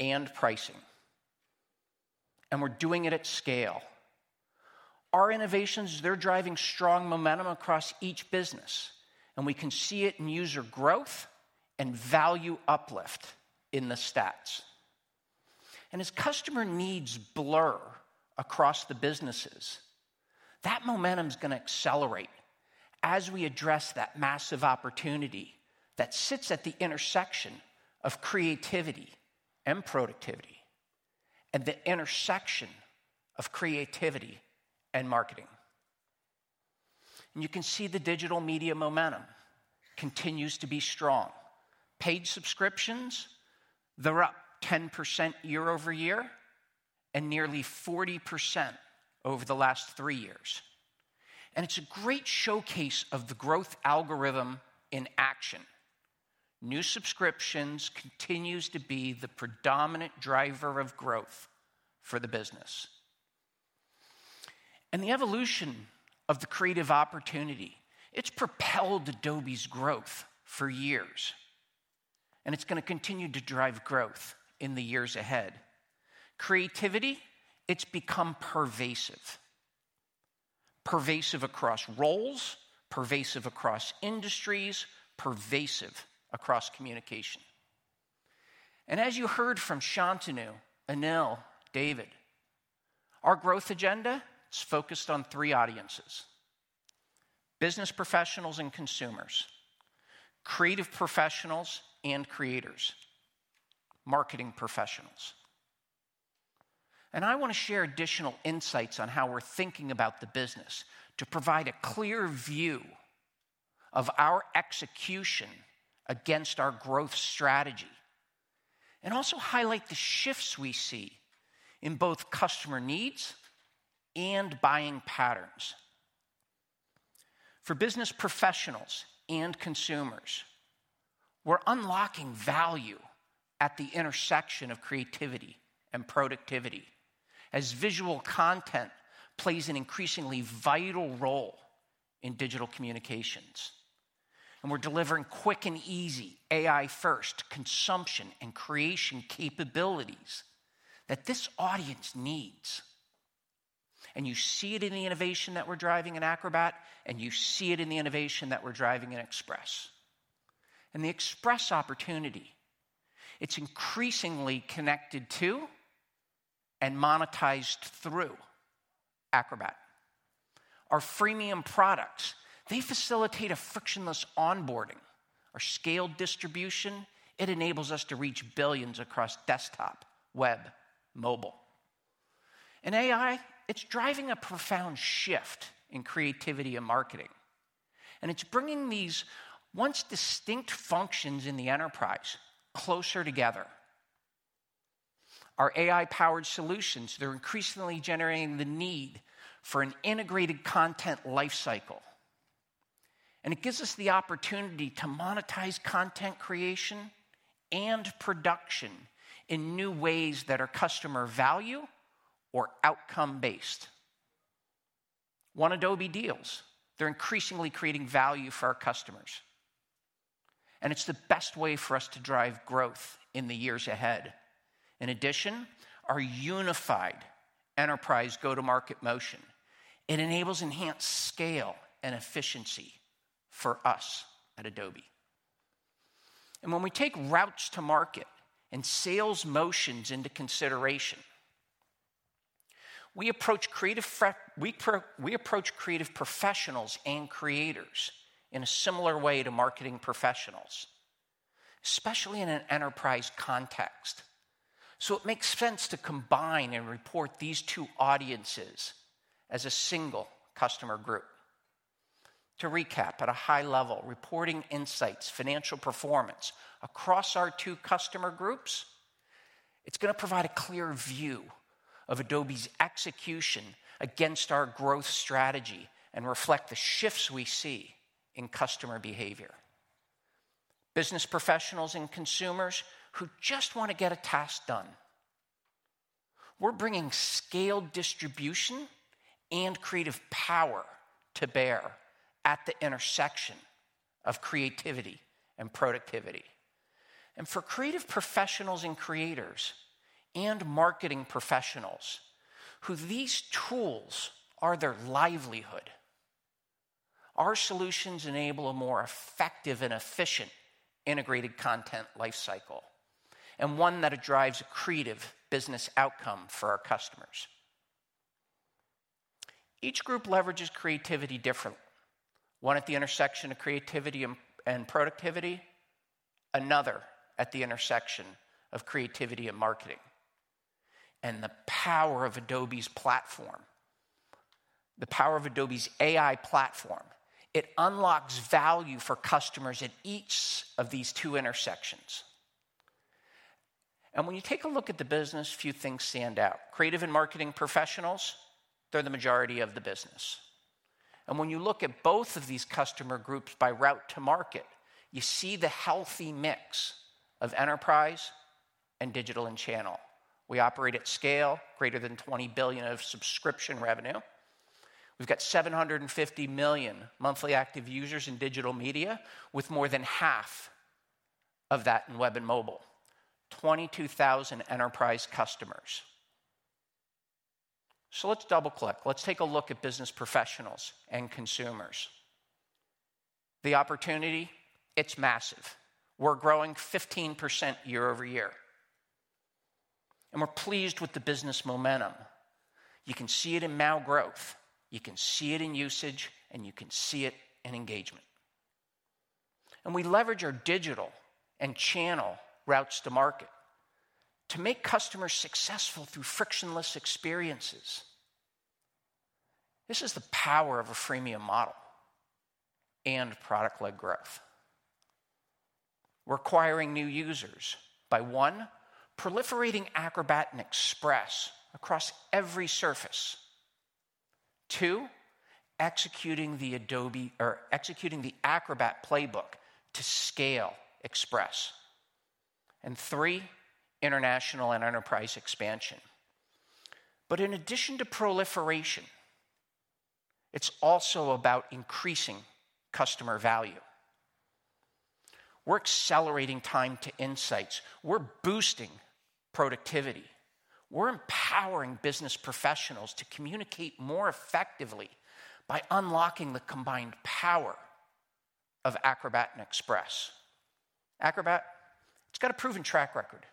and pricing. We're doing it at scale. Our innovations are driving strong momentum across each business, and we can see it in user growth and value uplift in the stats. As customer needs blur across the businesses, that momentum is going to accelerate as we address that massive opportunity that sits at the intersection of creativity and productivity and the intersection of creativity and marketing. You can see the digital media momentum continues to be strong. Paid subscriptions, they're up 10% year over year and nearly 40% over the last three years. It's a great showcase of the growth algorithm in action. New subscriptions continue to be the predominant driver of growth for the business. The evolution of the creative opportunity, it's propelled Adobe's growth for years, and it's going to continue to drive growth in the years ahead. Creativity, it's become pervasive. Pervasive across roles, pervasive across industries, pervasive across communication. As you heard from Shantanu, Anil, David, our growth agenda, it's focused on three audiences: business professionals and consumers, creative professionals and creators, marketing professionals. I want to share additional insights on how we're thinking about the business to provide a clear view of our execution against our growth strategy and also highlight the shifts we see in both customer needs and buying patterns. For business professionals and consumers, we're unlocking value at the intersection of creativity and productivity as visual content plays an increasingly vital role in digital communications. We're delivering quick and easy AI-first consumption and creation capabilities that this audience needs. You see it in the innovation that we're driving in Acrobat, and you see it in the innovation that we're driving in Express. The Express opportunity, it's increasingly connected to and monetized through Acrobat. Our freemium products, they facilitate a frictionless onboarding. Our scaled distribution, it enables us to reach billions across desktop, web, mobile. AI, it's driving a profound shift in creativity and marketing. It is bringing these once distinct functions in the enterprise closer together. Our AI-powered solutions, they are increasingly generating the need for an integrated content lifecycle. It gives us the opportunity to monetize content creation and production in new ways that are customer value or outcome-based. One Adobe deals, they are increasingly creating value for our customers. It is the best way for us to drive growth in the years ahead. In addition, our unified enterprise go-to-market motion enables enhanced scale and efficiency for us at Adobe. When we take routes to market and sales motions into consideration, we approach creative professionals and creators in a similar way to marketing professionals, especially in an enterprise context. It makes sense to combine and report these two audiences as a single customer group. To recap at a high level, reporting insights, financial performance across our two customer groups, it's going to provide a clear view of Adobe's execution against our growth strategy and reflect the shifts we see in customer behavior. Business professionals and consumers who just want to get a task done, we're bringing scaled distribution and creative power to bear at the intersection of creativity and productivity. For creative professionals and creators and marketing professionals who these tools are their livelihood, our solutions enable a more effective and efficient integrated content lifecycle and one that drives a creative business outcome for our customers. Each group leverages creativity differently. One at the intersection of creativity and productivity, another at the intersection of creativity and marketing. The power of Adobe's platform, the power of Adobe's AI platform, it unlocks value for customers at each of these two intersections. When you take a look at the business, a few things stand out. Creative and marketing professionals, they're the majority of the business. When you look at both of these customer groups by route to market, you see the healthy mix of enterprise and digital in channel. We operate at scale, greater than $20 billion of subscription revenue. We've got 750 million monthly active users in digital media, with more than half of that in web and mobile, 22,000 enterprise customers. Let's double-click. Let's take a look at business professionals and consumers. The opportunity, it's massive. We're growing 15% year over year. We're pleased with the business momentum. You can see it in now growth. You can see it in usage, and you can see it in engagement. We leverage our digital and channel routes to market to make customers successful through frictionless experiences. This is the power of a freemium model and product-led growth. We're acquiring new users by, one, proliferating Acrobat and Express across every surface; two, executing the Acrobat playbook to scale Express; and three, international and enterprise expansion. In addition to proliferation, it's also about increasing customer value. We're accelerating time to insights. We're boosting productivity. We're empowering business professionals to communicate more effectively by unlocking the combined power of Acrobat and Express. Acrobat, it's got a proven track record.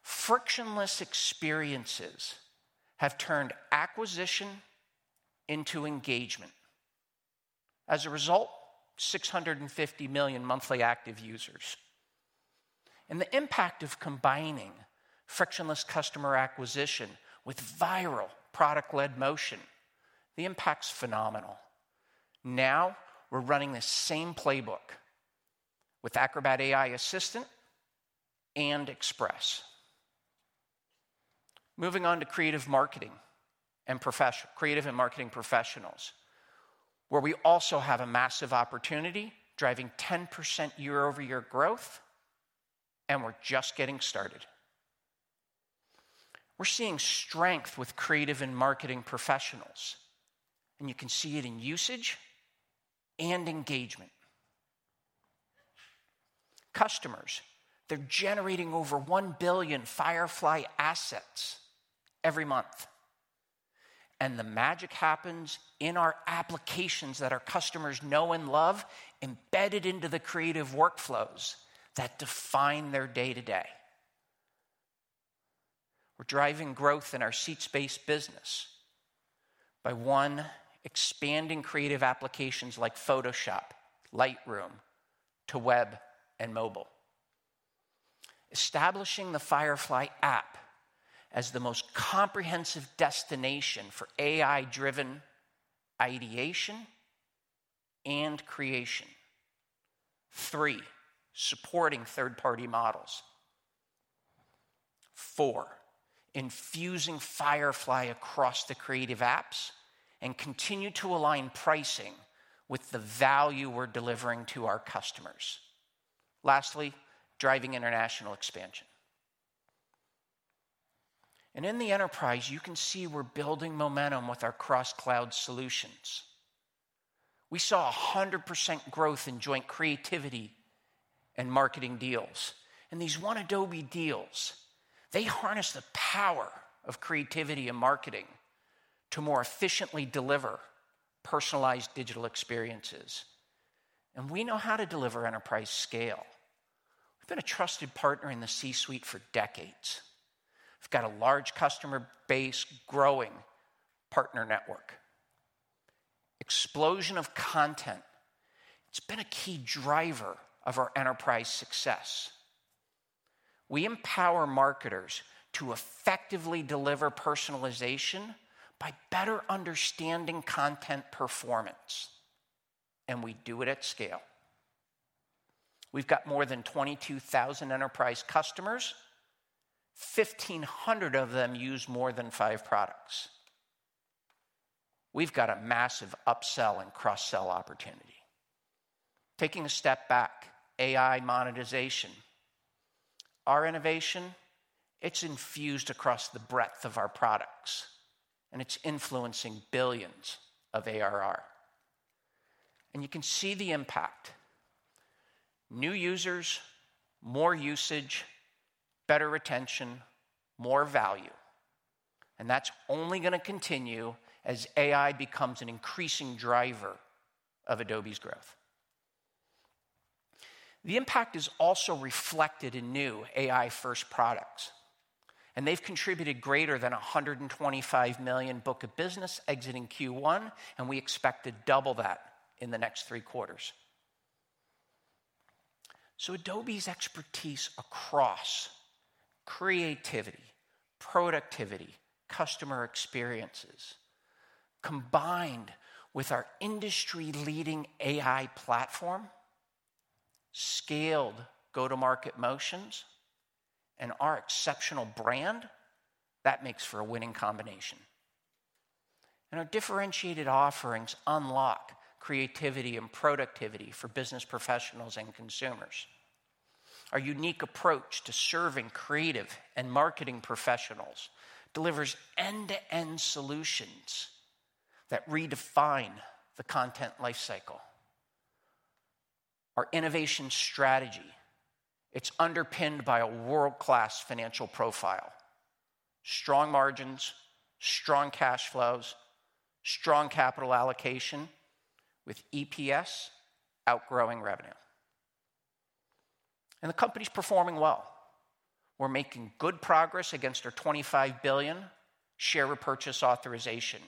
Frictionless experiences have turned acquisition into engagement. As a result, 650 million monthly active users. The impact of combining frictionless customer acquisition with viral product-led motion, the impact's phenomenal. Now we're running the same playbook with Acrobat AI Assistant and Express. Moving on to creative marketing and professionals, where we also have a massive opportunity, driving 10% year-over-year growth, and we're just getting started. We're seeing strength with creative and marketing professionals, and you can see it in usage and engagement. Customers, they're generating over 1 billion Firefly assets every month. The magic happens in our applications that our customers know and love, embedded into the creative workflows that define their day-to-day. We're driving growth in our seat-space business by, one, expanding creative applications like Photoshop, Lightroom to web and mobile, establishing the Firefly app as the most comprehensive destination for AI-driven ideation and creation. Three, supporting third-party models. Four, infusing Firefly across the creative apps and continue to align pricing with the value we're delivering to our customers. Lastly, driving international expansion. In the enterprise, you can see we're building momentum with our cross-cloud solutions. We saw 100% growth in joint creativity and marketing deals. These one Adobe deals harness the power of creativity and marketing to more efficiently deliver personalized digital experiences. We know how to deliver enterprise scale. We have been a trusted partner in the C-suite for decades. We have a large customer base and a growing partner network. Explosion of content has been a key driver of our enterprise success. We empower marketers to effectively deliver personalization by better understanding content performance. We do it at scale. We have more than 22,000 enterprise customers. 1,500 of them use more than five products. We have a massive upsell and cross-sell opportunity. Taking a step back, AI monetization. Our innovation is infused across the breadth of our products, and it is influencing billions of ARR. You can see the impact. New users, more usage, better retention, more value. That is only going to continue as AI becomes an increasing driver of Adobe's growth. The impact is also reflected in new AI-first products. They have contributed greater than $125 million book of business exiting Q1, and we expect to double that in the next three quarters. Adobe's expertise across creativity, productivity, customer experiences, combined with our industry-leading AI platform, scaled go-to-market motions, and our exceptional brand, makes for a winning combination. Our differentiated offerings unlock creativity and productivity for business professionals and consumers. Our unique approach to serving creative and marketing professionals delivers end-to-end solutions that redefine the content lifecycle. Our innovation strategy is underpinned by a world-class financial profile, strong margins, strong cash flows, strong capital allocation with EPS outgrowing revenue. The company is performing well. We are making good progress against our $25 billion share purchase authorization.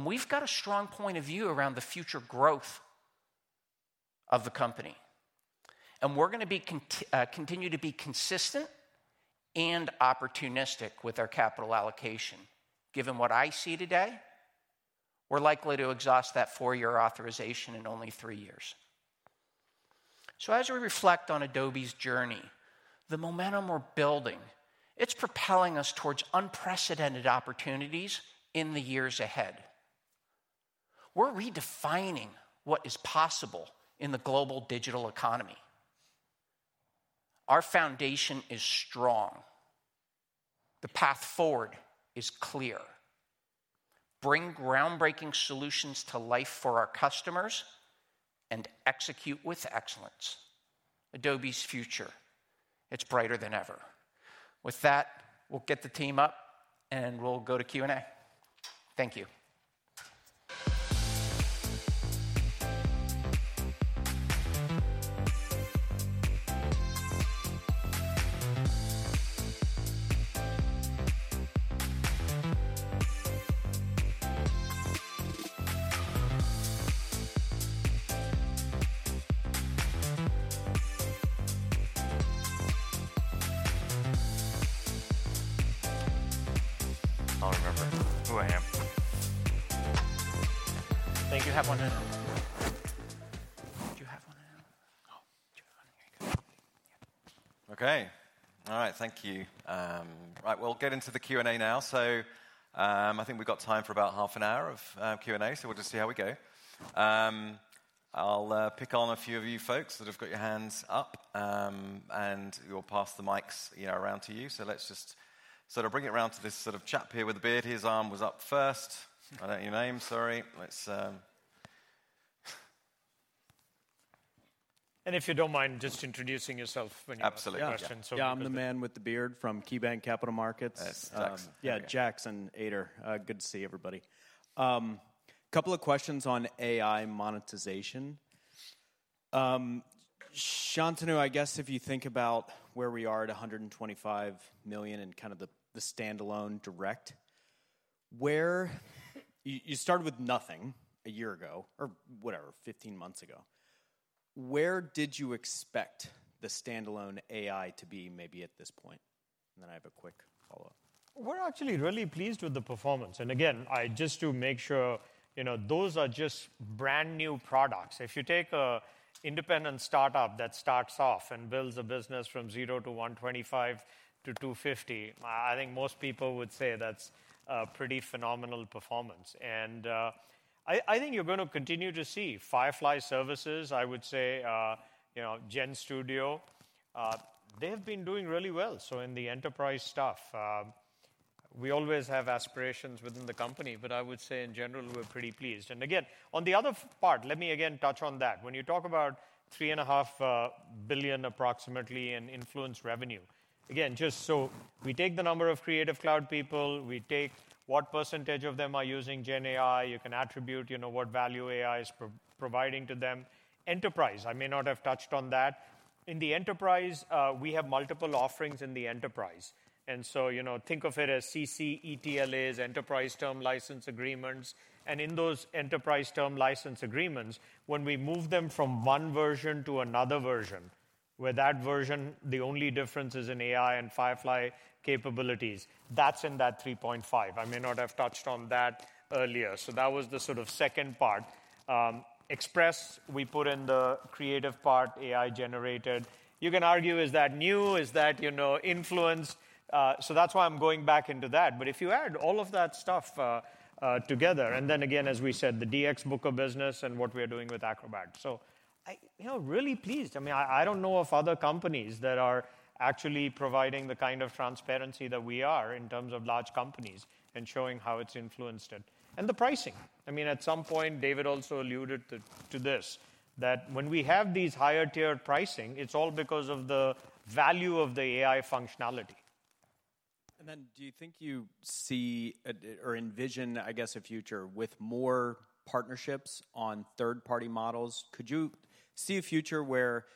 We have a strong point of view around the future growth of the company. We are going to continue to be consistent and opportunistic with our capital allocation. Given what I see today, we are likely to exhaust that four-year authorization in only three years. As we reflect on Adobe's journey, the momentum we are building is propelling us towards unprecedented opportunities in the years ahead. We are redefining what is possible in the global digital economy. Our foundation is strong. The path forward is clear. Bring groundbreaking solutions to life for our customers and execute with excellence. Adobe's future is brighter than ever. With that, we will get the team up, and we will go to Q&A. Thank you.
I will remember who I am. Thank you. Do you have one in? Do you have one in? Oh, do you have one in? Okay. All right. Thank you. All right.
We'll get into the Q&A now. I think we've got time for about half an hour of Q&A, so we'll just see how we go. I'll pick on a few of you folks that have got your hands up, and we'll pass the mics around to you. Let's just sort of bring it around to this sort of chap here with the beard. His arm was up first. I don't know your name. Sorry. If you don't mind just introducing yourself when you have questions.
Absolutely. Yeah, I'm the man with the beard from KeyBanc Capital Markets. Yeah, Jackson Ader. Good to see everybody. A couple of questions on AI monetization. Shantanu, I guess if you think about where we are at $125 million and kind of the standalone direct, you started with nothing a year ago or whatever, 15 months ago. Where did you expect the standalone AI to be maybe at this point? I have a quick follow-up.
We're actually really pleased with the performance. Again, just to make sure, those are just brand new products. If you take an independent startup that starts off and builds a business from zero to 125 to 250, I think most people would say that's a pretty phenomenal performance. I think you're going to continue to see Firefly services. I would say GenStudio, they've been doing really well. In the enterprise stuff, we always have aspirations within the company, but I would say in general, we're pretty pleased. Again, on the other part, let me again touch on that. When you talk about $3.5 billion approximately in influence revenue, again, just so we take the number of Creative Cloud people, we take what % of them are using GenAI. You can attribute what value AI is providing to them. Enterprise, I may not have touched on that. In the enterprise, we have multiple offerings in the enterprise. Think of it as CC, ETLAs, enterprise term license agreements. In those enterprise term license agreements, when we move them from one version to another version, where that version, the only difference is in AI and Firefly capabilities, that's in that $3.5 billion. I may not have touched on that earlier. That was the sort of second part. Express, we put in the creative part, AI generated. You can argue, is that new? Is that influence? That's why I'm going back into that. If you add all of that stuff together, and then again, as we said, the DX book of business and what we are doing with Acrobat. Really pleased. I mean, I don't know of other companies that are actually providing the kind of transparency that we are in terms of large companies and showing how it's influenced it. The pricing. I mean, at some point, David also alluded to this, that when we have these higher-tier pricing, it's all because of the value of the AI functionality.
Do you think you see or envision, I guess, a future with more partnerships on third-party models? Could you see a future where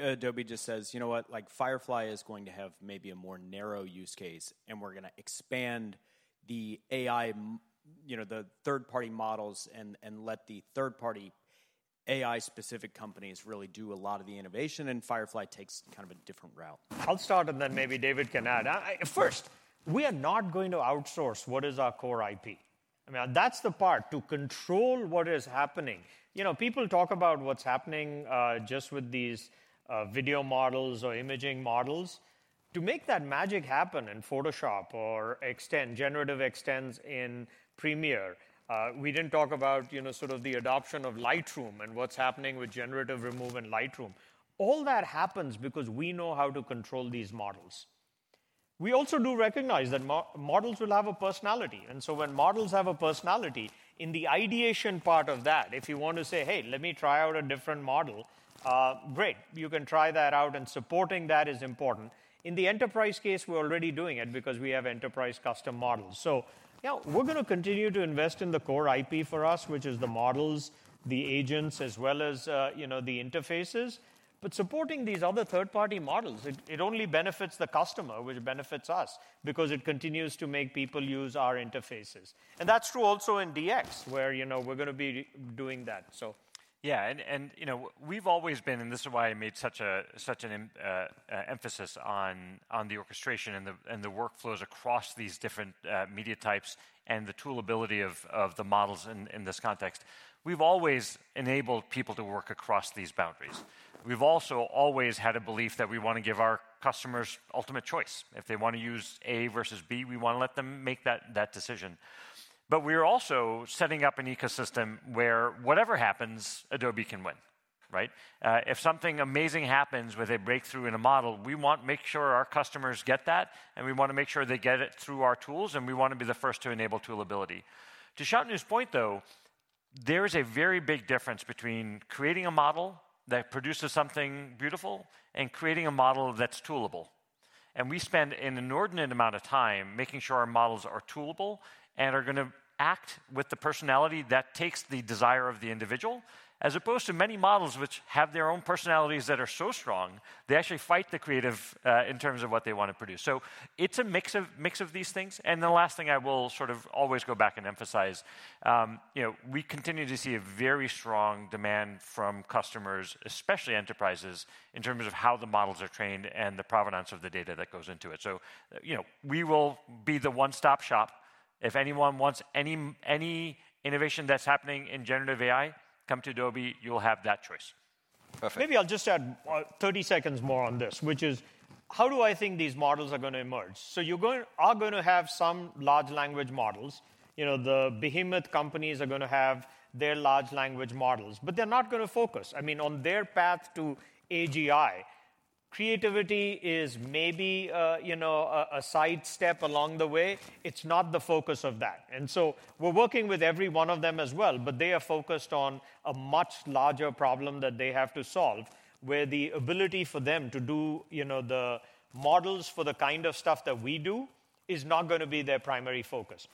Adobe just says, you know what, like Firefly is going to have maybe a more narrow use case, and we're going to expand the AI, the third-party models, and let the third-party AI-specific companies really do a lot of the innovation, and Firefly takes kind of a different route?
I'll start, and then maybe David can add. First, we are not going to outsource what is our core IP. I mean, that's the part to control what is happening. People talk about what's happening just with these video models or imaging models. To make that magic happen in Photoshop or generative extends in Premiere, we didn't talk about sort of the adoption of Lightroom and what's happening with generative remove in Lightroom. All that happens because we know how to control these models. We also do recognize that models will have a personality. When models have a personality, in the ideation part of that, if you want to say, hey, let me try out a different model, great. You can try that out, and supporting that is important. In the enterprise case, we're already doing it because we have enterprise custom models. We're going to continue to invest in the core IP for us, which is the models, the agents, as well as the interfaces. Supporting these other third-party models only benefits the customer, which benefits us because it continues to make people use our interfaces. That is true also in DX, where we're going to be doing that.
Yeah, and we've always been, and this is why I made such an emphasis on the orchestration and the workflows across these different media types and the toolability of the models in this context. We've always enabled people to work across these boundaries. We've also always had a belief that we want to give our customers ultimate choice. If they want to use A versus B, we want to let them make that decision. We are also setting up an ecosystem where whatever happens, Adobe can win. If something amazing happens with a breakthrough in a model, we want to make sure our customers get that, and we want to make sure they get it through our tools, and we want to be the first to enable toolability. To Shantanu's point, though, there is a very big difference between creating a model that produces something beautiful and creating a model that's toolable. We spend an inordinate amount of time making sure our models are toolable and are going to act with the personality that takes the desire of the individual, as opposed to many models which have their own personalities that are so strong, they actually fight the creative in terms of what they want to produce. It's a mix of these things. The last thing I will sort of always go back and emphasize, we continue to see a very strong demand from customers, especially enterprises, in terms of how the models are trained and the provenance of the data that goes into it. We will be the one-stop shop. If anyone wants any innovation that's happening in generative AI, come to Adobe. You'll have that choice.
Perfect.
Maybe I'll just add 30 seconds more on this, which is how do I think these models are going to emerge? You are going to have some large language models. The behemoth companies are going to have their large language models, but they're not going to focus, I mean, on their path to AGI. Creativity is maybe a sidestep along the way. It's not the focus of that. We're working with every one of them as well, but they are focused on a much larger problem that they have to solve, where the ability for them to do the models for the kind of stuff that we do is not going to be their primary focus.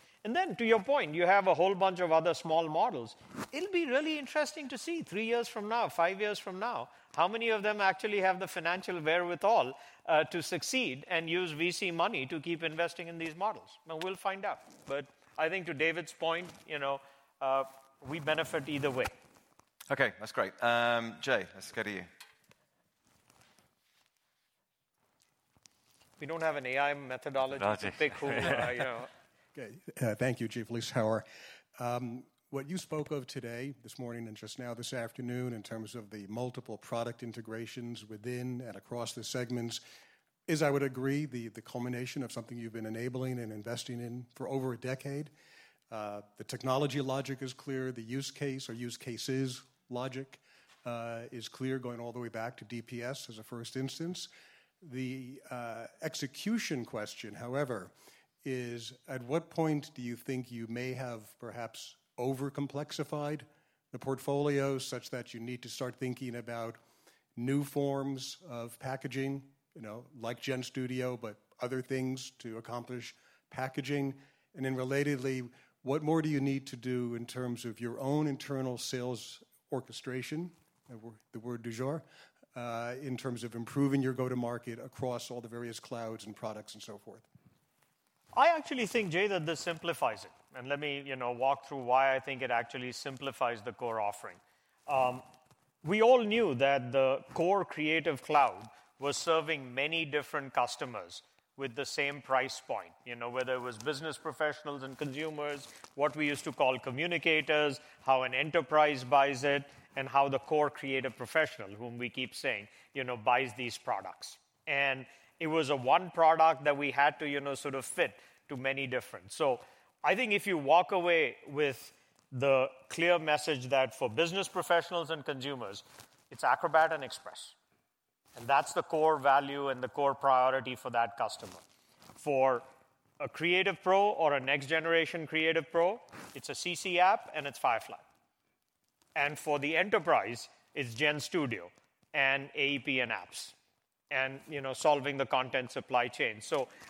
To your point, you have a whole bunch of other small models. It'll be really interesting to see three years from now, five years from now, how many of them actually have the financial wherewithal to succeed and use VC money to keep investing in these models. We'll find out. I think to David's point, we benefit either way.
Okay, that's great. Jay, let's go to you. We don't have an AI methodology to pick who.
Thank you, Jay Vleeschhouwer. What you spoke of today, this morning and just now this afternoon, in terms of the multiple product integrations within and across the segments, is, I would agree, the culmination of something you've been enabling and investing in for over a decade. The technology logic is clear. The use case or use cases logic is clear, going all the way back to DPS as a first instance. The execution question, however, is at what point do you think you may have perhaps over-complexified the portfolio such that you need to start thinking about new forms of packaging, like GenStudio, but other things to accomplish packaging? Relatedly, what more do you need to do in terms of your own internal sales orchestration, the word du jour, in terms of improving your go-to-market across all the various clouds and products and so forth?
I actually think, Jay, that this simplifies it. Let me walk through why I think it actually simplifies the core offering. We all knew that the core Creative Cloud was serving many different customers with the same price point, whether it was business professionals and consumers, what we used to call communicators, how an enterprise buys it, and how the core creative professional, whom we keep saying, buys these products. It was one product that we had to sort of fit to many different. I think if you walk away with the clear message that for business professionals and consumers, it's Acrobat and Express. That's the core value and the core priority for that customer. For a creative pro or a next-generation creative pro, it's a CC app and it's Firefly. For the enterprise, it's GenStudio and AEP and apps, and solving the content supply chain.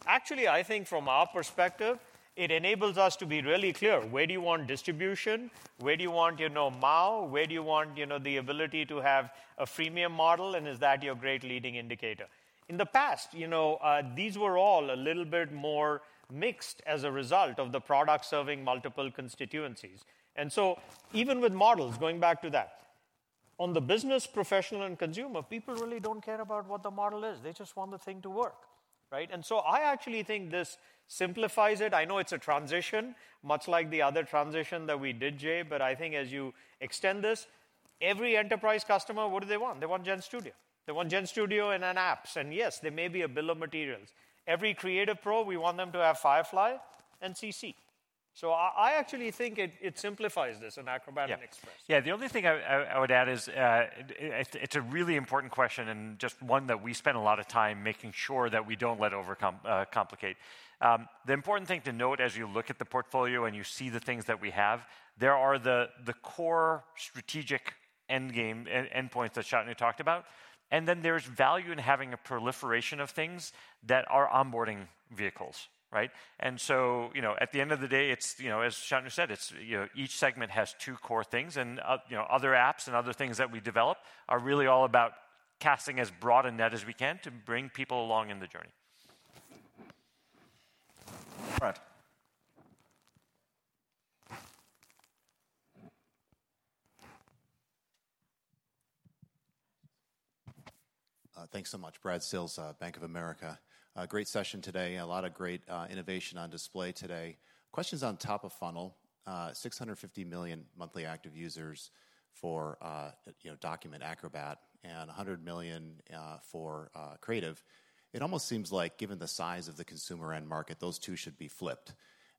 Actually, I think from our perspective, it enables us to be really clear. Where do you want distribution? Where do you want MAU? Where do you want the ability to have a freemium model? Is that your great leading indicator? In the past, these were all a little bit more mixed as a result of the product serving multiple constituencies. Even with models, going back to that, on the business, professional, and consumer, people really do not care about what the model is. They just want the thing to work. I actually think this simplifies it. I know it is a transition, much like the other transition that we did, Jay, but I think as you extend this, every enterprise customer, what do they want? They want GenStudio. They want GenStudio and apps. Yes, there may be a bill of materials. Every creative pro, we want them to have Firefly and CC. I actually think it simplifies this in Acrobat and Express.
The only thing I would add is it is a really important question and just one that we spend a lot of time making sure that we do not let it overcomplicate. The important thing to note as you look at the portfolio and you see the things that we have, there are the core strategic endpoints that Shantanu talked about. There is value in having a proliferation of things that are onboarding vehicles. At the end of the day, as Shantanu said, each segment has two core things. Other apps and other things that we develop are really all about casting as broad a net as we can to bring people along in the journey.
Brad.
Thanks so much. Brad Sills, Bank of America. Great session today. A lot of great innovation on display today. Questions on top of funnel, 650 million monthly active users for document Acrobat and 100 million for creative. It almost seems like, given the size of the consumer end market, those two should be flipped.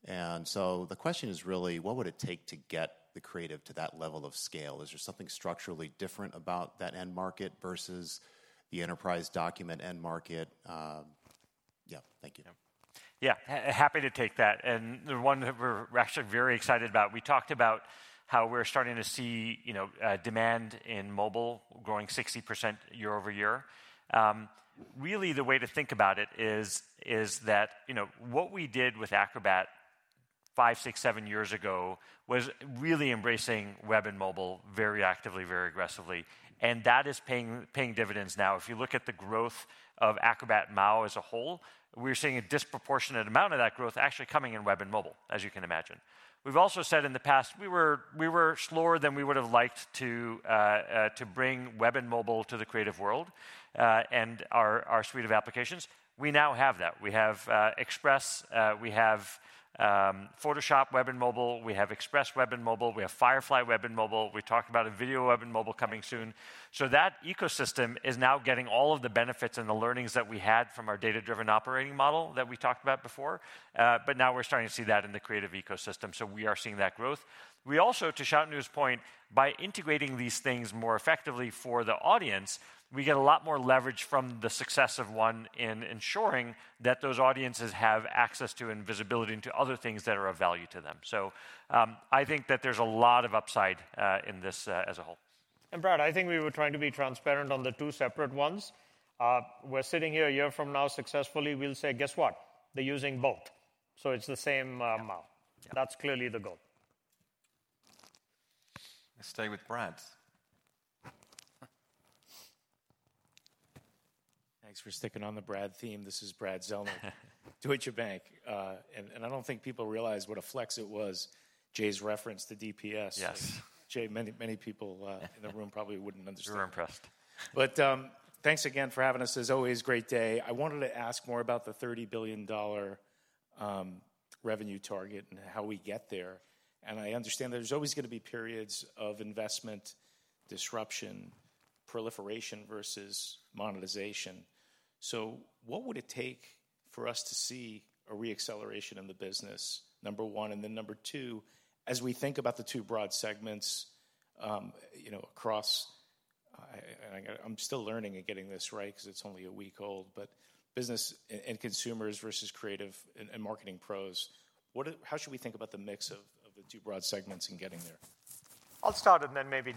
The question is really, what would it take to get the creative to that level of scale? Is there something structurally different about that end market versus the enterprise document end market?
Yeah, thank you. Yeah, happy to take that. The one that we're actually very excited about, we talked about how we're starting to see demand in mobile growing 60% year over year. Really, the way to think about it is that what we did with Acrobat five, six, seven years ago was really embracing web and mobile very actively, very aggressively. That is paying dividends now. If you look at the growth of Acrobat MAU as a whole, we're seeing a disproportionate amount of that growth actually coming in web and mobile, as you can imagine. We've also said in the past, we were slower than we would have liked to bring web and mobile to the creative world and our suite of applications. We now have that. We have Express. We have Photoshop web and mobile. We have Express web and mobile. We have Firefly web and mobile. We talked about a video web and mobile coming soon. That ecosystem is now getting all of the benefits and the learnings that we had from our data-driven operating model that we talked about before. Now we're starting to see that in the creative ecosystem. We are seeing that growth. We also, to Shantanu's point, by integrating these things more effectively for the audience, we get a lot more leverage from the success of one in ensuring that those audiences have access to and visibility into other things that are of value to them. I think that there's a lot of upside in this as a whole.
Brad, I think we were trying to be transparent on the two separate ones. We're sitting here a year from now successfully. We'll say, guess what? They're using both. It's the same MAU. That's clearly the goal.
Let's stay with Brad.
Thanks for sticking on the Brad theme. This is Brad Zelnick, Deutsche Bank. I don't think people realize what a flex it was, Jay's reference to DPS. Yes. Jay, many people in the room probably wouldn't understand.
You're impressed.
Thanks again for having us. As always, great day. I wanted to ask more about the $30 billion revenue target and how we get there. I understand there's always going to be periods of investment, disruption, proliferation versus monetization. What would it take for us to see a reacceleration in the business, number one? Then number two, as we think about the two broad segments across, and I'm still learning and getting this right because it's only a week old, but business and consumers versus creative and marketing pros, how should we think about the mix of the two broad segments and getting there?
I'll start and then maybe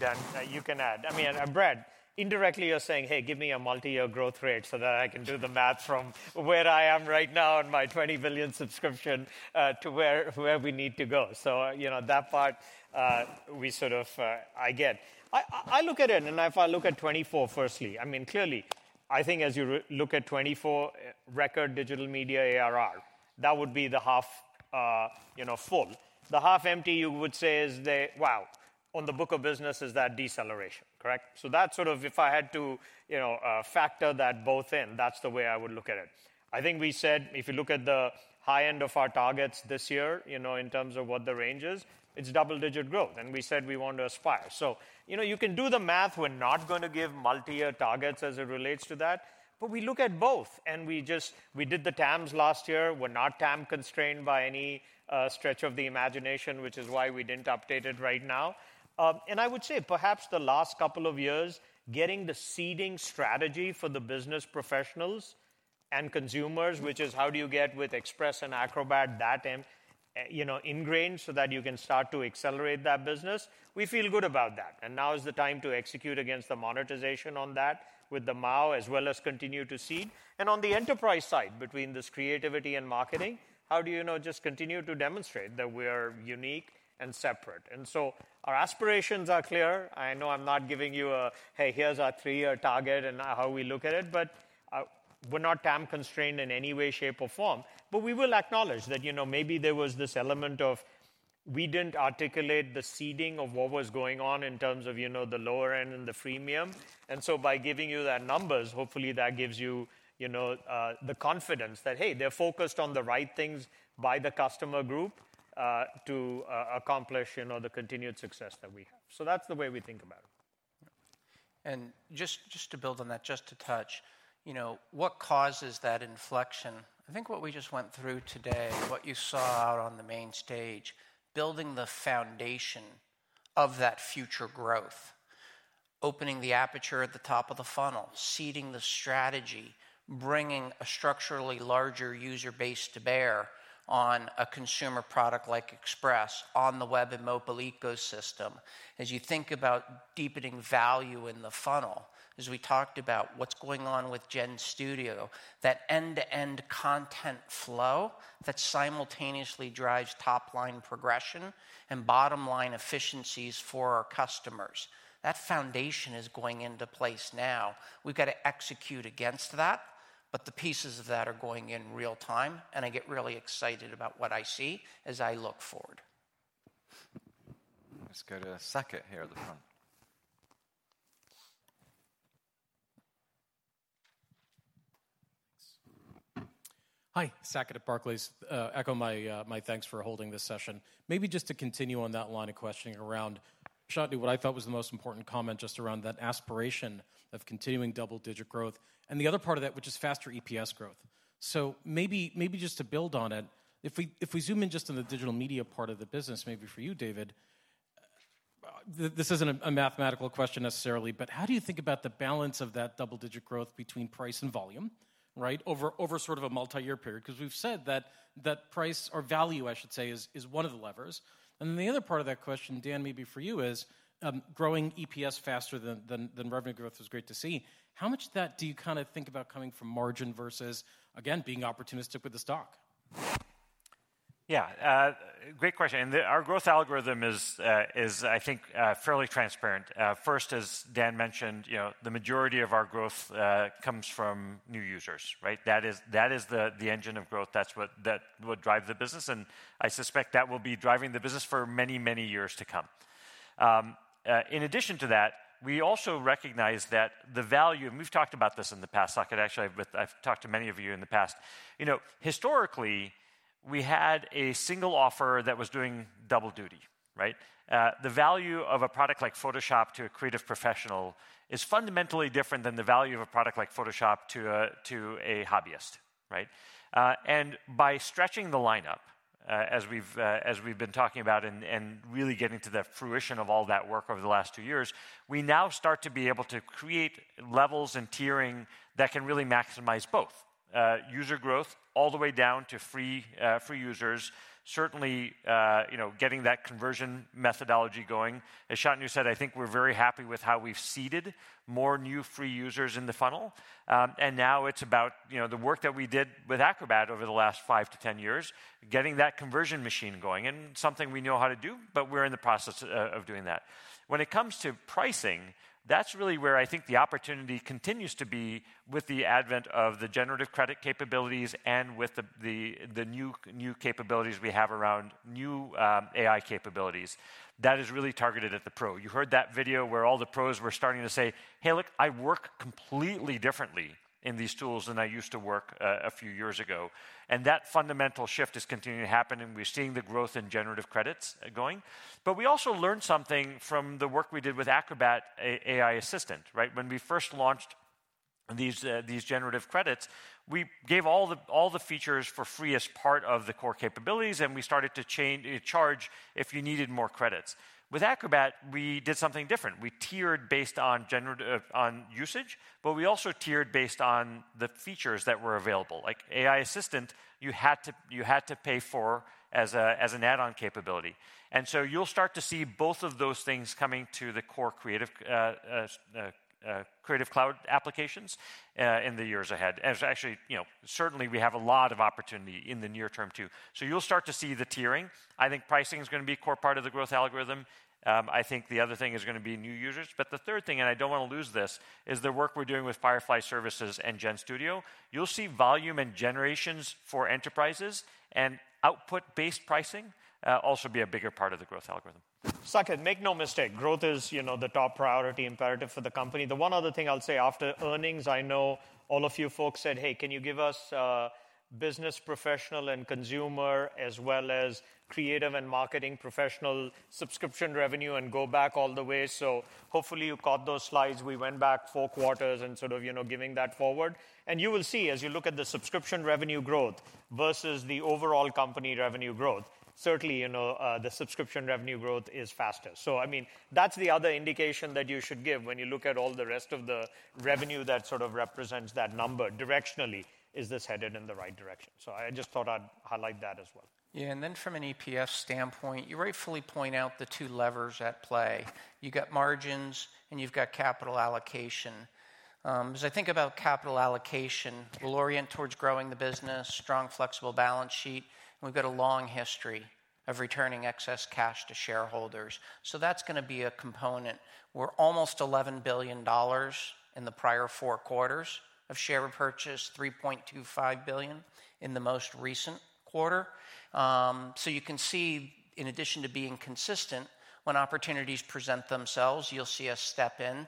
you can add. I mean, Brad, indirectly you're saying, hey, give me a multi-year growth rate so that I can do the math from where I am right now on my $20 billion subscription to where we need to go. That part, I get. I look at it, and if I look at 2024, firstly, I mean, clearly, I think as you look at 2024 record digital media ARR, that would be the half full. The half empty, you would say, is the, wow, on the book of business, is that deceleration, correct? That is sort of if I had to factor that both in, that is the way I would look at it. I think we said, if you look at the high end of our targets this year in terms of what the range is, it is double-digit growth. We said we want to aspire. You can do the math. We are not going to give multi-year targets as it relates to that. We look at both. We did the TAMs last year. We are not TAM-constrained by any stretch of the imagination, which is why we did not update it right now. I would say perhaps the last couple of years, getting the seeding strategy for the business professionals and consumers, which is how do you get with Express and Acrobat that ingrained so that you can start to accelerate that business. We feel good about that. Now is the time to execute against the monetization on that with the MAU, as well as continue to seed. On the enterprise side, between this creativity and marketing, how do you just continue to demonstrate that we are unique and separate? Our aspirations are clear. I know I'm not giving you a, hey, here's our three-year target and how we look at it. We're not TAM-constrained in any way, shape, or form. We will acknowledge that maybe there was this element of we did not articulate the seeding of what was going on in terms of the lower end and the freemium. By giving you that numbers, hopefully that gives you the confidence that, hey, they are focused on the right things by the customer group to accomplish the continued success that we have. That is the way we think about it.
Just to build on that, just to touch, what causes that inflection? I think what we just went through today, what you saw out on the main stage, building the foundation of that future growth, opening the aperture at the top of the funnel, seeding the strategy, bringing a structurally larger user base to bear on a consumer product like Express on the web and mobile ecosystem, as you think about deepening value in the funnel, as we talked about what's going on with GenStudio, that end-to-end content flow that simultaneously drives top-line progression and bottom-line efficiencies for our customers. That foundation is going into place now. We've got to execute against that. The pieces of that are going in real time. I get really excited about what I see as I look forward.
Let's go to Saket here at the front.
Hi, Saket at Barclays. Echo my thanks for holding this session. Maybe just to continue on that line of questioning around, Shantanu, what I thought was the most important comment just around that aspiration of continuing double-digit growth and the other part of that, which is faster EPS growth. Maybe just to build on it, if we zoom in just on the digital media part of the business, maybe for you, David, this is not a mathematical question necessarily, but how do you think about the balance of that double-digit growth between price and volume over sort of a multi-year period? Because we have said that price or value, I should say, is one of the levers. The other part of that question, Dan, maybe for you is growing EPS faster than revenue growth is great to see. How much of that do you kind of think about coming from margin versus, again, being opportunistic with the stock?
Yeah, great question. Our growth algorithm is, I think, fairly transparent. First, as Dan mentioned, the majority of our growth comes from new users. That is the engine of growth. That is what drives the business. I suspect that will be driving the business for many, many years to come. In addition to that, we also recognize that the value, and we have talked about this in the past, Saket, actually, I have talked to many of you in the past. Historically, we had a single offer that was doing double duty. The value of a product like Photoshop to a creative professional is fundamentally different than the value of a product like Photoshop to a hobbyist. By stretching the lineup, as we've been talking about and really getting to the fruition of all that work over the last two years, we now start to be able to create levels and tiering that can really maximize both user growth all the way down to free users, certainly getting that conversion methodology going. As Shantanu said, I think we're very happy with how we've seeded more new free users in the funnel. Now it's about the work that we did with Acrobat over the last five to ten years, getting that conversion machine going. It's something we know how to do, but we're in the process of doing that. When it comes to pricing, that's really where I think the opportunity continues to be with the advent of the generative credit capabilities and with the new capabilities we have around new AI capabilities that is really targeted at the pro. You heard that video where all the pros were starting to say, hey, look, I work completely differently in these tools than I used to work a few years ago. That fundamental shift is continuing to happen. We're seeing the growth in generative credits going. We also learned something from the work we did with Acrobat AI Assistant. When we first launched these generative credits, we gave all the features for free as part of the core capabilities. We started to charge if you needed more credits. With Acrobat, we did something different. We tiered based on usage, but we also tiered based on the features that were available. Like AI Assistant, you had to pay for as an add-on capability. You will start to see both of those things coming to the core Creative Cloud applications in the years ahead. Actually, certainly we have a lot of opportunity in the near term too. You will start to see the tiering. I think pricing is going to be a core part of the growth algorithm. I think the other thing is going to be new users. The third thing, and I do not want to lose this, is the work we are doing with Firefly Services and GenStudio. You will see volume and generations for enterprises and output-based pricing also be a bigger part of the growth algorithm. Saket, make no mistake, growth is the top priority imperative for the company. The one other thing I'll say after earnings, I know all of you folks said, hey, can you give us business professional and consumer as well as creative and marketing professional subscription revenue and go back all the way? Hopefully you caught those slides. We went back four quarters and sort of giving that forward. You will see as you look at the subscription revenue growth versus the overall company revenue growth, certainly the subscription revenue growth is faster. I mean, that's the other indication that you should give when you look at all the rest of the revenue that sort of represents that number. Directionally, is this headed in the right direction? I just thought I'd highlight that as well.
Yeah, and then from an EPS standpoint, you rightfully point out the two levers at play. You've got margins and you've got capital allocation. As I think about capital allocation, we'll orient towards growing the business, strong flexible balance sheet. We've got a long history of returning excess cash to shareholders. That's going to be a component. We're almost $11 billion in the prior four quarters of share purchase, $3.25 billion in the most recent quarter. You can see, in addition to being consistent, when opportunities present themselves, you'll see us step in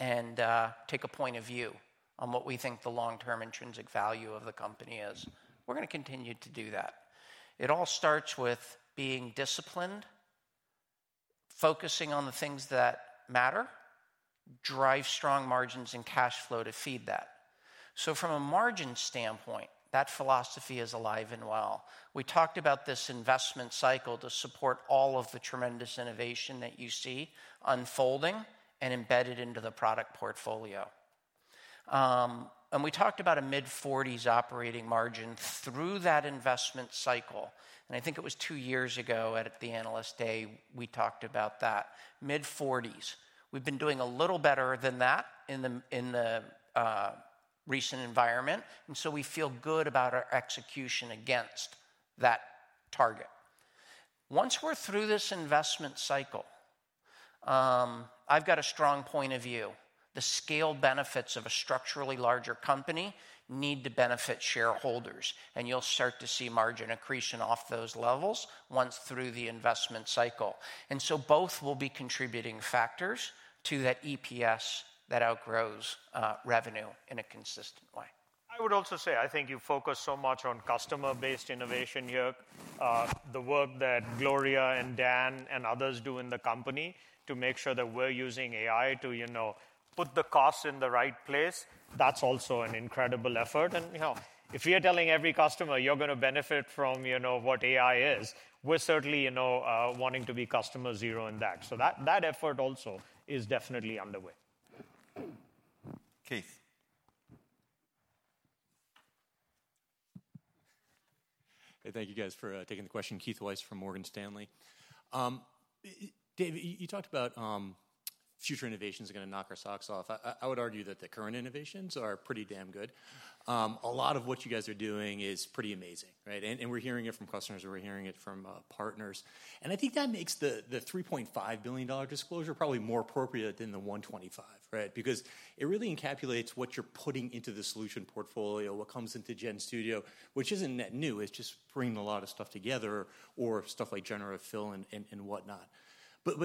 and take a point of view on what we think the long-term intrinsic value of the company is. We're going to continue to do that. It all starts with being disciplined, focusing on the things that matter, drive strong margins and cash flow to feed that. From a margin standpoint, that philosophy is alive and well. We talked about this investment cycle to support all of the tremendous innovation that you see unfolding and embedded into the product portfolio. We talked about a mid-40s operating margin through that investment cycle. I think it was two years ago at the Analyst Day, we talked about that. Mid-40s. We've been doing a little better than that in the recent environment. We feel good about our execution against that target. Once we're through this investment cycle, I've got a strong point of view. The scale benefits of a structurally larger company need to benefit shareholders. You'll start to see margin accretion off those levels once through the investment cycle. Both will be contributing factors to that EPS that outgrows revenue in a consistent way.
I would also say I think you focus so much on customer-based innovation here. The work that Gloria and Dan and others do in the company to make sure that we're using AI to put the cost in the right place, that's also an incredible effort. If you're telling every customer you're going to benefit from what AI is, we're certainly wanting to be customer zero in that. That effort also is definitely underway.
Keith. Hey, thank you guys for taking the question.
Keith Weiss from Morgan Stanley. David, you talked about future innovations are going to knock our socks off. I would argue that the current innovations are pretty damn good. A lot of what you guys are doing is pretty amazing. We're hearing it from customers. We're hearing it from partners. I think that makes the $3.5 billion disclosure probably more appropriate than the $125, because it really encapsulates what you're putting into the solution portfolio, what comes into GenStudio, which isn't that new. It's just bringing a lot of stuff together or stuff like generative fill and whatnot.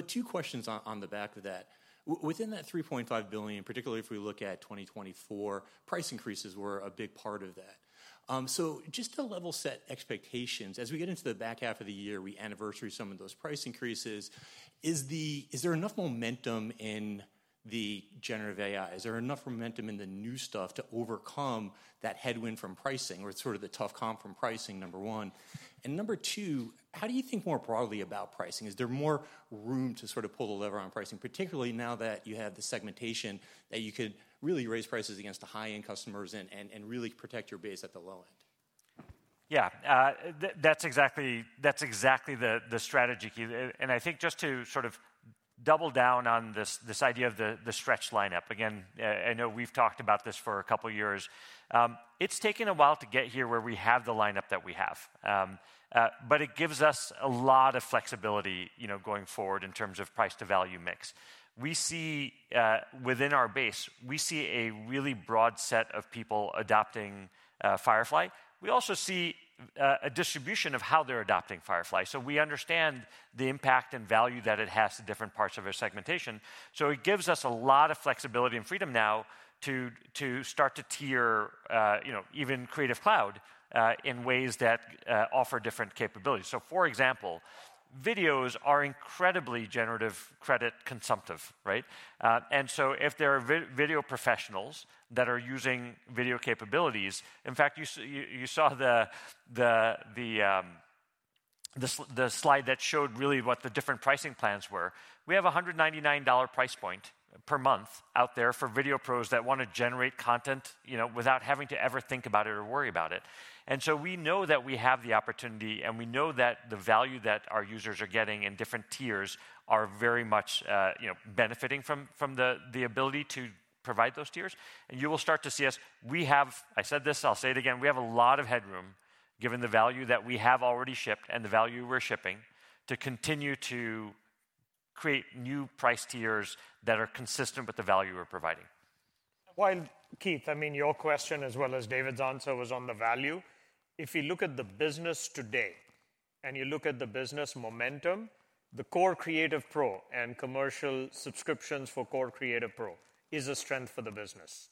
Two questions on the back of that. Within that $3.5 billion, particularly if we look at 2024, price increases were a big part of that. Just to level set expectations, as we get into the back half of the year, we anniversary some of those price increases. Is there enough momentum in the generative AI? Is there enough momentum in the new stuff to overcome that headwind from pricing or sort of the tough comp from pricing, number one? Number two, how do you think more broadly about pricing? Is there more room to sort of pull the lever on pricing, particularly now that you have the segmentation that you could really raise prices against the high-end customers and really protect your base at the low end?
Yeah, that's exactly the strategy. I think just to sort of double down on this idea of the stretch lineup, again, I know we've talked about this for a couple of years. It's taken a while to get here where we have the lineup that we have. It gives us a lot of flexibility going forward in terms of price-to-value mix. Within our base, we see a really broad set of people adopting Firefly. We also see a distribution of how they're adopting Firefly. We understand the impact and value that it has to different parts of our segmentation. It gives us a lot of flexibility and freedom now to start to tier even Creative Cloud in ways that offer different capabilities. For example, videos are incredibly generative credit consumptive. If there are video professionals that are using video capabilities, in fact, you saw the slide that showed really what the different pricing plans were. We have a $199 price point per month out there for video pros that want to generate content without having to ever think about it or worry about it. We know that we have the opportunity and we know that the value that our users are getting in different tiers are very much benefiting from the ability to provide those tiers. You will start to see us, we have, I said this, I'll say it again, we have a lot of headroom given the value that we have already shipped and the value we're shipping to continue to create new price tiers that are consistent with the value we're providing.
Keith, I mean, your question as well as David's answer was on the value. If you look at the business today and you look at the business momentum, the core creative pro and commercial subscriptions for core creative pro is a strength for the business.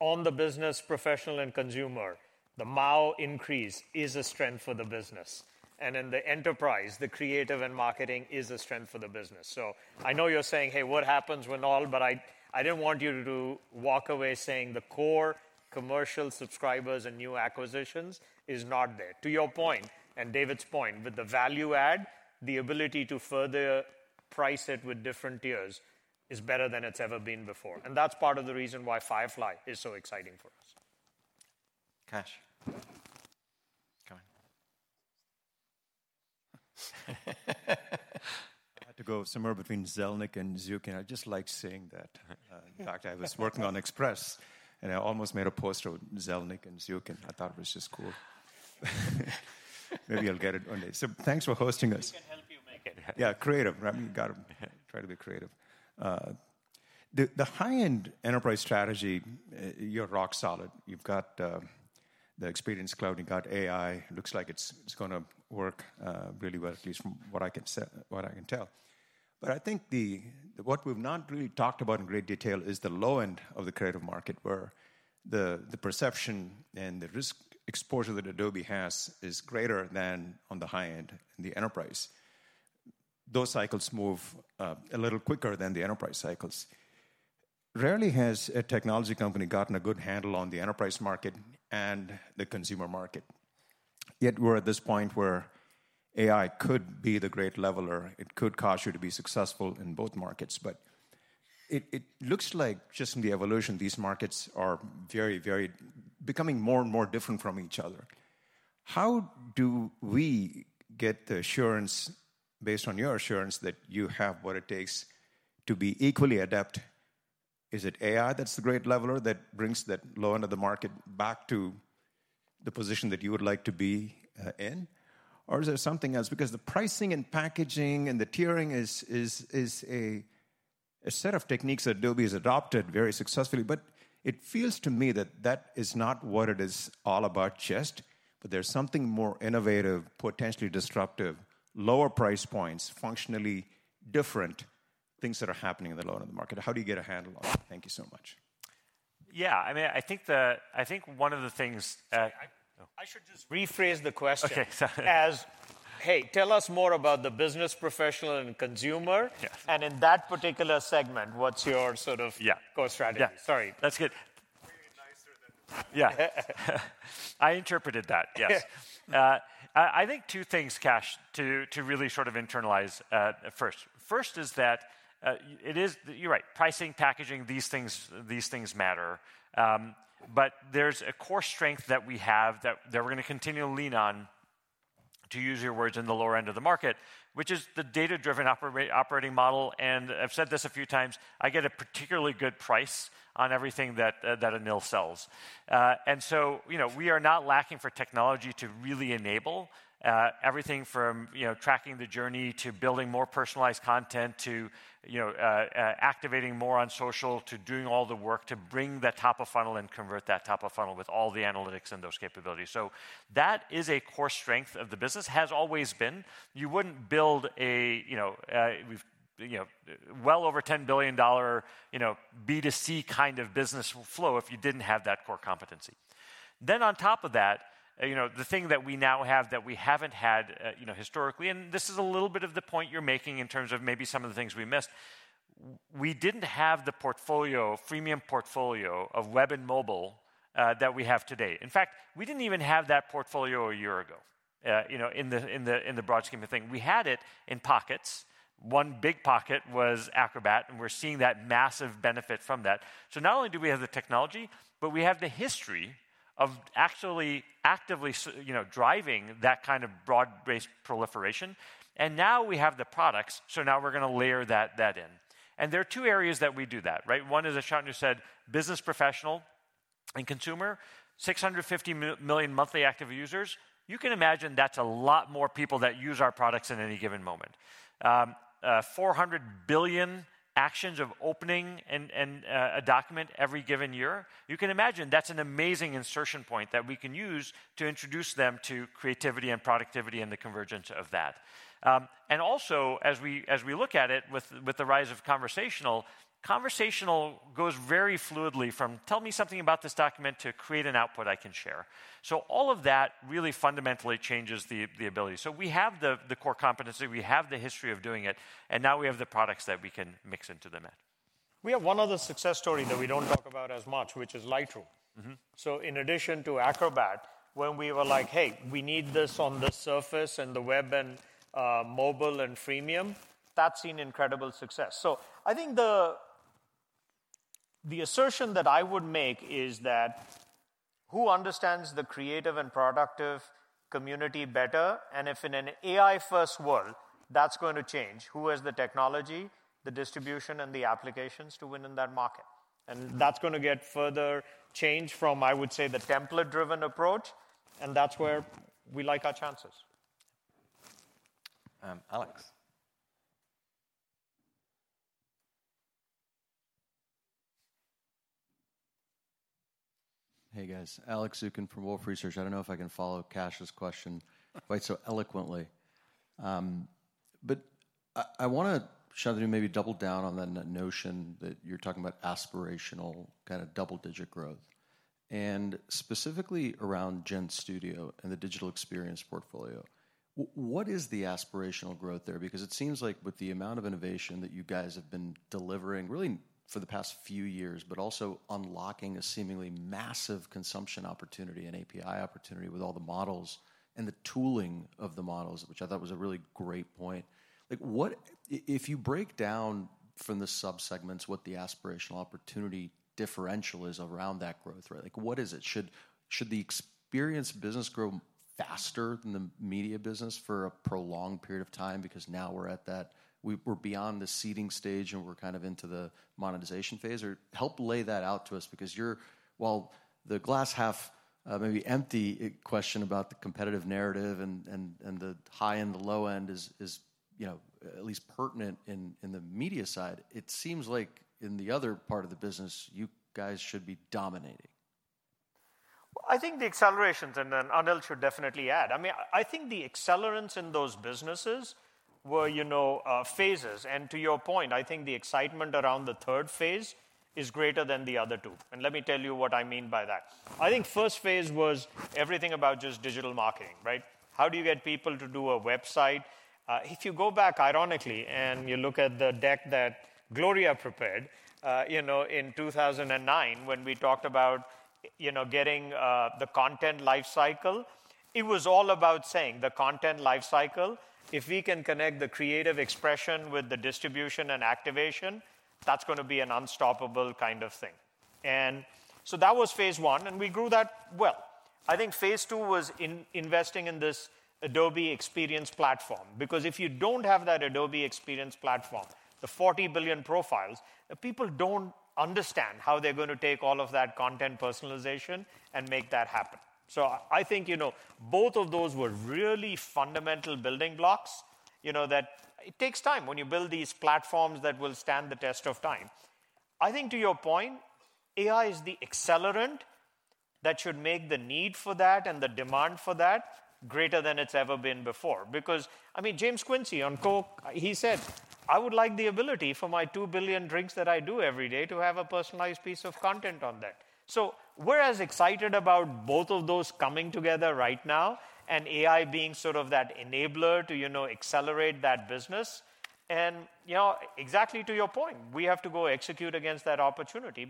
On the business, professional and consumer, the MAU increase is a strength for the business. In the enterprise, the creative and marketing is a strength for the business. I know you're saying, hey, what happens when all, but I didn't want you to walk away saying the core commercial subscribers and new acquisitions is not there. To your point and David's point, with the value add, the ability to further price it with different tiers is better than it's ever been before. That's part of the reason why Firefly is so exciting for us.
Kash. Come on.
I had to go somewhere between Zelnick and Zukin. I just liked saying that. In fact, I was working on Express and I almost made a post about Zelnick and Zukin. I thought it was just cool. Maybe I'll get it one day. Thanks for hosting us.
We can help you make it.
Yeah, creative. You got to try to be creative. The high-end enterprise strategy, you're rock solid. You've got the Experience Cloud. You've got AI. It looks like it's going to work really well, at least from what I can tell. I think what we've not really talked about in great detail is the low end of the creative market, where the perception and the risk exposure that Adobe has is greater than on the high end in the enterprise. Those cycles move a little quicker than the enterprise cycles. Rarely has a technology company gotten a good handle on the enterprise market and the consumer market. Yet we're at this point where AI could be the great leveler. It could cause you to be successful in both markets. It looks like just in the evolution, these markets are very, very becoming more and more different from each other. How do we get the assurance based on your assurance that you have what it takes to be equally adept? Is it AI that's the great leveler that brings that low end of the market back to the position that you would like to be in? Or is there something else? Because the pricing and packaging and the tiering is a set of techniques that Adobe has adopted very successfully. It feels to me that that is not what it is all about just. There is something more innovative, potentially disruptive, lower price points, functionally different things that are happening in the low end of the market. How do you get a handle on it? Thank you so much.
Yeah, I mean, I think one of the things I should just rephrase the question. Okay. As, hey, tell us more about the business, professional, and consumer. In that particular segment, what's your sort of core strategy? Sorry. That's good. Very nicer than. Yeah. I interpreted that, yes. I think two things, Cash, to really sort of internalize first. First is that it is, you're right, pricing, packaging, these things matter. There is a core strength that we have that we're going to continue to lean on, to use your words, in the lower end of the market, which is the data-driven operating model. I've said this a few times, I get a particularly good price on everything that Anil sells. We are not lacking for technology to really enable everything from tracking the journey to building more personalized content to activating more on social to doing all the work to bring that top of funnel and convert that top of funnel with all the analytics and those capabilities. That is a core strength of the business, has always been. You wouldn't build a well over $10 billion B2C kind of business flow if you didn't have that core competency. Then on top of that, the thing that we now have that we haven't had historically, and this is a little bit of the point you're making in terms of maybe some of the things we missed, we didn't have the portfolio, freemium portfolio of web and mobile that we have today. In fact, we didn't even have that portfolio a year ago in the broad scheme of things. We had it in pockets. One big pocket was Acrobat. And we're seeing that massive benefit from that. Not only do we have the technology, but we have the history of actually actively driving that kind of broad-based proliferation. Now we have the products. Now we're going to layer that in. There are two areas that we do that. One is, as Shantanu said, business, professional, and consumer, 650 million monthly active users. You can imagine that's a lot more people that use our products in any given moment. 400 billion actions of opening a document every given year. You can imagine that's an amazing insertion point that we can use to introduce them to creativity and productivity and the convergence of that. Also, as we look at it with the rise of conversational, conversational goes very fluidly from tell me something about this document to create an output I can share. All of that really fundamentally changes the ability. We have the core competency. We have the history of doing it. Now we have the products that we can mix into the mix.
We have one other success story that we do not talk about as much, which is Lightroom. In addition to Acrobat, when we were like, hey, we need this on the surface and the web and mobile and freemium, that has seen incredible success.
I think the assertion that I would make is that who understands the creative and productive community better? If in an AI-first world, that is going to change who has the technology, the distribution, and the applications to win in that market.
That is going to get further change from, I would say, the template-driven approach. That is where we like our chances.
Alex.
Hey, guys. Alex Zukin from Wolfe Research. I do not know if I can follow Cash's question quite so eloquently. I want to shove you maybe double down on that notion that you are talking about aspirational kind of double-digit growth. Specifically around GenStudio and the digital experience portfolio, what is the aspirational growth there? Because it seems like with the amount of innovation that you guys have been delivering really for the past few years, but also unlocking a seemingly massive consumption opportunity and API opportunity with all the models and the tooling of the models, which I thought was a really great point. If you break down from the subsegments what the aspirational opportunity differential is around that growth, what is it? Should the experience business grow faster than the media business for a prolonged period of time? Because now we're at that we're beyond the seeding stage and we're kind of into the monetization phase. Help lay that out to us. Because while the glass half may be empty, the question about the competitive narrative and the high and the low end is at least pertinent in the media side, it seems like in the other part of the business, you guys should be dominating.
I think the accelerations and then Anil should definitely add. I mean, I think the accelerants in those businesses were phases. To your point, I think the excitement around the third phase is greater than the other two. Let me tell you what I mean by that. I think first phase was everything about just digital marketing. How do you get people to do a website? If you go back, ironically, and you look at the deck that Gloria prepared in 2009 when we talked about getting the content lifecycle, it was all about saying the content lifecycle, if we can connect the creative expression with the distribution and activation, that's going to be an unstoppable kind of thing. That was phase one. We grew that well. I think phase two was investing in this Adobe Experience Platform. Because if you do not have that Adobe Experience Platform, the 40 billion profiles, people do not understand how they are going to take all of that content personalization and make that happen. I think both of those were really fundamental building blocks. It takes time when you build these platforms that will stand the test of time. I think to your point, AI is the accelerant that should make the need for that and the demand for that greater than it's ever been before. Because, I mean, James Quincey on Coke, he said, I would like the ability for my 2 billion drinks that I do every day to have a personalized piece of content on that. We're as excited about both of those coming together right now and AI being sort of that enabler to accelerate that business. Exactly to your point, we have to go execute against that opportunity.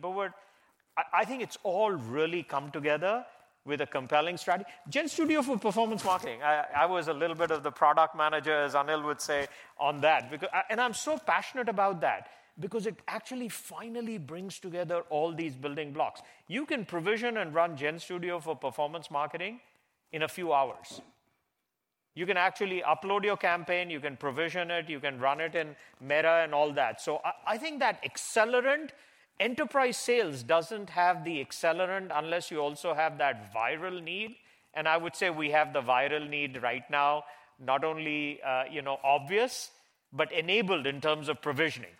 I think it's all really come together with a compelling strategy. GenStudio for performance marketing, I was a little bit of the product manager, as Anil would say, on that. I'm so passionate about that because it actually finally brings together all these building blocks. You can provision and run GenStudio for performance marketing in a few hours. You can actually upload your campaign. You can provision it. You can run it in Meta and all that. I think that accelerant enterprise sales does not have the accelerant unless you also have that viral need. I would say we have the viral need right now, not only obvious, but enabled in terms of provisioning.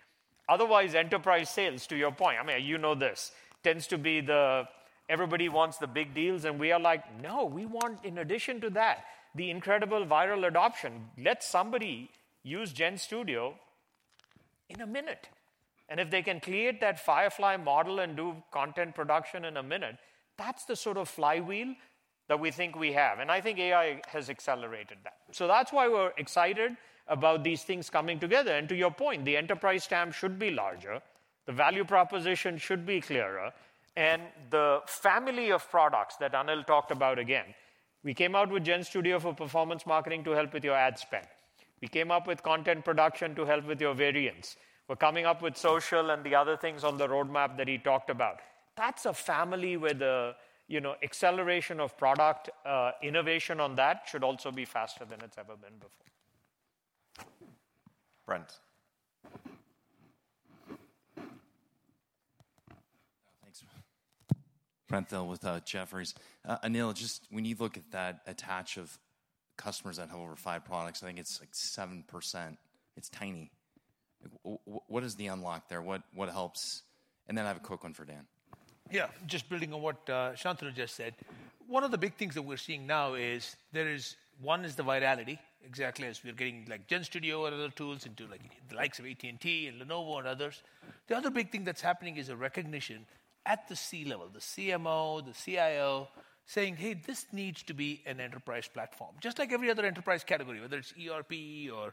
Otherwise, enterprise sales, to your point, I mean, you know this, tends to be the everybody wants the big deals. We are like, no, we want, in addition to that, the incredible viral adoption. Let somebody use GenStudio in a minute. If they can create that Firefly model and do content production in a minute, that is the sort of flywheel that we think we have. I think AI has accelerated that. That is why we're excited about these things coming together. To your point, the enterprise STAM should be larger. The value proposition should be clearer. The family of products that Anil talked about again, we came out with GenStudio for performance marketing to help with your ad spend. We came up with content production to help with your variants. We're coming up with social and the other things on the roadmap that he talked about. That is a family where the acceleration of product innovation on that should also be faster than it's ever been before.
Brent.
Thanks. Brent Thill with Jefferies. Anil, just when you look at that attach of customers that have over five products, I think it's like 7%. It's tiny. What is the unlock there? What helps? I have a quick one for Dan.
Just building on what Shantanu just said. One of the big things that we're seeing now is there is one is the virality, exactly as we're getting GenStudio and other tools into the likes of AT&T and Lenovo and others. The other big thing that's happening is a recognition at the C level, the CMO, the CIO, saying, hey, this needs to be an enterprise platform. Just like every other enterprise category, whether it's ERP or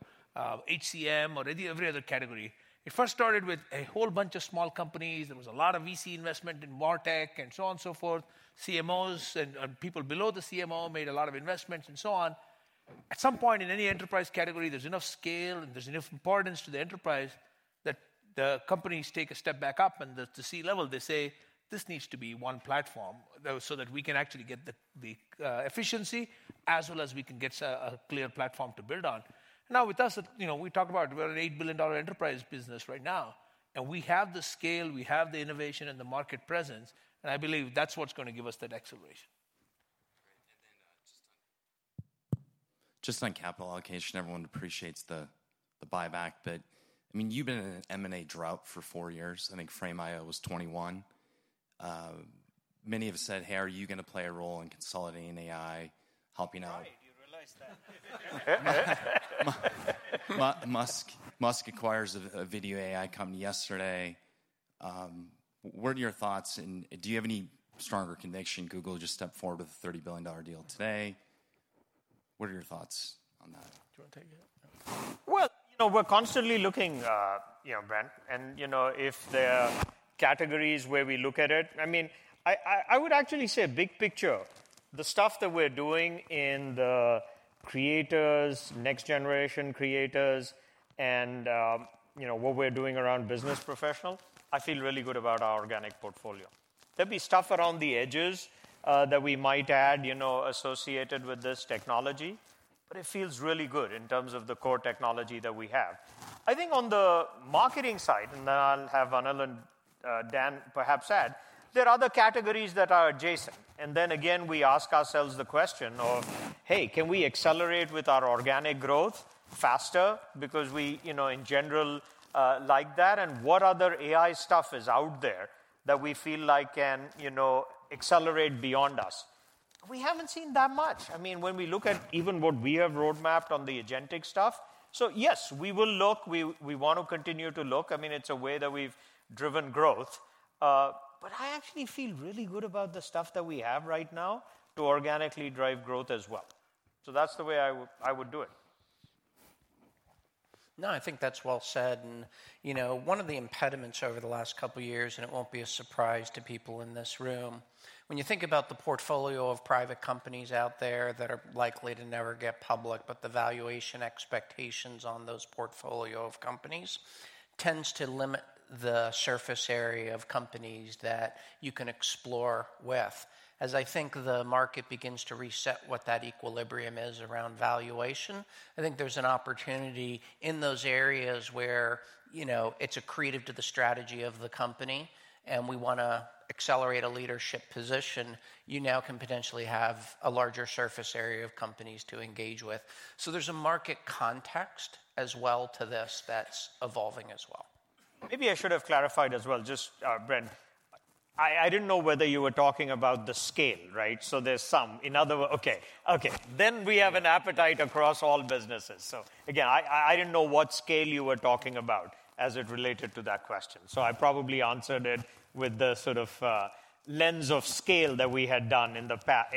HCM or every other category. It first started with a whole bunch of small companies. There was a lot of VC investment in VaRTech and so on and so forth. CMOs and people below the CMO made a lot of investments and so on. At some point in any enterprise category, there's enough scale and there's enough importance to the enterprise that the companies take a step back up. At the C level, they say, this needs to be one platform so that we can actually get the efficiency as well as we can get a clear platform to build on. Now with us, we talk about we're an $8 billion enterprise business right now. We have the scale. We have the innovation and the market presence. I believe that's what's going to give us that acceleration.
Just on capital allocation, everyone appreciates the buyback. I mean, you've been in an M&A drought for four years. I think Frame.io was 2021. Many have said, hey, are you going to play a role in consolidating AI, helping out?
Right, you realize that.
Musk acquires a video AI company yesterday. What areyour thoughts? Do you have any stronger conviction Google just stepped forward with a $30 billion deal today? What are your thoughts on that? Do you want to take it?
We are constantly looking, Brent. If there are categories where we look at it, I mean, I would actually say a big picture, the stuff that we are doing in the creators, next generation creators, and what we are doing around business professional, I feel really good about our organic portfolio. There will be stuff around the edges that we might add associated with this technology. It feels really good in terms of the core technology that we have. I think on the marketing side, and then I will have Anil and Dan perhaps add, there are other categories that are adjacent. Again, we ask ourselves the question of, hey, can we accelerate with our organic growth faster? Because we, in general, like that. What other AI stuff is out there that we feel like can accelerate beyond us? We haven't seen that much. I mean, when we look at even what we have roadmapped on the agentic stuff, yes, we will look. We want to continue to look. I mean, it's a way that we've driven growth. I actually feel really good about the stuff that we have right now to organically drive growth as well. That is the way I would do it. No, I think that's well said.
One of the impediments over the last couple of years, and it will not be a surprise to people in this room, when you think about the portfolio of private companies out there that are likely to never get public, the valuation expectations on those portfolio of companies tends to limit the surface area of companies that you can explore with. As I think the market begins to reset what that equilibrium is around valuation, I think there is an opportunity in those areas where it is accretive to the strategy of the company. We want to accelerate a leadership position. You now can potentially have a larger surface area of companies to engage with. There is a market context as well to this that is evolving as well. Maybe I should have clarified as well, just Brent. I did not know whether you were talking about the scale, right? There's some. In other words, OK. OK. We have an appetite across all businesses. Again, I didn't know what scale you were talking about as it related to that question. I probably answered it with the sort of lens of scale that we had done in the past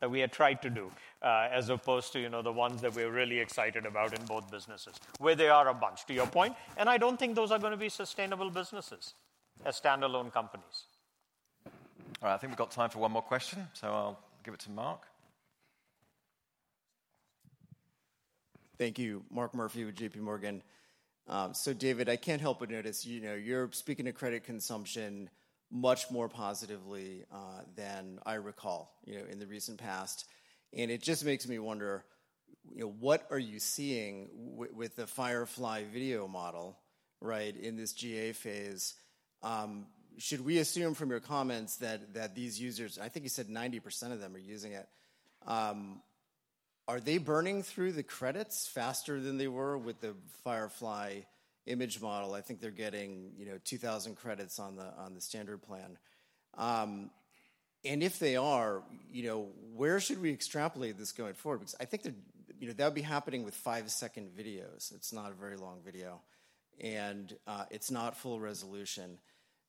that we had tried to do as opposed to the ones that we were really excited about in both businesses, where they are a bunch, to your point. I don't think those are going to be sustainable businesses as standalone companies.
All right, I think we've got time for one more question. I'll give it to Mark.
Thank you. Mark Murphy with JPMorgan. David, I can't help but notice you're speaking to credit consumption much more positively than I recall in the recent past. It just makes me wonder, what are you seeing with the Firefly video model in this GA phase? Should we assume from your comments that these users, I think you said 90% of them are using it, are they burning through the credits faster than they were with the Firefly image model? I think they're getting 2,000 credits on the standard plan. If they are, where should we extrapolate this going forward? I think that would be happening with five-second videos. It's not a very long video. It's not full resolution.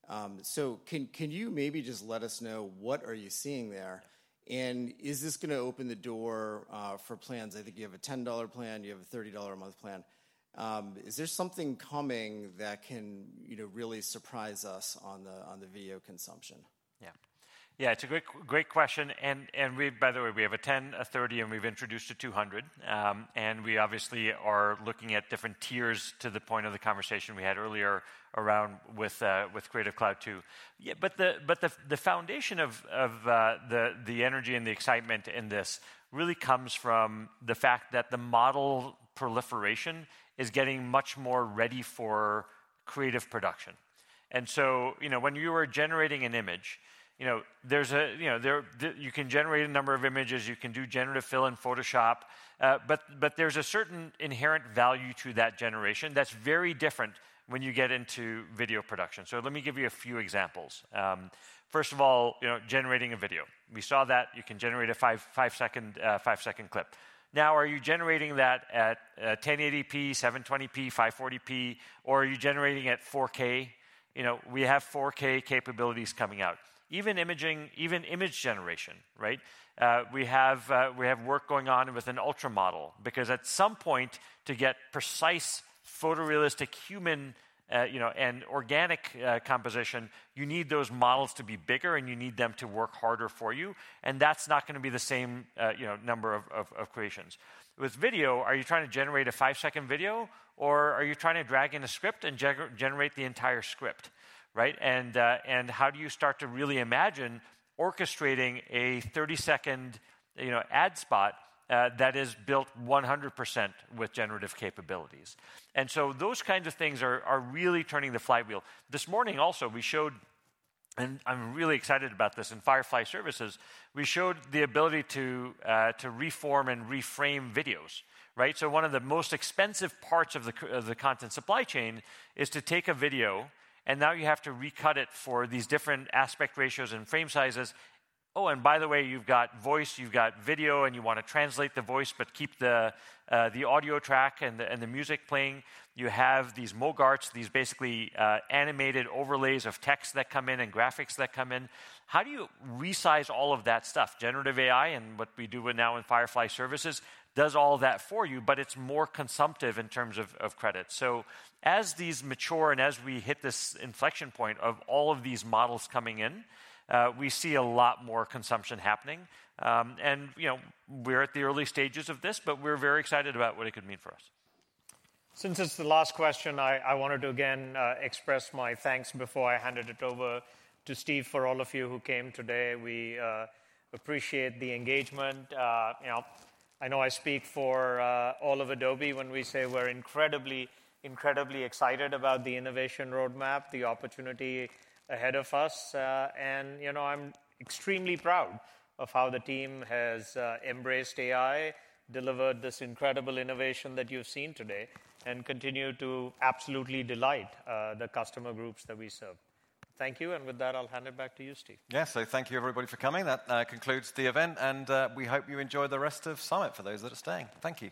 Can you maybe just let us know what are you seeing there? Is this going to open the door for plans? I think you have a $10 plan. You have a $30 a month plan. Is there something coming that can really surprise us on the video consumption? Yeah.
Yeah, it's a great question. By the way, we have a 10, a 30, and we've introduced a 200. We obviously are looking at different tiers to the point of the conversation we had earlier around with Creative Cloud too. The foundation of the energy and the excitement in this really comes from the fact that the model proliferation is getting much more ready for creative production. When you are generating an image, you can generate a number of images. You can do generative fill in Photoshop. There's a certain inherent value to that generation that's very different when you get into video production. Let me give you a few examples. First of all, generating a video. We saw that you can generate a five-second clip. Now, are you generating that at 1080p, 720p, 540p, or are you generating at 4K? We have 4K capabilities coming out. Even image generation, right? We have work going on with an ultra model. Because at some point, to get precise photorealistic human and organic composition, you need those models to be bigger, and you need them to work harder for you. That is not going to be the same number of creations. With video, are you trying to generate a five-second video, or are you trying to drag in a script and generate the entire script? How do you start to really imagine orchestrating a 30-second ad spot that is built 100% with generative capabilities? Those kinds of things are really turning the flywheel. This morning also, we showed, and I am really excited about this in Firefly Services, we showed the ability to reform and reframe videos. One of the most expensive parts of the content supply chain is to take a video, and now you have to recut it for these different aspect ratios and frame sizes. Oh, and by the way, you've got voice. You've got video, and you want to translate the voice but keep the audio track and the music playing. You have these Mogarts, these basically animated overlays of text that come in and graphics that come in. How do you resize all of that stuff? Generative AI and what we do now in Firefly Services does all that for you, but it's more consumptive in terms of credits. As these mature and as we hit this inflection point of all of these models coming in, we see a lot more consumption happening. We're at the early stages of this, but we're very excited about what it could mean for us.
Since it's the last question, I wanted to again express my thanks before I handed it over to Steve for all of you who came today. We appreciate the engagement. I know I speak for all of Adobe when we say we're incredibly, incredibly excited about the innovation roadmap, the opportunity ahead of us. I'm extremely proud of how the team has embraced AI, delivered this incredible innovation that you've seen today, and continue to absolutely delight the customer groups that we serve. Thank you. With that, I'll hand it back to you, Steve.
Yes, thank you, everybody, for coming. That concludes the event. We hope you enjoy the rest of Summit for those that are staying. Thank you.